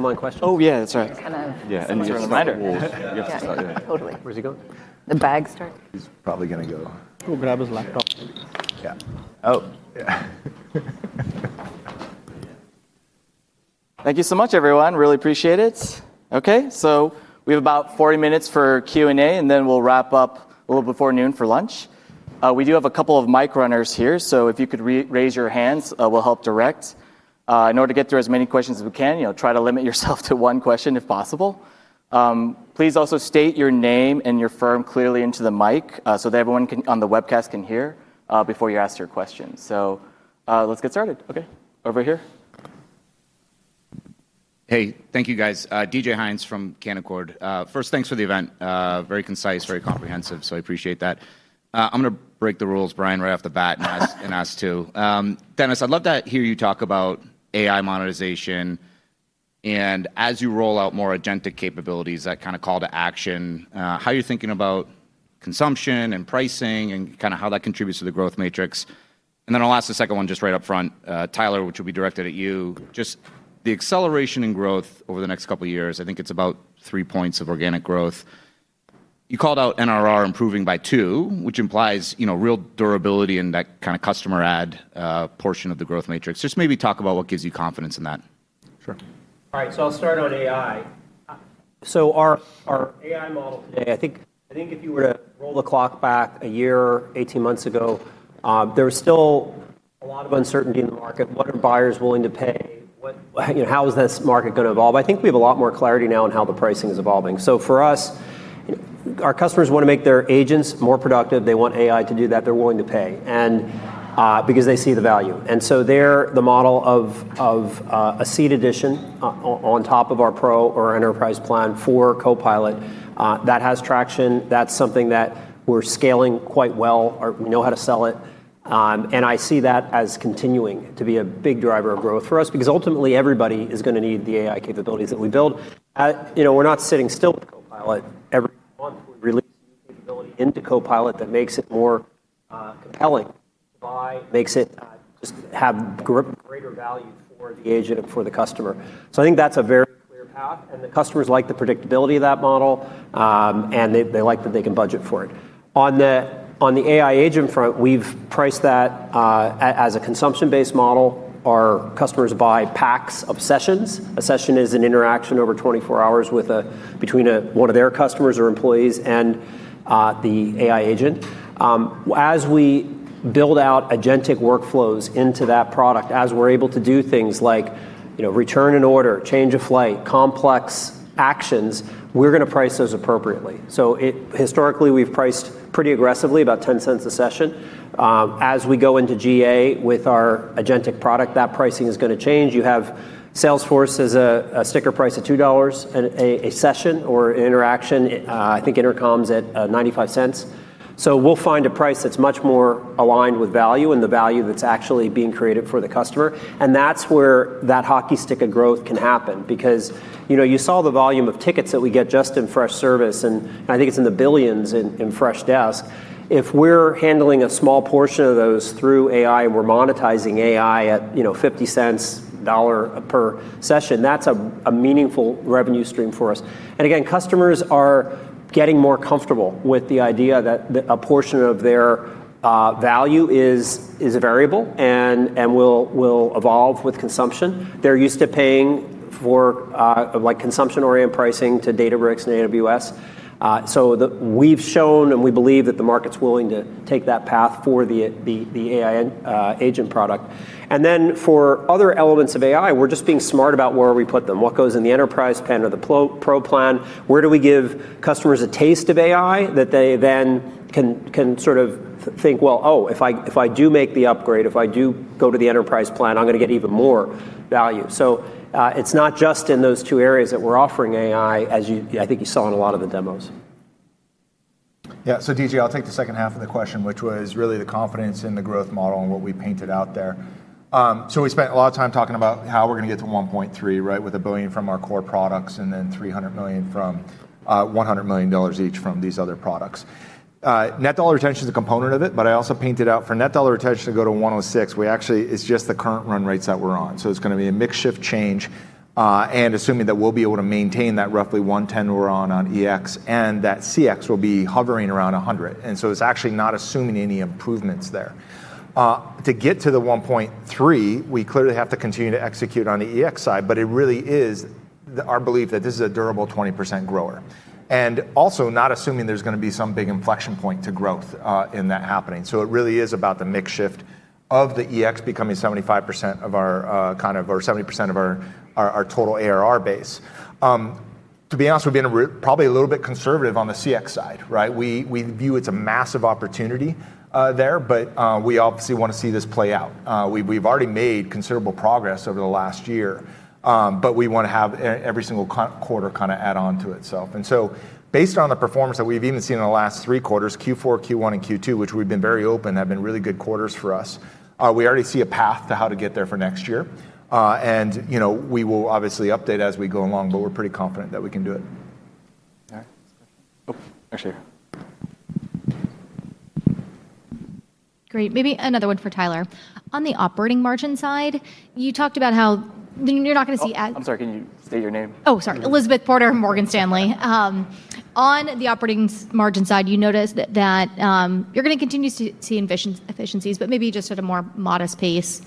No need to create a scene. Feel free to bother me. No need to create a scene. No need to create a scene. Feel free to. Thank you. I think it's about three points of organic growth. You called out NRR improving by two, which implies real durability and that kind of customer add portion of the growth matrix. Just maybe talk about what gives you confidence in that. Sure. All right. I'll start on AI. Our AI model today, if you were to roll the clock back a year, 18 months ago, there was still a lot of uncertainty in the market. What are buyers willing to pay? How is this market going to evolve? I think we have a lot more clarity now on how the pricing is evolving. For us, our customers want to make their agents more productive. They want AI to do that. They're willing to pay because they see the value. The model of a seat addition on top of our Pro or our Enterprise plan for Copilot has traction. That's something that we're scaling quite well. We know how to sell it, and I see that as continuing to be a big driver of growth for us because ultimately everybody is going to need the AI capabilities that we build. We're not sitting still. Copilot, every month we release capability into Copilot that makes it more compelling by making it have greater value for the agent, for the customer. I think that's a very clear path. The customers like the predictability of that model, and they like that they can budget for it. On the AI agent front, we've priced that as a consumption-based model. Our customers buy packs of sessions. A session is an interaction over 24 hours between one of their customers or employees and the AI agent. As we build out agentic workflows into that product, as we're able to do things like return an order, change a flight, complex actions, we're going to price those appropriately. Historically, we've priced pretty aggressively, about $0.10 a session. As we go into GA with our agentic product, that pricing is going to change. Salesforce has a sticker price of $2 a session or an interaction. I think Intercom's at $0.95. We'll find a price that's much more aligned with value and the value that's actually being created for the customer. That's where that hockey stick of growth can happen because you saw the volume of tickets that we get just in Freshservice, and I think it's in the billions in Freshdesk. If we're handling a small portion of those through AI and we're monetizing AI at $0.50, $1 per session, that's a meaningful revenue stream for us. Customers are getting more comfortable with the idea that a portion of their value is a variable and will evolve with consumption. They're used to paying for, like, consumption-oriented pricing to Databricks and AWS. We've shown and we believe that the market's willing to take that path for the AI agent product. For other elements of AI, we're just being smart about where we put them. What goes in the enterprise plan or the pro plan? Where do we give customers a taste of AI that they then can sort of think, oh, if I do make the upgrade, if I do go to the enterprise plan, I'm going to get even more value. It's not just in those two areas that we're offering AI, as you, I think you saw in a lot of the demos. Yeah. DJ, I'll take the second half of the question, which was really the confidence in the growth model and what we painted out there. We spent a lot of time talking about how we're going to get to $1.3 billion, with $1 billion from our core products and then $300 million from, $100 million each from these other products. Net dollar retention is a component of it, but I also painted out for net dollar retention to go to 106. It's just the current run rates that we're on. It's going to be a makeshift change, and assuming that we'll be able to maintain that roughly 110 we're on on EX and that CX will be hovering around 100. It's actually not assuming any improvements there. To get to the $1.3 billion, we clearly have to continue to execute on the EX side, but it really is our belief that this is a durable 20% growth. Also not assuming there's going to be some big inflection point to growth in that happening. It really is about the makeshift of the EX becoming 75% of our, kind of our 70% of our, our, our total ARR base. To be honest, we've been probably a little bit conservative on the CX side, right? We view it's a massive opportunity there, but we obviously want to see this play out. We've already made considerable progress over the last year. We want to have every single quarter kind of add on to itself. Based on the performance that we've even seen in the last three quarters, Q4, Q1, and Q2, which we've been very open, have been really good quarters for us. We already see a path to how to get there for next year. You know, we will obviously update as we go along, but we're pretty confident that we can do it. Okay. Oh, actually, here. Great. Maybe another one for Tyler. On the operating margin side, you talked about how you're not going to see ad. I'm sorry. Can you say your name? Sorry. Elizabeth Porter, Morgan Stanley. On the operating margin side, you noticed that you're going to continue to see efficiencies, but maybe just at a more modest pace.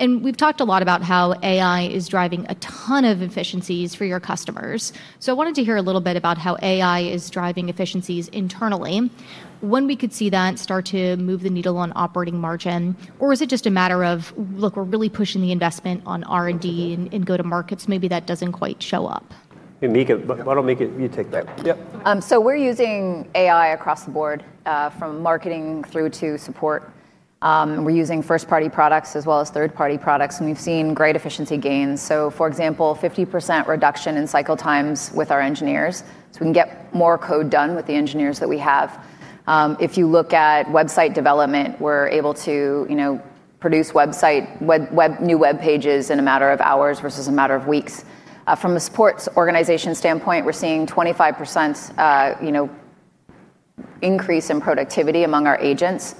We've talked a lot about how AI is driving a ton of efficiencies for your customers. I wanted to hear a little bit about how AI is driving efficiencies internally. When we could see that start to move the needle on operating margin, or is it just a matter of, look, we're really pushing the investment on R&D and go-to-markets, maybe that doesn't quite show up? Mika, why don't you take that? Yeah. We're using AI across the board, from marketing through to support. We're using first-party products as well as third-party products, and we've seen great efficiency gains. For example, 50% reduction in cycle times with our engineers. We can get more code done with the engineers that we have. If you look at website development, we're able to produce new web pages in a matter of hours versus a matter of weeks. From a support organization standpoint, we're seeing 25% increase in productivity among our agents.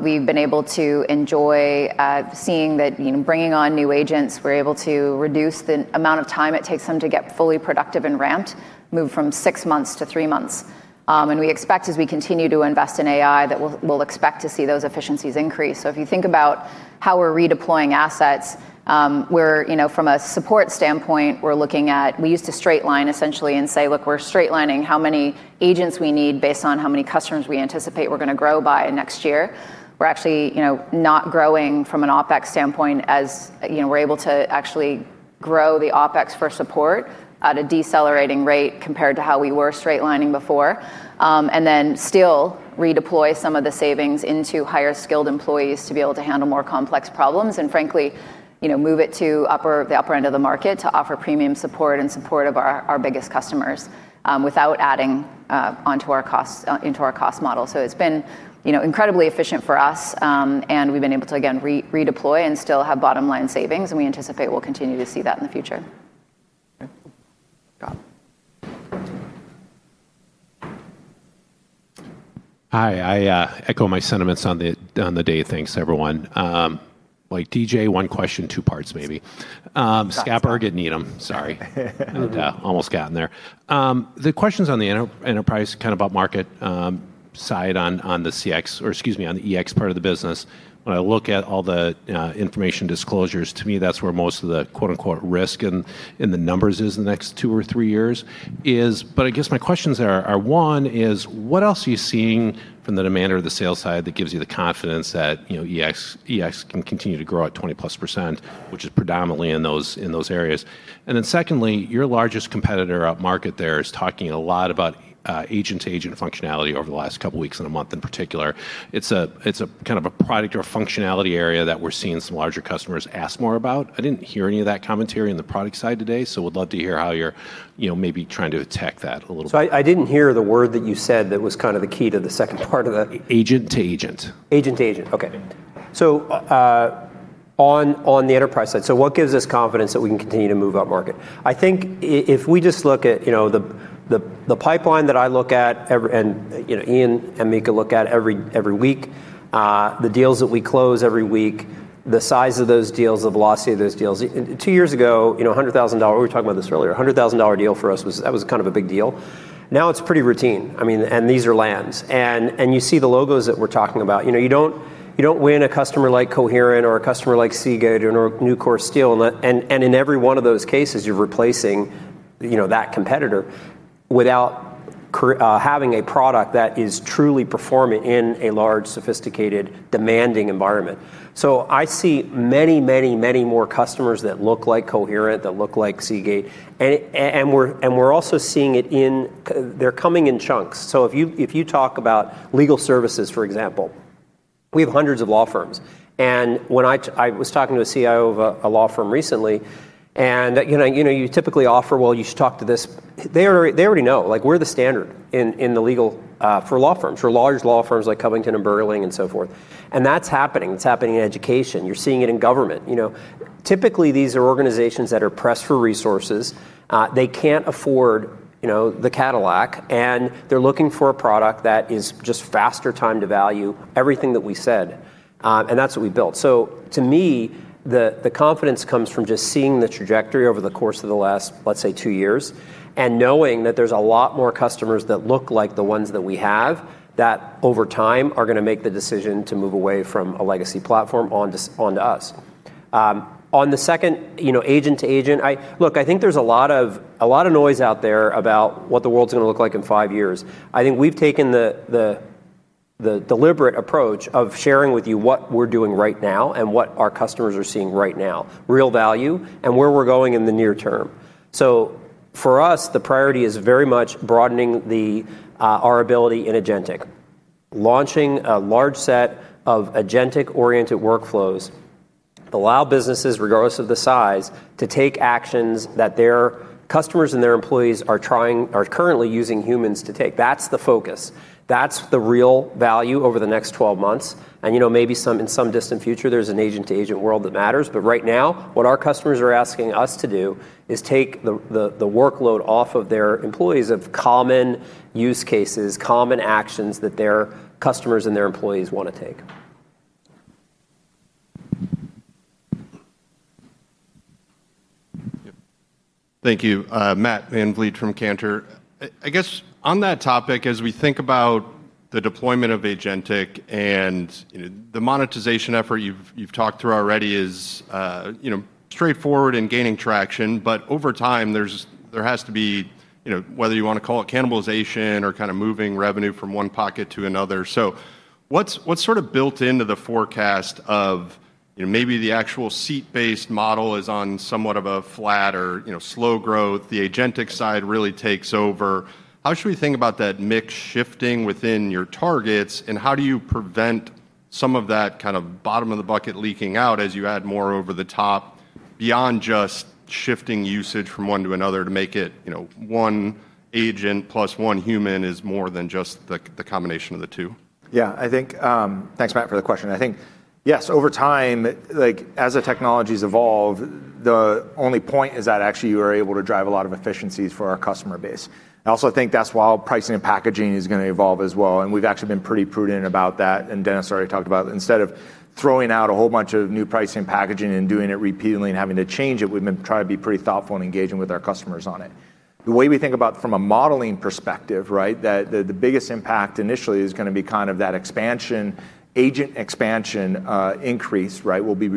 We've been able to enjoy seeing that bringing on new agents, we're able to reduce the amount of time it takes them to get fully productive and ramped, move from six months to three months. We expect, as we continue to invest in AI, that we'll expect to see those efficiencies increase. If you think about how we're redeploying assets, from a support standpoint, we used to straight line essentially and say, look, we're straight lining how many agents we need based on how many customers we anticipate we're going to grow by next year. We're actually not growing from an OpEx standpoint as we're able to actually grow the OpEx for support at a decelerating rate compared to how we were straight lining before. We still redeploy some of the savings into higher skilled employees to be able to handle more complex problems and, frankly, move it to the upper end of the market to offer premium support and support of our biggest customers, without adding onto our costs, into our cost model. It's been incredibly efficient for us. We've been able to, again, redeploy and still have bottom line savings, and we anticipate we'll continue to see that in the future. Hi, I echo my sentiments on the day. Thanks, everyone. Like DJ, one question, two parts, maybe. Sorry. I almost got in there. The question's on the enterprise kind of up market side on the EX part of the business. When I look at all the information disclosures, to me, that's where most of the "risk" in the numbers is in the next two or three years. I guess my questions are, one is what else are you seeing from the demand or the sales side that gives you the confidence that, you know, EX can continue to grow at 20%+, which is predominantly in those areas. Secondly, your largest competitor up market there is talking a lot about agent-to-agent functionality over the last couple of weeks and a month in particular. It's a kind of a product or functionality area that we're seeing some larger customers ask more about. I didn't hear any of that commentary in the product side today. We'd love to hear how you're, you know, maybe trying to attack that a little bit. I didn't hear the word that you said that was kind of the key to the second part of that. Agent to agent. Agent to agent. On the enterprise side, what gives us confidence that we can continue to move up market? If we just look at the pipeline that I look at every, and Ian and Mika look at every week, the deals that we close every week, the size of those deals, the velocity of those deals. Two years ago, $100,000, we were talking about this earlier, $100,000 deal for us was, that was kind of a big deal. Now it's pretty routine. I mean, and these are lands. You see the logos that we're talking about. You don't win a customer like Coherent or a customer like Seagate or Nucor Steel, and in every one of those cases, you're replacing that competitor without having a product that is truly performing in a large, sophisticated, demanding environment. I see many more customers that look like Coherent, that look like Seagate. We're also seeing it in, they're coming in chunks. If you talk about legal services, for example, we have hundreds of law firms. When I was talking to a CIO of a law firm recently, and you typically offer, well, you should talk to this. They already know, like we're the standard in the legal for law firms, for large law firms like Covington & Burling and so forth. That's happening. It's happening in education. You're seeing it in government. Typically these are organizations that are pressed for resources. They can't afford the Cadillac, and they're looking for a product that is just faster time to value, everything that we said. That's what we built. To me, the confidence comes from just seeing the trajectory over the course of the last, let's say, two years, and knowing that there's a lot more customers that look like the ones that we have that over time are going to make the decision to move away from a legacy platform onto us. On the second, agent to agent, I think there's a lot of noise out there about what the world's going to look like in five years. I think we've taken the deliberate approach of sharing with you what we're doing right now and what our customers are seeing right now, real value, and where we're going in the near term. For us, the priority is very much broadening our ability in agentic, launching a large set of agentic-oriented workflows that allow businesses, regardless of the size, to take actions that their customers and their employees are currently using humans to take. That's the focus. That's the real value over the next 12 months. Maybe in some distant future, there's an agent-to-agent world that matters. Right now, what our customers are asking us to do is take the workload off of their employees of common use cases, common actions that their customers and their employees want to take. Thank you, Matt VanVliet from Kanter. I guess on that topic, as we think about the deployment of agentic and the monetization effort you've talked through already, it is straightforward and gaining traction, but over time, there has to be, whether you want to call it cannibalization or kind of moving revenue from one pocket to another. What's sort of built into the forecast of maybe the actual seat-based model is on somewhat of a flat or slow growth. The agentic side really takes over. How should we think about that mix shifting within your targets? How do you prevent some of that kind of bottom of the bucket leaking out as you add more over the top, beyond just shifting usage from one to another to make it one agent plus one human is more than just the combination of the two? Yeah, I think, thanks Matt for the question. I think, yes, over time, as the technologies evolve, the only point is that actually you are able to drive a lot of efficiencies for our customer base. I also think that's why pricing and packaging is going to evolve as well. We've actually been pretty prudent about that. Dennis already talked about instead of throwing out a whole bunch of new pricing and packaging and doing it repeatedly and having to change it, we've been trying to be pretty thoughtful and engaging with our customers on it. The way we think about it from a modeling perspective, the biggest impact initially is going to be kind of that expansion, agent expansion, increase, will be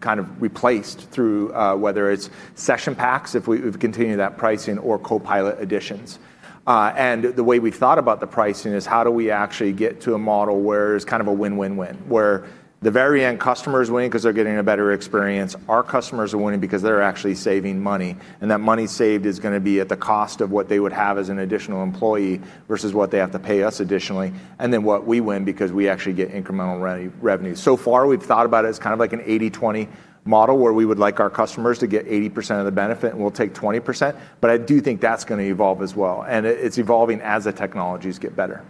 kind of replaced through, whether it's session packs, if we've continued that pricing or copilot additions. The way we've thought about the pricing is how do we actually get to a model where it's kind of a win-win-win, where the very end customers win because they're getting a better experience. Our customers are winning because they're actually saving money. That money saved is going to be at the cost of what they would have as an additional employee versus what they have to pay us additionally. We win because we actually get incremental revenue. So far we've thought about it as kind of like an 80-20 model where we would like our customers to get 80% of the benefit and we'll take 20%. I do think that's going to evolve as well. It's evolving as the technologies get better.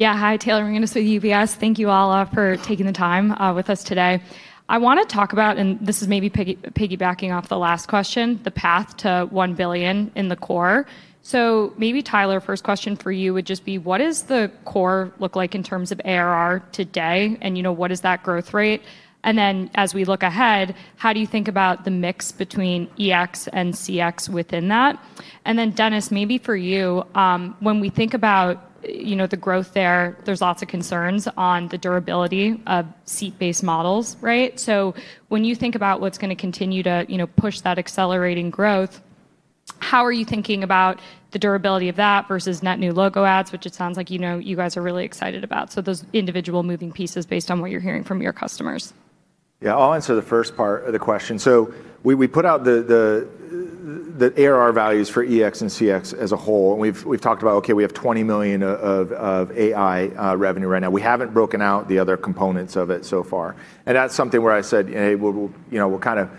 Yeah. Hi, Taylor McGinnis of UBS. Thank you all for taking the time with us today. I want to talk about, and this is maybe piggybacking off the last question, the path to $1 billion in the core. Maybe Tyler, first question for you would just be, what does the core look like in terms of ARR today? What is that growth rate? As we look ahead, how do you think about the mix between EX and CX within that? Dennis, maybe for you, when we think about the growth there, there's lots of concerns on the durability of seat-based models, right? When you think about what's going to continue to push that accelerating growth, how are you thinking about the durability of that versus net new logo adds, which it sounds like you guys are really excited about. Those individual moving pieces based on what you're hearing from your customers. Yeah, I'll answer the first part of the question. We put out the ARR values for EX and CX as a whole, and we've talked about, okay, we have $20 million of AI revenue right now. We haven't broken out the other components of it so far. That's something where I said, you know, we'll kind of,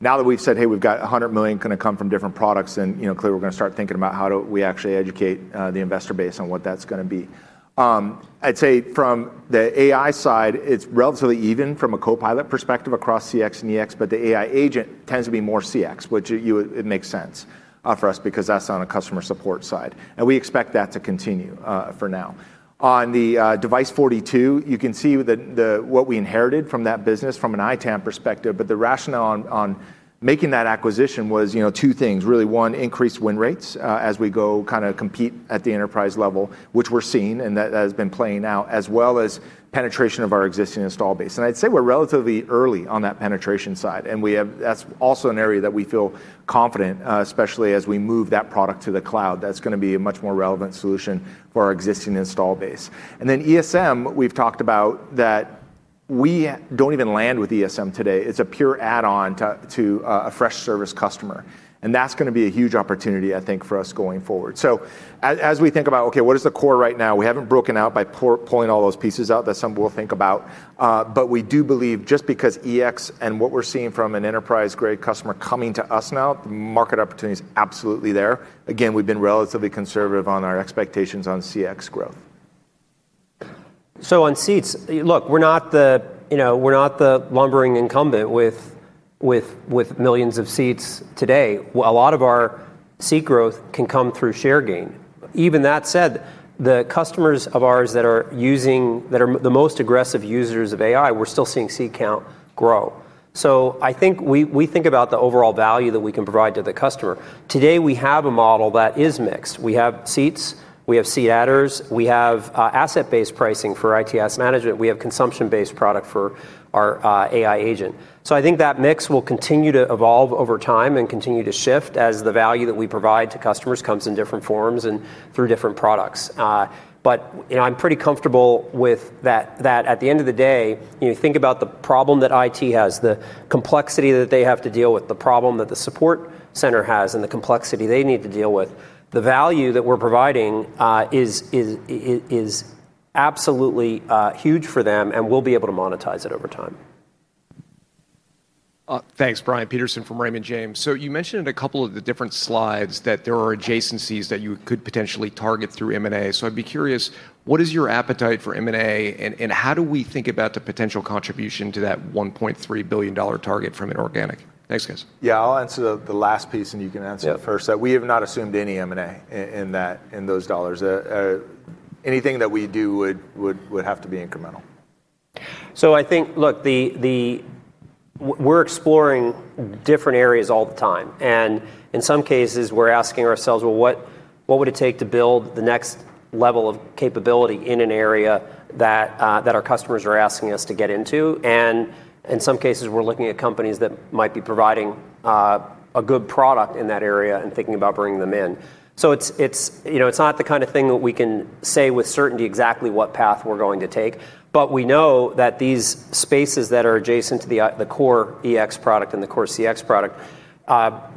now that we've said, hey, we've got $100 million going to come from different products, and you know, clearly we're going to start thinking about how do we actually educate the investor base on what that's going to be. I'd say from the AI side, it's relatively even from a copilot perspective across CX and EX, but the AI agent tends to be more CX, which makes sense for us because that's on a customer support side. We expect that to continue for now. On the Device42, you can see what we inherited from that business from an ITAM perspective, but the rationale on making that acquisition was two things really. One, increased win rates as we go kind of compete at the enterprise level, which we're seeing, and that has been playing out, as well as penetration of our existing install base. I'd say we're relatively early on that penetration side. We have, that's also an area that we feel confident, especially as we move that product to the cloud. That's going to be a much more relevant solution for our existing install base. ESM, we've talked about that we don't even land with ESM today. It's a pure add-on to a Freshservice customer, and that's going to be a huge opportunity, I think, for us going forward. As we think about, okay, what is the core right now, we haven't broken out by pulling all those pieces out that some will think about. We do believe just because EX and what we're seeing from an enterprise-grade customer coming to us now, the market opportunity is absolutely there. We've been relatively conservative on our expectations on CX growth. On seats, look, we're not the, you know, we're not the lumbering incumbent with millions of seats today. A lot of our seat growth can come through share gain. Even that said, the customers of ours that are using, that are the most aggressive users of AI, we're still seeing seat count grow. I think we think about the overall value that we can provide to the customer. Today, we have a model that is mixed. We have seats, we have seat adders, we have asset-based pricing for IT asset management. We have consumption-based product for our AI agent. I think that mix will continue to evolve over time and continue to shift as the value that we provide to customers comes in different forms and through different products. You know, I'm pretty comfortable with that, that at the end of the day, you know, you think about the problem that IT has, the complexity that they have to deal with, the problem that the support center has, and the complexity they need to deal with. The value that we're providing is absolutely huge for them, and we'll be able to monetize it over time. Thanks, Brian Peterson from Raymond James. You mentioned in a couple of the different slides that there are adjacencies that you could potentially target through M&A. I'd be curious, what is your appetite for M&A, and how do we think about the potential contribution to that $1.3 billion target from an organic? Thanks, guys. I'll answer the last piece, and you can answer the first. We have not assumed any M&A in those dollars. Anything that we do would have to be incremental. I think, look, we're exploring different areas all the time. In some cases, we're asking ourselves, what would it take to build the next level of capability in an area that our customers are asking us to get into? In some cases, we're looking at companies that might be providing a good product in that area and thinking about bringing them in. It's not the kind of thing that we can say with certainty exactly what path we're going to take, but we know that these spaces that are adjacent to the core EX product and the core CX product are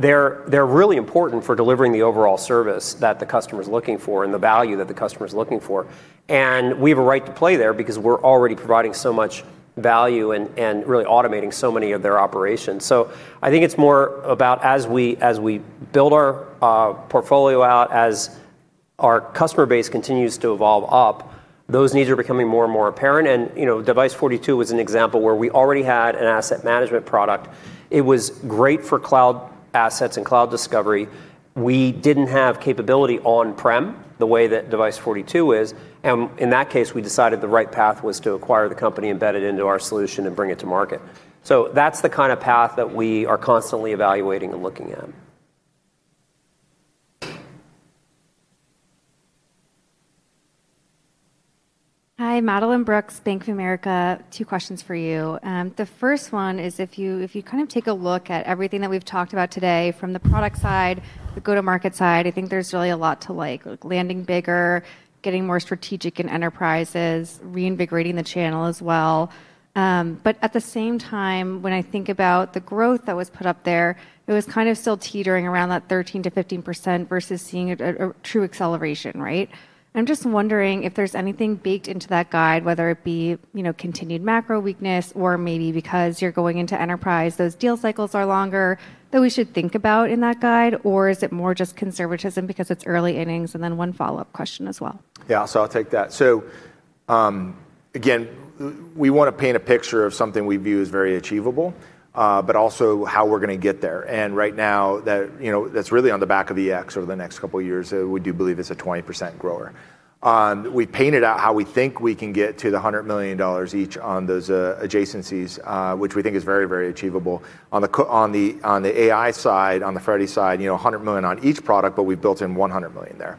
really important for delivering the overall service that the customer is looking for and the value that the customer is looking for. We have a right to play there because we're already providing so much value and really automating so many of their operations. I think it's more about as we build our portfolio out, as our customer base continues to evolve up, those needs are becoming more and more apparent. Device42 was an example where we already had an IT asset management product. It was great for cloud assets and cloud discovery. We didn't have capability on-prem the way that Device42 is. In that case, we decided the right path was to acquire the company, embed it into our solution, and bring it to market. That's the kind of path that we are constantly evaluating and looking at. Hi, Madeline Brooks, Bank of America. Two questions for you. The first one is if you kind of take a look at everything that we've talked about today from the product side, the go-to-market side, I think there's really a lot to like, landing bigger, getting more strategic in enterprises, reinvigorating the channel as well. At the same time, when I think about the growth that was put up there, it was kind of still teetering around that 13%-15% versus seeing a true acceleration, right? I'm just wondering if there's anything baked into that guide, whether it be, you know, continued macro weakness or maybe because you're going into enterprise, those deal cycles are longer that we should think about in that guide, or is it more just conservatism because it's early innings? Then one follow-up question as well. Yeah, I'll take that. We want to paint a picture of something we view as very achievable, but also how we're going to get there. Right now, that's really on the back of the EX over the next couple of years. We do believe it's a 20% growth. We painted out how we think we can get to the $100 million each on those adjacencies, which we think is very, very achievable. On the AI side, on the Freddy side, $100 million on each product, but we built in $100 million there.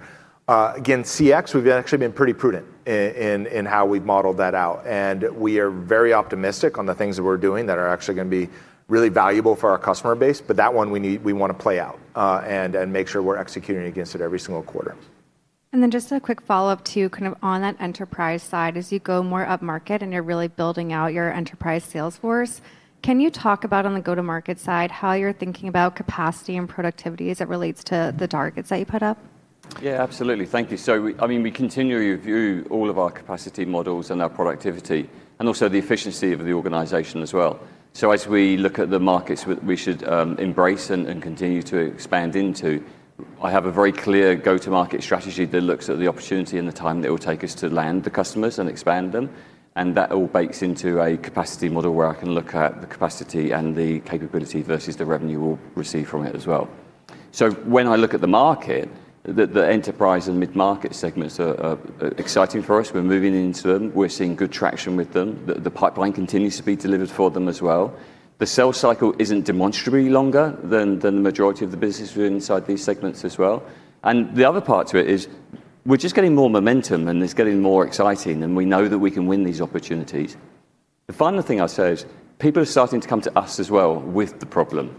CX, we've actually been pretty prudent in how we've modeled that out. We are very optimistic on the things that we're doing that are actually going to be really valuable for our customer base, but that one we want to play out and make sure we're executing against it every single quarter. Just a quick follow-up to kind of on that enterprise side, as you go more up market and you're really building out your enterprise sales force, can you talk about on the go-to-market side how you're thinking about capacity and productivity as it relates to the targets that you put up? Yeah, absolutely. Thank you. We continually review all of our capacity models and our productivity and also the efficiency of the organization as well. As we look at the markets we should embrace and continue to expand into, I have a very clear go-to-market strategy that looks at the opportunity and the time that it will take us to land the customers and expand them. That all bakes into a capacity model where I can look at the capacity and the capability versus the revenue we'll receive from it as well. When I look at the market, the enterprise and mid-market segments are exciting for us. We're moving into them. We're seeing good traction with them. The pipeline continues to be delivered for them as well. The sales cycle isn't demonstrably longer than the majority of the businesses inside these segments as well. The other part to it is we're just getting more momentum and it's getting more exciting and we know that we can win these opportunities. The final thing I'll say is people are starting to come to us as well with the problem.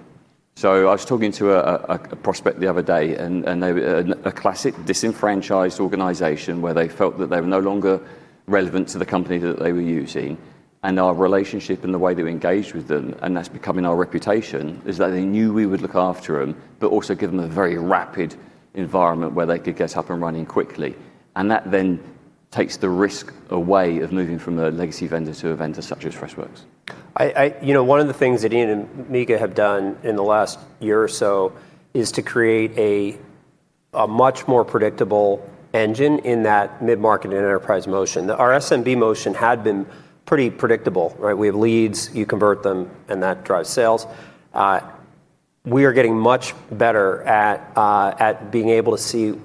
I was talking to a prospect the other day and a classic disenfranchised organization where they felt that they were no longer relevant to the company that they were using. Our relationship and the way they were engaged with them, and that's becoming our reputation, is that they knew we would look after them, but also give them a very rapid environment where they could get up and running quickly. That then takes the risk away of moving from a legacy vendor to a vendor such as Freshworks. One of the things that Ian and Mika have done in the last year or so is to create a much more predictable engine in that mid-market and enterprise motion. Our SMB motion had been pretty predictable, right? We have leads, you convert them, and that drives sales. We are getting much better at being able to see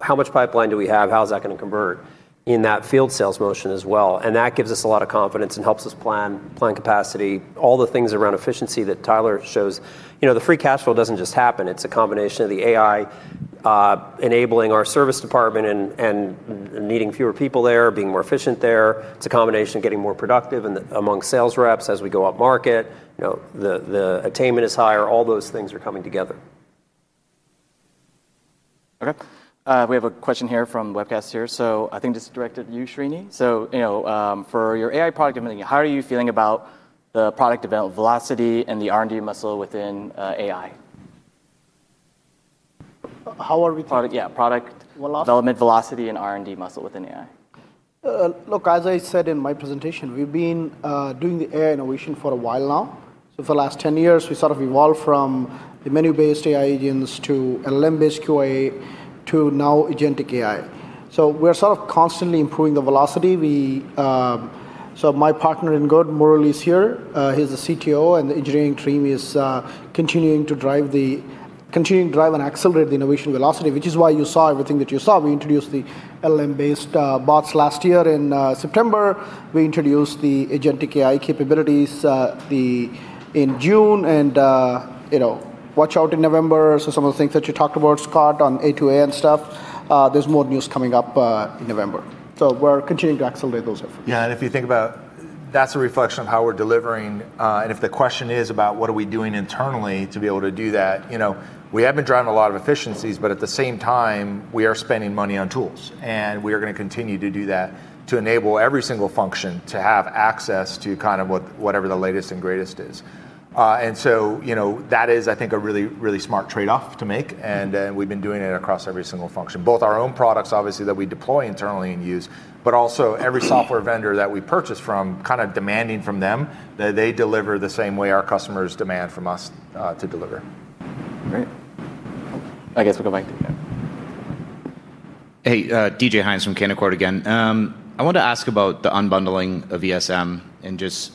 how much pipeline do we have, how is that going to convert in that field sales motion as well. That gives us a lot of confidence and helps us plan capacity, all the things around efficiency that Tyler shows. The free cash flow doesn't just happen. It's a combination of the AI, enabling our service department and needing fewer people there, being more efficient there. It's a combination of getting more productive and among sales reps as we go up market. The attainment is higher. All those things are coming together. Okay. We have a question here from webcast here. I think just directed to you, Srini. For your AI product and everything, how are you feeling about the product development velocity and the R&D muscle within AI? How are we? Product development velocity and R&D muscle within AI. Look, as I said in my presentation, we've been doing the AI innovation for a while now. For the last 10 years, we sort of evolved from the menu-based AI agents to LLM-based QA to now agentic AI. We're sort of constantly improving the velocity. My partner in good, Murali, is here. He's the CTO, and the engineering team is continuing to drive and accelerate the innovation velocity, which is why you saw everything that you saw. We introduced the LLM-based bots last year in September. We introduced the agentic AI capabilities in June, and you know, watch out in November. Some of the things that you talked about, Scott, on A2A and stuff, there's more news coming up in November. We're continuing to accelerate those efforts. Yeah, and if you think about it, that's a reflection on how we're delivering. If the question is about what are we doing internally to be able to do that, you know, we have been drawing a lot of efficiencies, but at the same time, we are spending money on tools, and we are going to continue to do that to enable every single function to have access to kind of whatever the latest and greatest is. That is, I think, a really, really smart trade-off to make, and we've been doing it across every single function, both our own products, obviously, that we deploy internally and use, but also every software vendor that we purchase from, kind of demanding from them that they deliver the same way our customers demand from us to deliver. Great. I guess we'll go back to the guy. Hey, DJ Hines from Canaccord again. I wanted to ask about the unbundling of ESM and just,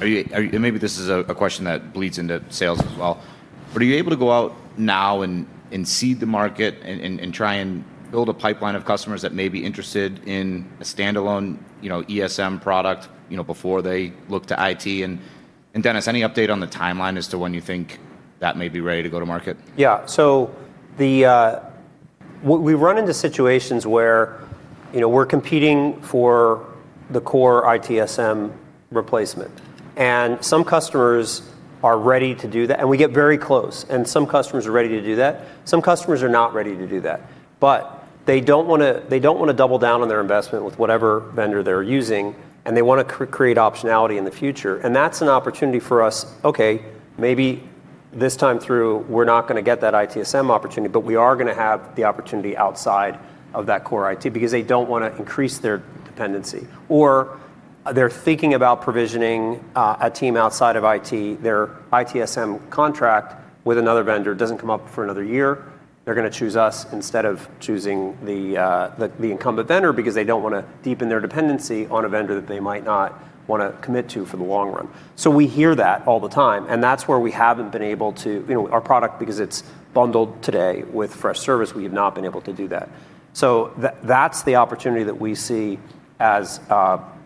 are you, and maybe this is a question that bleeds into sales as well, are you able to go out now and seed the market and try and build a pipeline of customers that may be interested in a standalone ESM product before they look to IT? Dennis, any update on the timeline as to when you think that may be ready to go to market? Yeah, so we run into situations where, you know, we're competing for the core ITSM replacement, and some customers are ready to do that, and we get very close, and some customers are ready to do that. Some customers are not ready to do that, but they don't want to double down on their investment with whatever vendor they're using, and they want to create optionality in the future. That's an opportunity for us. Okay, maybe this time through, we're not going to get that ITSM opportunity, but we are going to have the opportunity outside of that core IT because they don't want to increase their dependency, or they're thinking about provisioning a team outside of IT. Their ITSM contract with another vendor doesn't come up for another year. They're going to choose us instead of choosing the incumbent vendor because they don't want to deepen their dependency on a vendor that they might not want to commit to for the long run. We hear that all the time, and that's where we haven't been able to, you know, our product, because it's bundled today with Freshservice, we have not been able to do that. That's the opportunity that we see as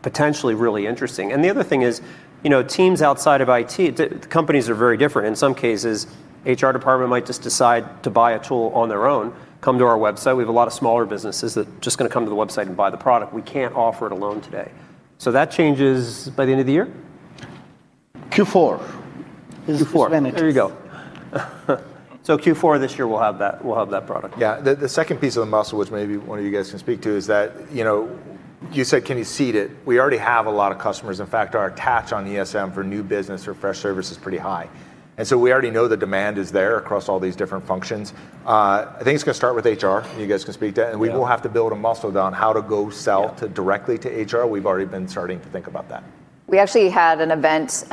potentially really interesting. The other thing is, you know, teams outside of IT, companies are very different. In some cases, the HR department might just decide to buy a tool on their own, come to our website. We have a lot of smaller businesses that are just going to come to the website and buy the product. We can't offer it alone today. That changes by the end of the year? Q4. Q4 this year, we'll have that, we'll have that product. Yeah, the second piece of the muscle, which maybe one of you guys can speak to, is that, you know, you said, can you seed it? We already have a lot of customers. In fact, our attach on ESM for new business or Freshservice is pretty high. We already know the demand is there across all these different functions. I think it's going to start with HR. You guys can speak to that. We will have to build a muscle down how to go sell directly to HR. We've already been starting to think about that. We actually had an event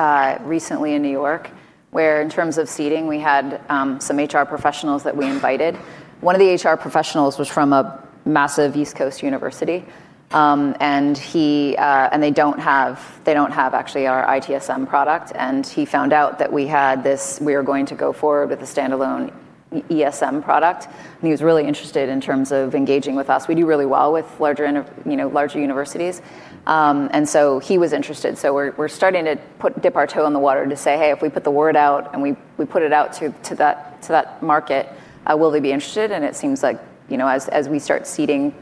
recently in New York where, in terms of seeding, we had some HR professionals that we invited. One of the HR professionals was from a massive East Coast university, and they don't have our ITSM product. He found out that we were going to go forward with a standalone ESM product, and he was really interested in terms of engaging with us. We do really well with larger universities, and he was interested. We're starting to dip our toe in the water to say, hey, if we put the word out and we put it out to that market, will they be interested? It seems like, as we start seeding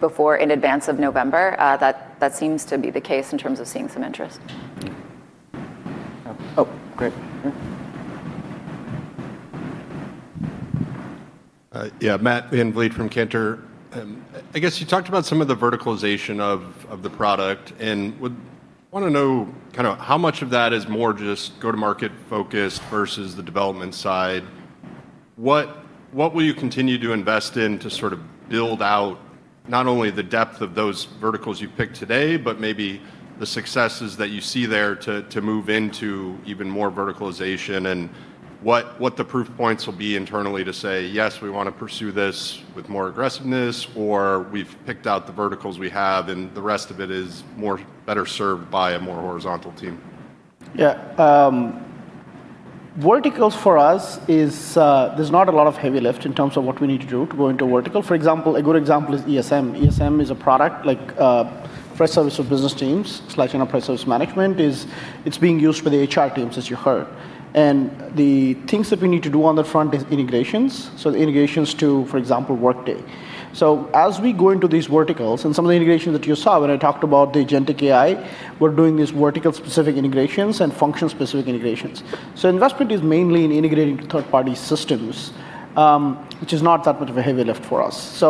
before, in advance of November, that seems to be the case in terms of seeing some interest. Oh, great. Yeah. Yeah, Matt, [Ian] from Cantor. I guess you talked about some of the verticalization of the product, and I want to know kind of how much of that is more just go-to-market focused versus the development side. What will you continue to invest in to sort of build out not only the depth of those verticals you picked today, but maybe the successes that you see there to move into even more verticalization and what the proof points will be internally to say, yes, we want to pursue this with more aggressiveness, or we've picked out the verticals we have and the rest of it is more better served by a more horizontal team. Yeah, verticals for us is, there's not a lot of heavy lift in terms of what we need to do to go into vertical. For example, a good example is ESM. ESM is a product like Freshservice for business teams slash Enterprise Service Management. It's being used by the HR teams, as you heard. The things that we need to do on the front is integrations. The integrations to, for example, Workday. As we go into these verticals, and some of the integrations that you saw when I talked about the agentic AI, we're doing these vertical-specific integrations and function-specific integrations. Investment is mainly in integrating third-party systems, which is not that much of a heavy lift for us.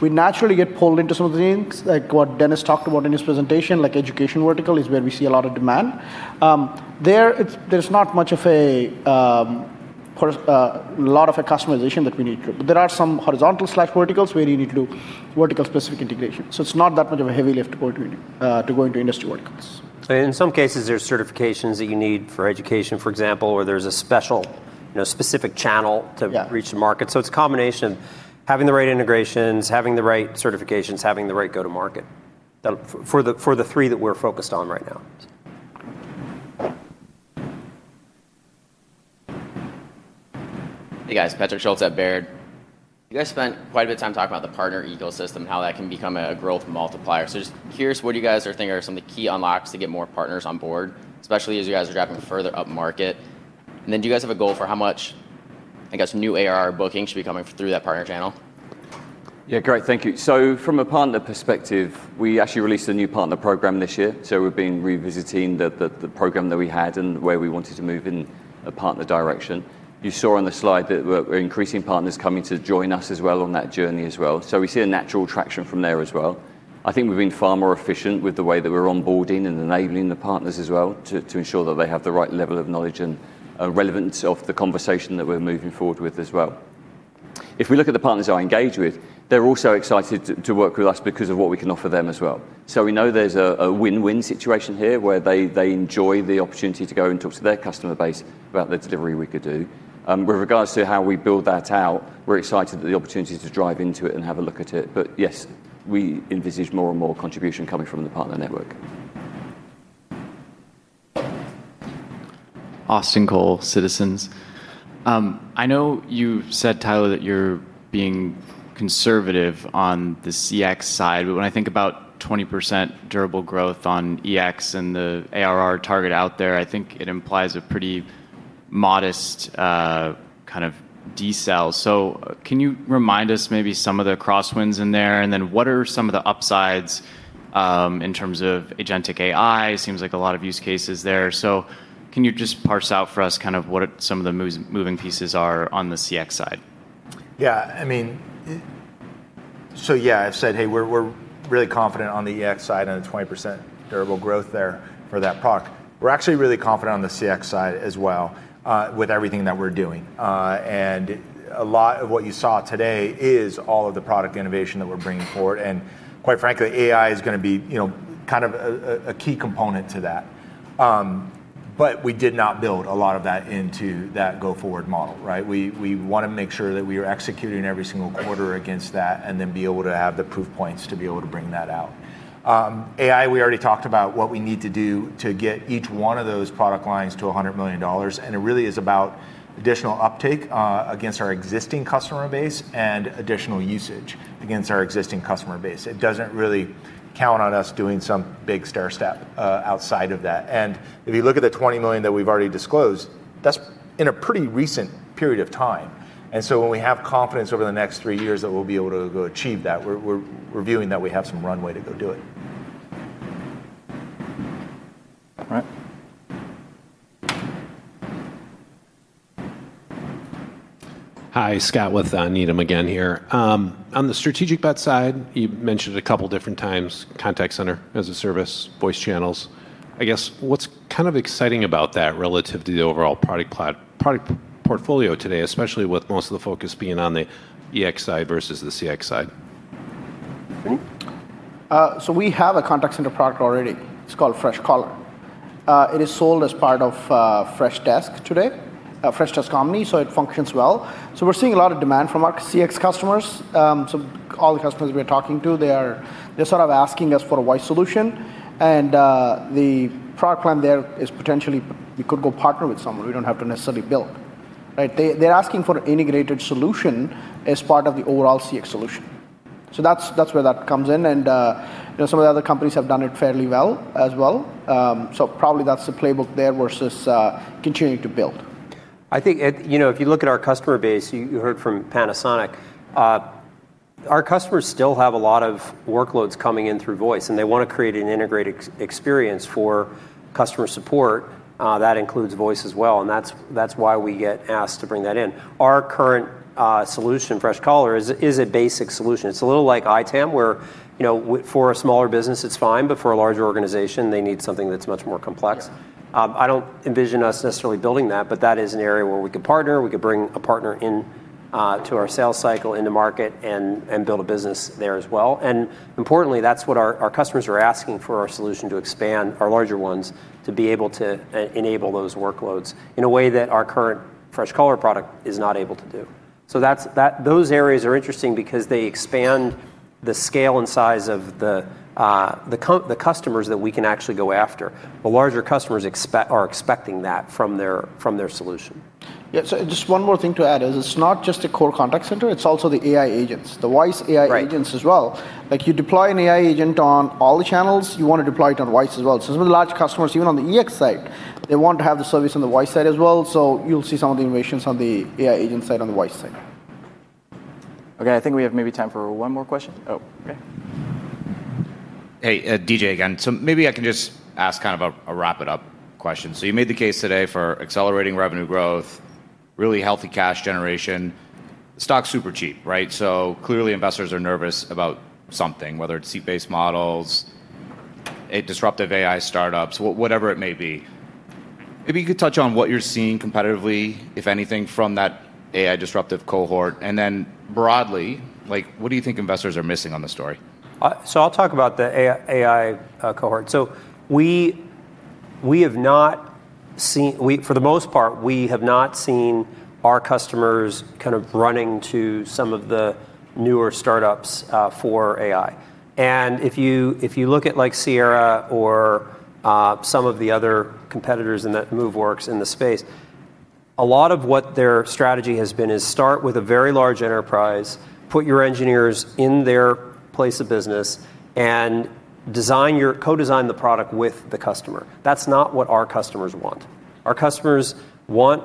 We naturally get pulled into some of the things, like what Dennis talked about in his presentation, like education vertical is where we see a lot of demand. There, it's, there's not much of a, a lot of a customization that we need to do. There are some horizontal slack verticals where you need to do vertical-specific integrations. It's not that much of a heavy lift to go into industry verticals. In some cases, there's certifications that you need for education, for example, or there's a special, you know, specific channel to reach the market. It's a combination of having the right integrations, having the right certifications, having the right go-to-market. That'll, for the three that we're focused on right now. Hey guys, Patrick Schultz at Baird. You guys spent quite a bit of time talking about the partner ecosystem, how that can become a growth multiplier. What are some of the key unlocks to get more partners on board, especially as you guys are driving further up market? Do you have a goal for how much, I guess, new ARR booking should be coming through that partner channel? Yeah, great. Thank you. From a partner perspective, we actually released a new partner program this year. We've been revisiting the program that we had and where we wanted to move in a partner direction. You saw on the slide that we're increasing partners coming to join us as well on that journey. We see a natural traction from there as well. I think we've been far more efficient with the way that we're onboarding and enabling the partners to ensure that they have the right level of knowledge and relevance of the conversation that we're moving forward with. If we look at the partners that are engaged with, they're also excited to work with us because of what we can offer them. We know there's a win-win situation here where they enjoy the opportunity to go and talk to their customer base about the delivery we could do. With regards to how we build that out, we're excited at the opportunity to drive into it and have a look at it. Yes, we envisage more and more contribution coming from the partner network. Austin Cole, Citizens. I know you said, Tyler, that you're being conservative on the CX side, but when I think about 20% durable growth on EX and the ARR target out there, I think it implies a pretty modest, kind of decel. Can you remind us maybe some of the crosswinds in there? What are some of the upsides, in terms of agentic AI? It seems like a lot of use cases there. Can you just parse out for us kind of what some of the moving pieces are on the CX side? Yeah, I mean, I've said, hey, we're really confident on the EX side and the 20% durable growth there for that product. We're actually really confident on the CX side as well, with everything that we're doing. A lot of what you saw today is all of the product innovation that we're bringing forward. Quite frankly, AI is going to be, you know, kind of a key component to that. We did not build a lot of that into that go-forward model, right? We want to make sure that we are executing every single quarter against that and then be able to have the proof points to be able to bring that out. AI, we already talked about what we need to do to get each one of those product lines to $100 million. It really is about additional uptake against our existing customer base and additional usage against our existing customer base. It doesn't really count on us doing some big stair step outside of that. If you look at the $20 million that we've already disclosed, that's in a pretty recent period of time. When we have confidence over the next three years that we'll be able to go achieve that, we're reviewing that we have some runway to go do it. Hi, Scott with Needham again here. On the strategic but side, you mentioned a couple of different times, contact center as a service, voice channels. I guess what's kind of exciting about that relative to the overall product portfolio today, especially with most of the focus being on the EX side versus the CX side? We have a contact center product already. It's called Freshcaller. It is sold as part of Freshdesk today, Freshdesk Omni. It functions well. We're seeing a lot of demand from our CX customers. All the customers we're talking to, they're sort of asking us for a voice solution. The product plan there is potentially we could go partner with someone. We don't have to necessarily build, right? They're asking for an integrated solution as part of the overall CX solution. That's where that comes in. Some of the other companies have done it fairly well as well. Probably that's the playbook there versus continuing to build. I think, you know, if you look at our customer base, you heard from Panasonic, our customers still have a lot of workloads coming in through voice, and they want to create an integrated experience for customer support that includes voice as well. That's why we get asked to bring that in. Our current solution, Freshcaller, is a basic solution. It's a little like ITAM, where, you know, for a smaller business, it's fine, but for a larger organization, they need something that's much more complex. I don't envision us necessarily building that, but that is an area where we could partner. We could bring a partner into our sales cycle, into market, and build a business there as well. Importantly, that's what our customers are asking for our solution to expand, our larger ones, to be able to enable those workloads in a way that our current Freshcaller product is not able to do. Those areas are interesting because they expand the scale and size of the customers that we can actually go after. The larger customers are expecting that from their solution. Yeah, just one more thing to add is it's not just a core contact center. It's also the AI agents, the voice AI agents as well. Like you deploy an AI agent on all the channels, you want to deploy it on voice as well. Some of the large customers, even on the EX side, want to have the service on the voice side as well. You'll see some of the innovations on the AI agent side on the voice side. Okay, I think we have maybe time for one more question. Okay. Hey, DJ again. Maybe I can just ask kind of a wrap it up question. You made the case today for accelerating revenue growth, really healthy cash generation, stock super cheap, right? Clearly investors are nervous about something, whether it's seat-based models, disruptive AI startups, whatever it may be. Maybe you could touch on what you're seeing competitively, if anything, from that AI disruptive cohort. Broadly, what do you think investors are missing on the story? I'll talk about the AI cohort. We have not seen, for the most part, our customers kind of running to some of the newer startups for AI. If you look at Sierra or some of the other competitors in that Moveworks in the space, a lot of what their strategy has been is start with a very large enterprise, put your engineers in their place of business, and co-design the product with the customer. That's not what our customers want. Our customers want,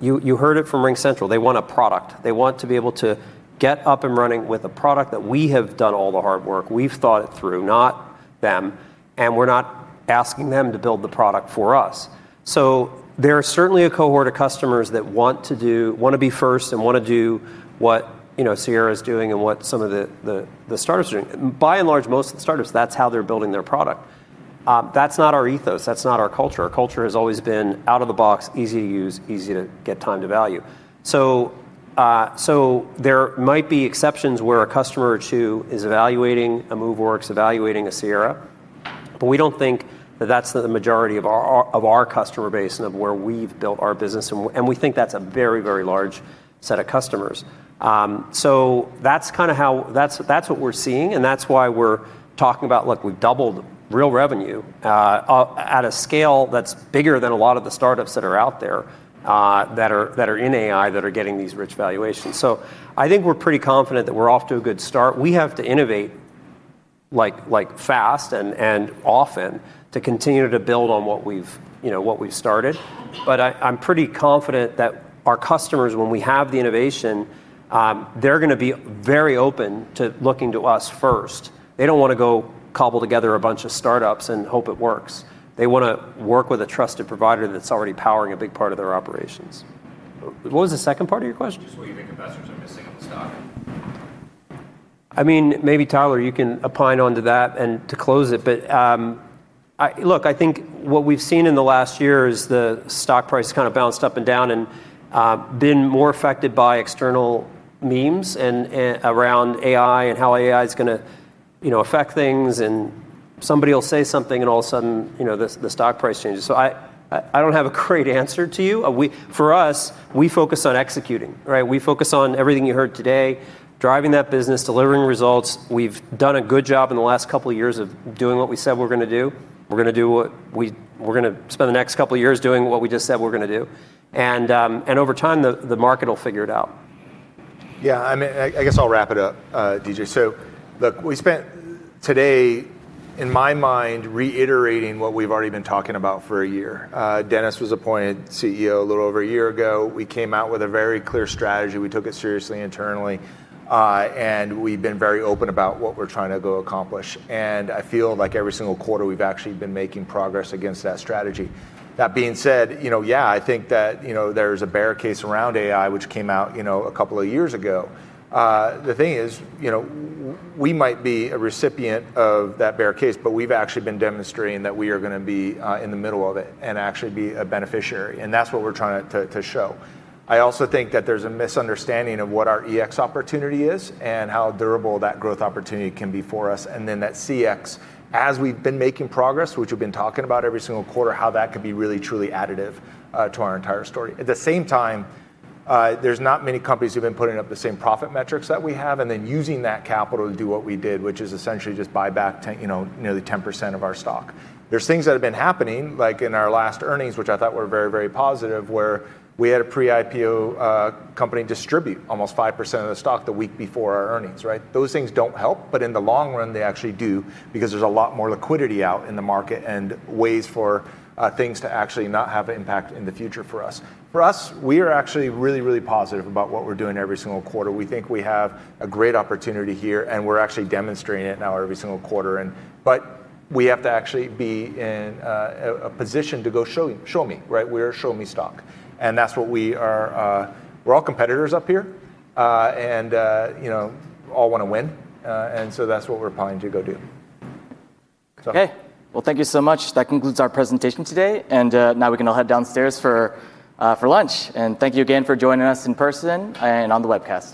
you heard it from RingCentral, they want a product. They want to be able to get up and running with a product that we have done all the hard work. We've thought it through, not them. We're not asking them to build the product for us. There is certainly a cohort of customers that want to be first and want to do what Sierra is doing and what some of the startups are doing. By and large, most of the startups, that's how they're building their product. That's not our ethos. That's not our culture. Our culture has always been out of the box, easy to use, easy to get time to value. There might be exceptions where a customer or two is evaluating a Moveworks, evaluating a Sierra, but we don't think that that's the majority of our customer base and of where we've built our business. We think that's a very, very large set of customers. That's what we're seeing. That's why we're talking about, look, we've doubled real revenue, at a scale that's bigger than a lot of the startups that are out there, that are in AI that are getting these rich valuations. I think we're pretty confident that we're off to a good start. We have to innovate, like fast and often to continue to build on what we've started. I'm pretty confident that our customers, when we have the innovation, they're going to be very open to looking to us first. They don't want to go cobble together a bunch of startups and hope it works. They want to work with a trusted provider that's already powering a big part of their operations. What was the second part of your question? What do you think investors are missing in the stock? I mean, maybe Tyler, you can opine on that to close it. Look, I think what we've seen in the last year is the stock price kind of bounced up and down and been more affected by external memes and around AI and how AI is going to, you know, affect things. Somebody will say something and all of a sudden, you know, the stock price changes. I don't have a great answer to you. For us, we focus on executing, right? We focus on everything you heard today, driving that business, delivering results. We've done a good job in the last couple of years of doing what we said we're going to do. We're going to spend the next couple of years doing what we just said we're going to do. Over time, the market will figure it out. Yeah, I mean, I guess I'll wrap it up, DJ. Look, we spent today, in my mind, reiterating what we've already been talking about for a year. Dennis was appointed CEO a little over a year ago. We came out with a very clear strategy. We took it seriously internally, and we've been very open about what we're trying to go accomplish. I feel like every single quarter we've actually been making progress against that strategy. That being said, I think that there's a bear case around AI, which came out a couple of years ago. The thing is, we might be a recipient of that bear case, but we've actually been demonstrating that we are going to be in the middle of it and actually be a beneficiary. That's what we're trying to show. I also think that there's a misunderstanding of what our EX opportunity is and how durable that growth opportunity can be for us. That CX, as we've been making progress, which we've been talking about every single quarter, how that could be really, truly additive to our entire story. At the same time, there's not many companies who've been putting up the same profit metrics that we have and then using that capital to do what we did, which is essentially just buy back nearly 10% of our stock. There are things that have been happening, like in our last earnings, which I thought were very, very positive, where we had a pre-IPO company distribute almost 5% of the stock the week before our earnings, right? Those things don't help, but in the long run, they actually do because there's a lot more liquidity out in the market and ways for things to actually not have an impact in the future for us. For us, we are actually really, really positive about what we're doing every single quarter. We think we have a great opportunity here, and we're actually demonstrating it now every single quarter. We have to actually be in a position to go show me, right? We're a show me stock. That's what we are, we're all competitors up here, and all want to win, and so that's what we're applying to go do. Okay, thank you so much. That concludes our presentation today. Now we can all head downstairs for lunch. Thank you again for joining us in person and on the webcast.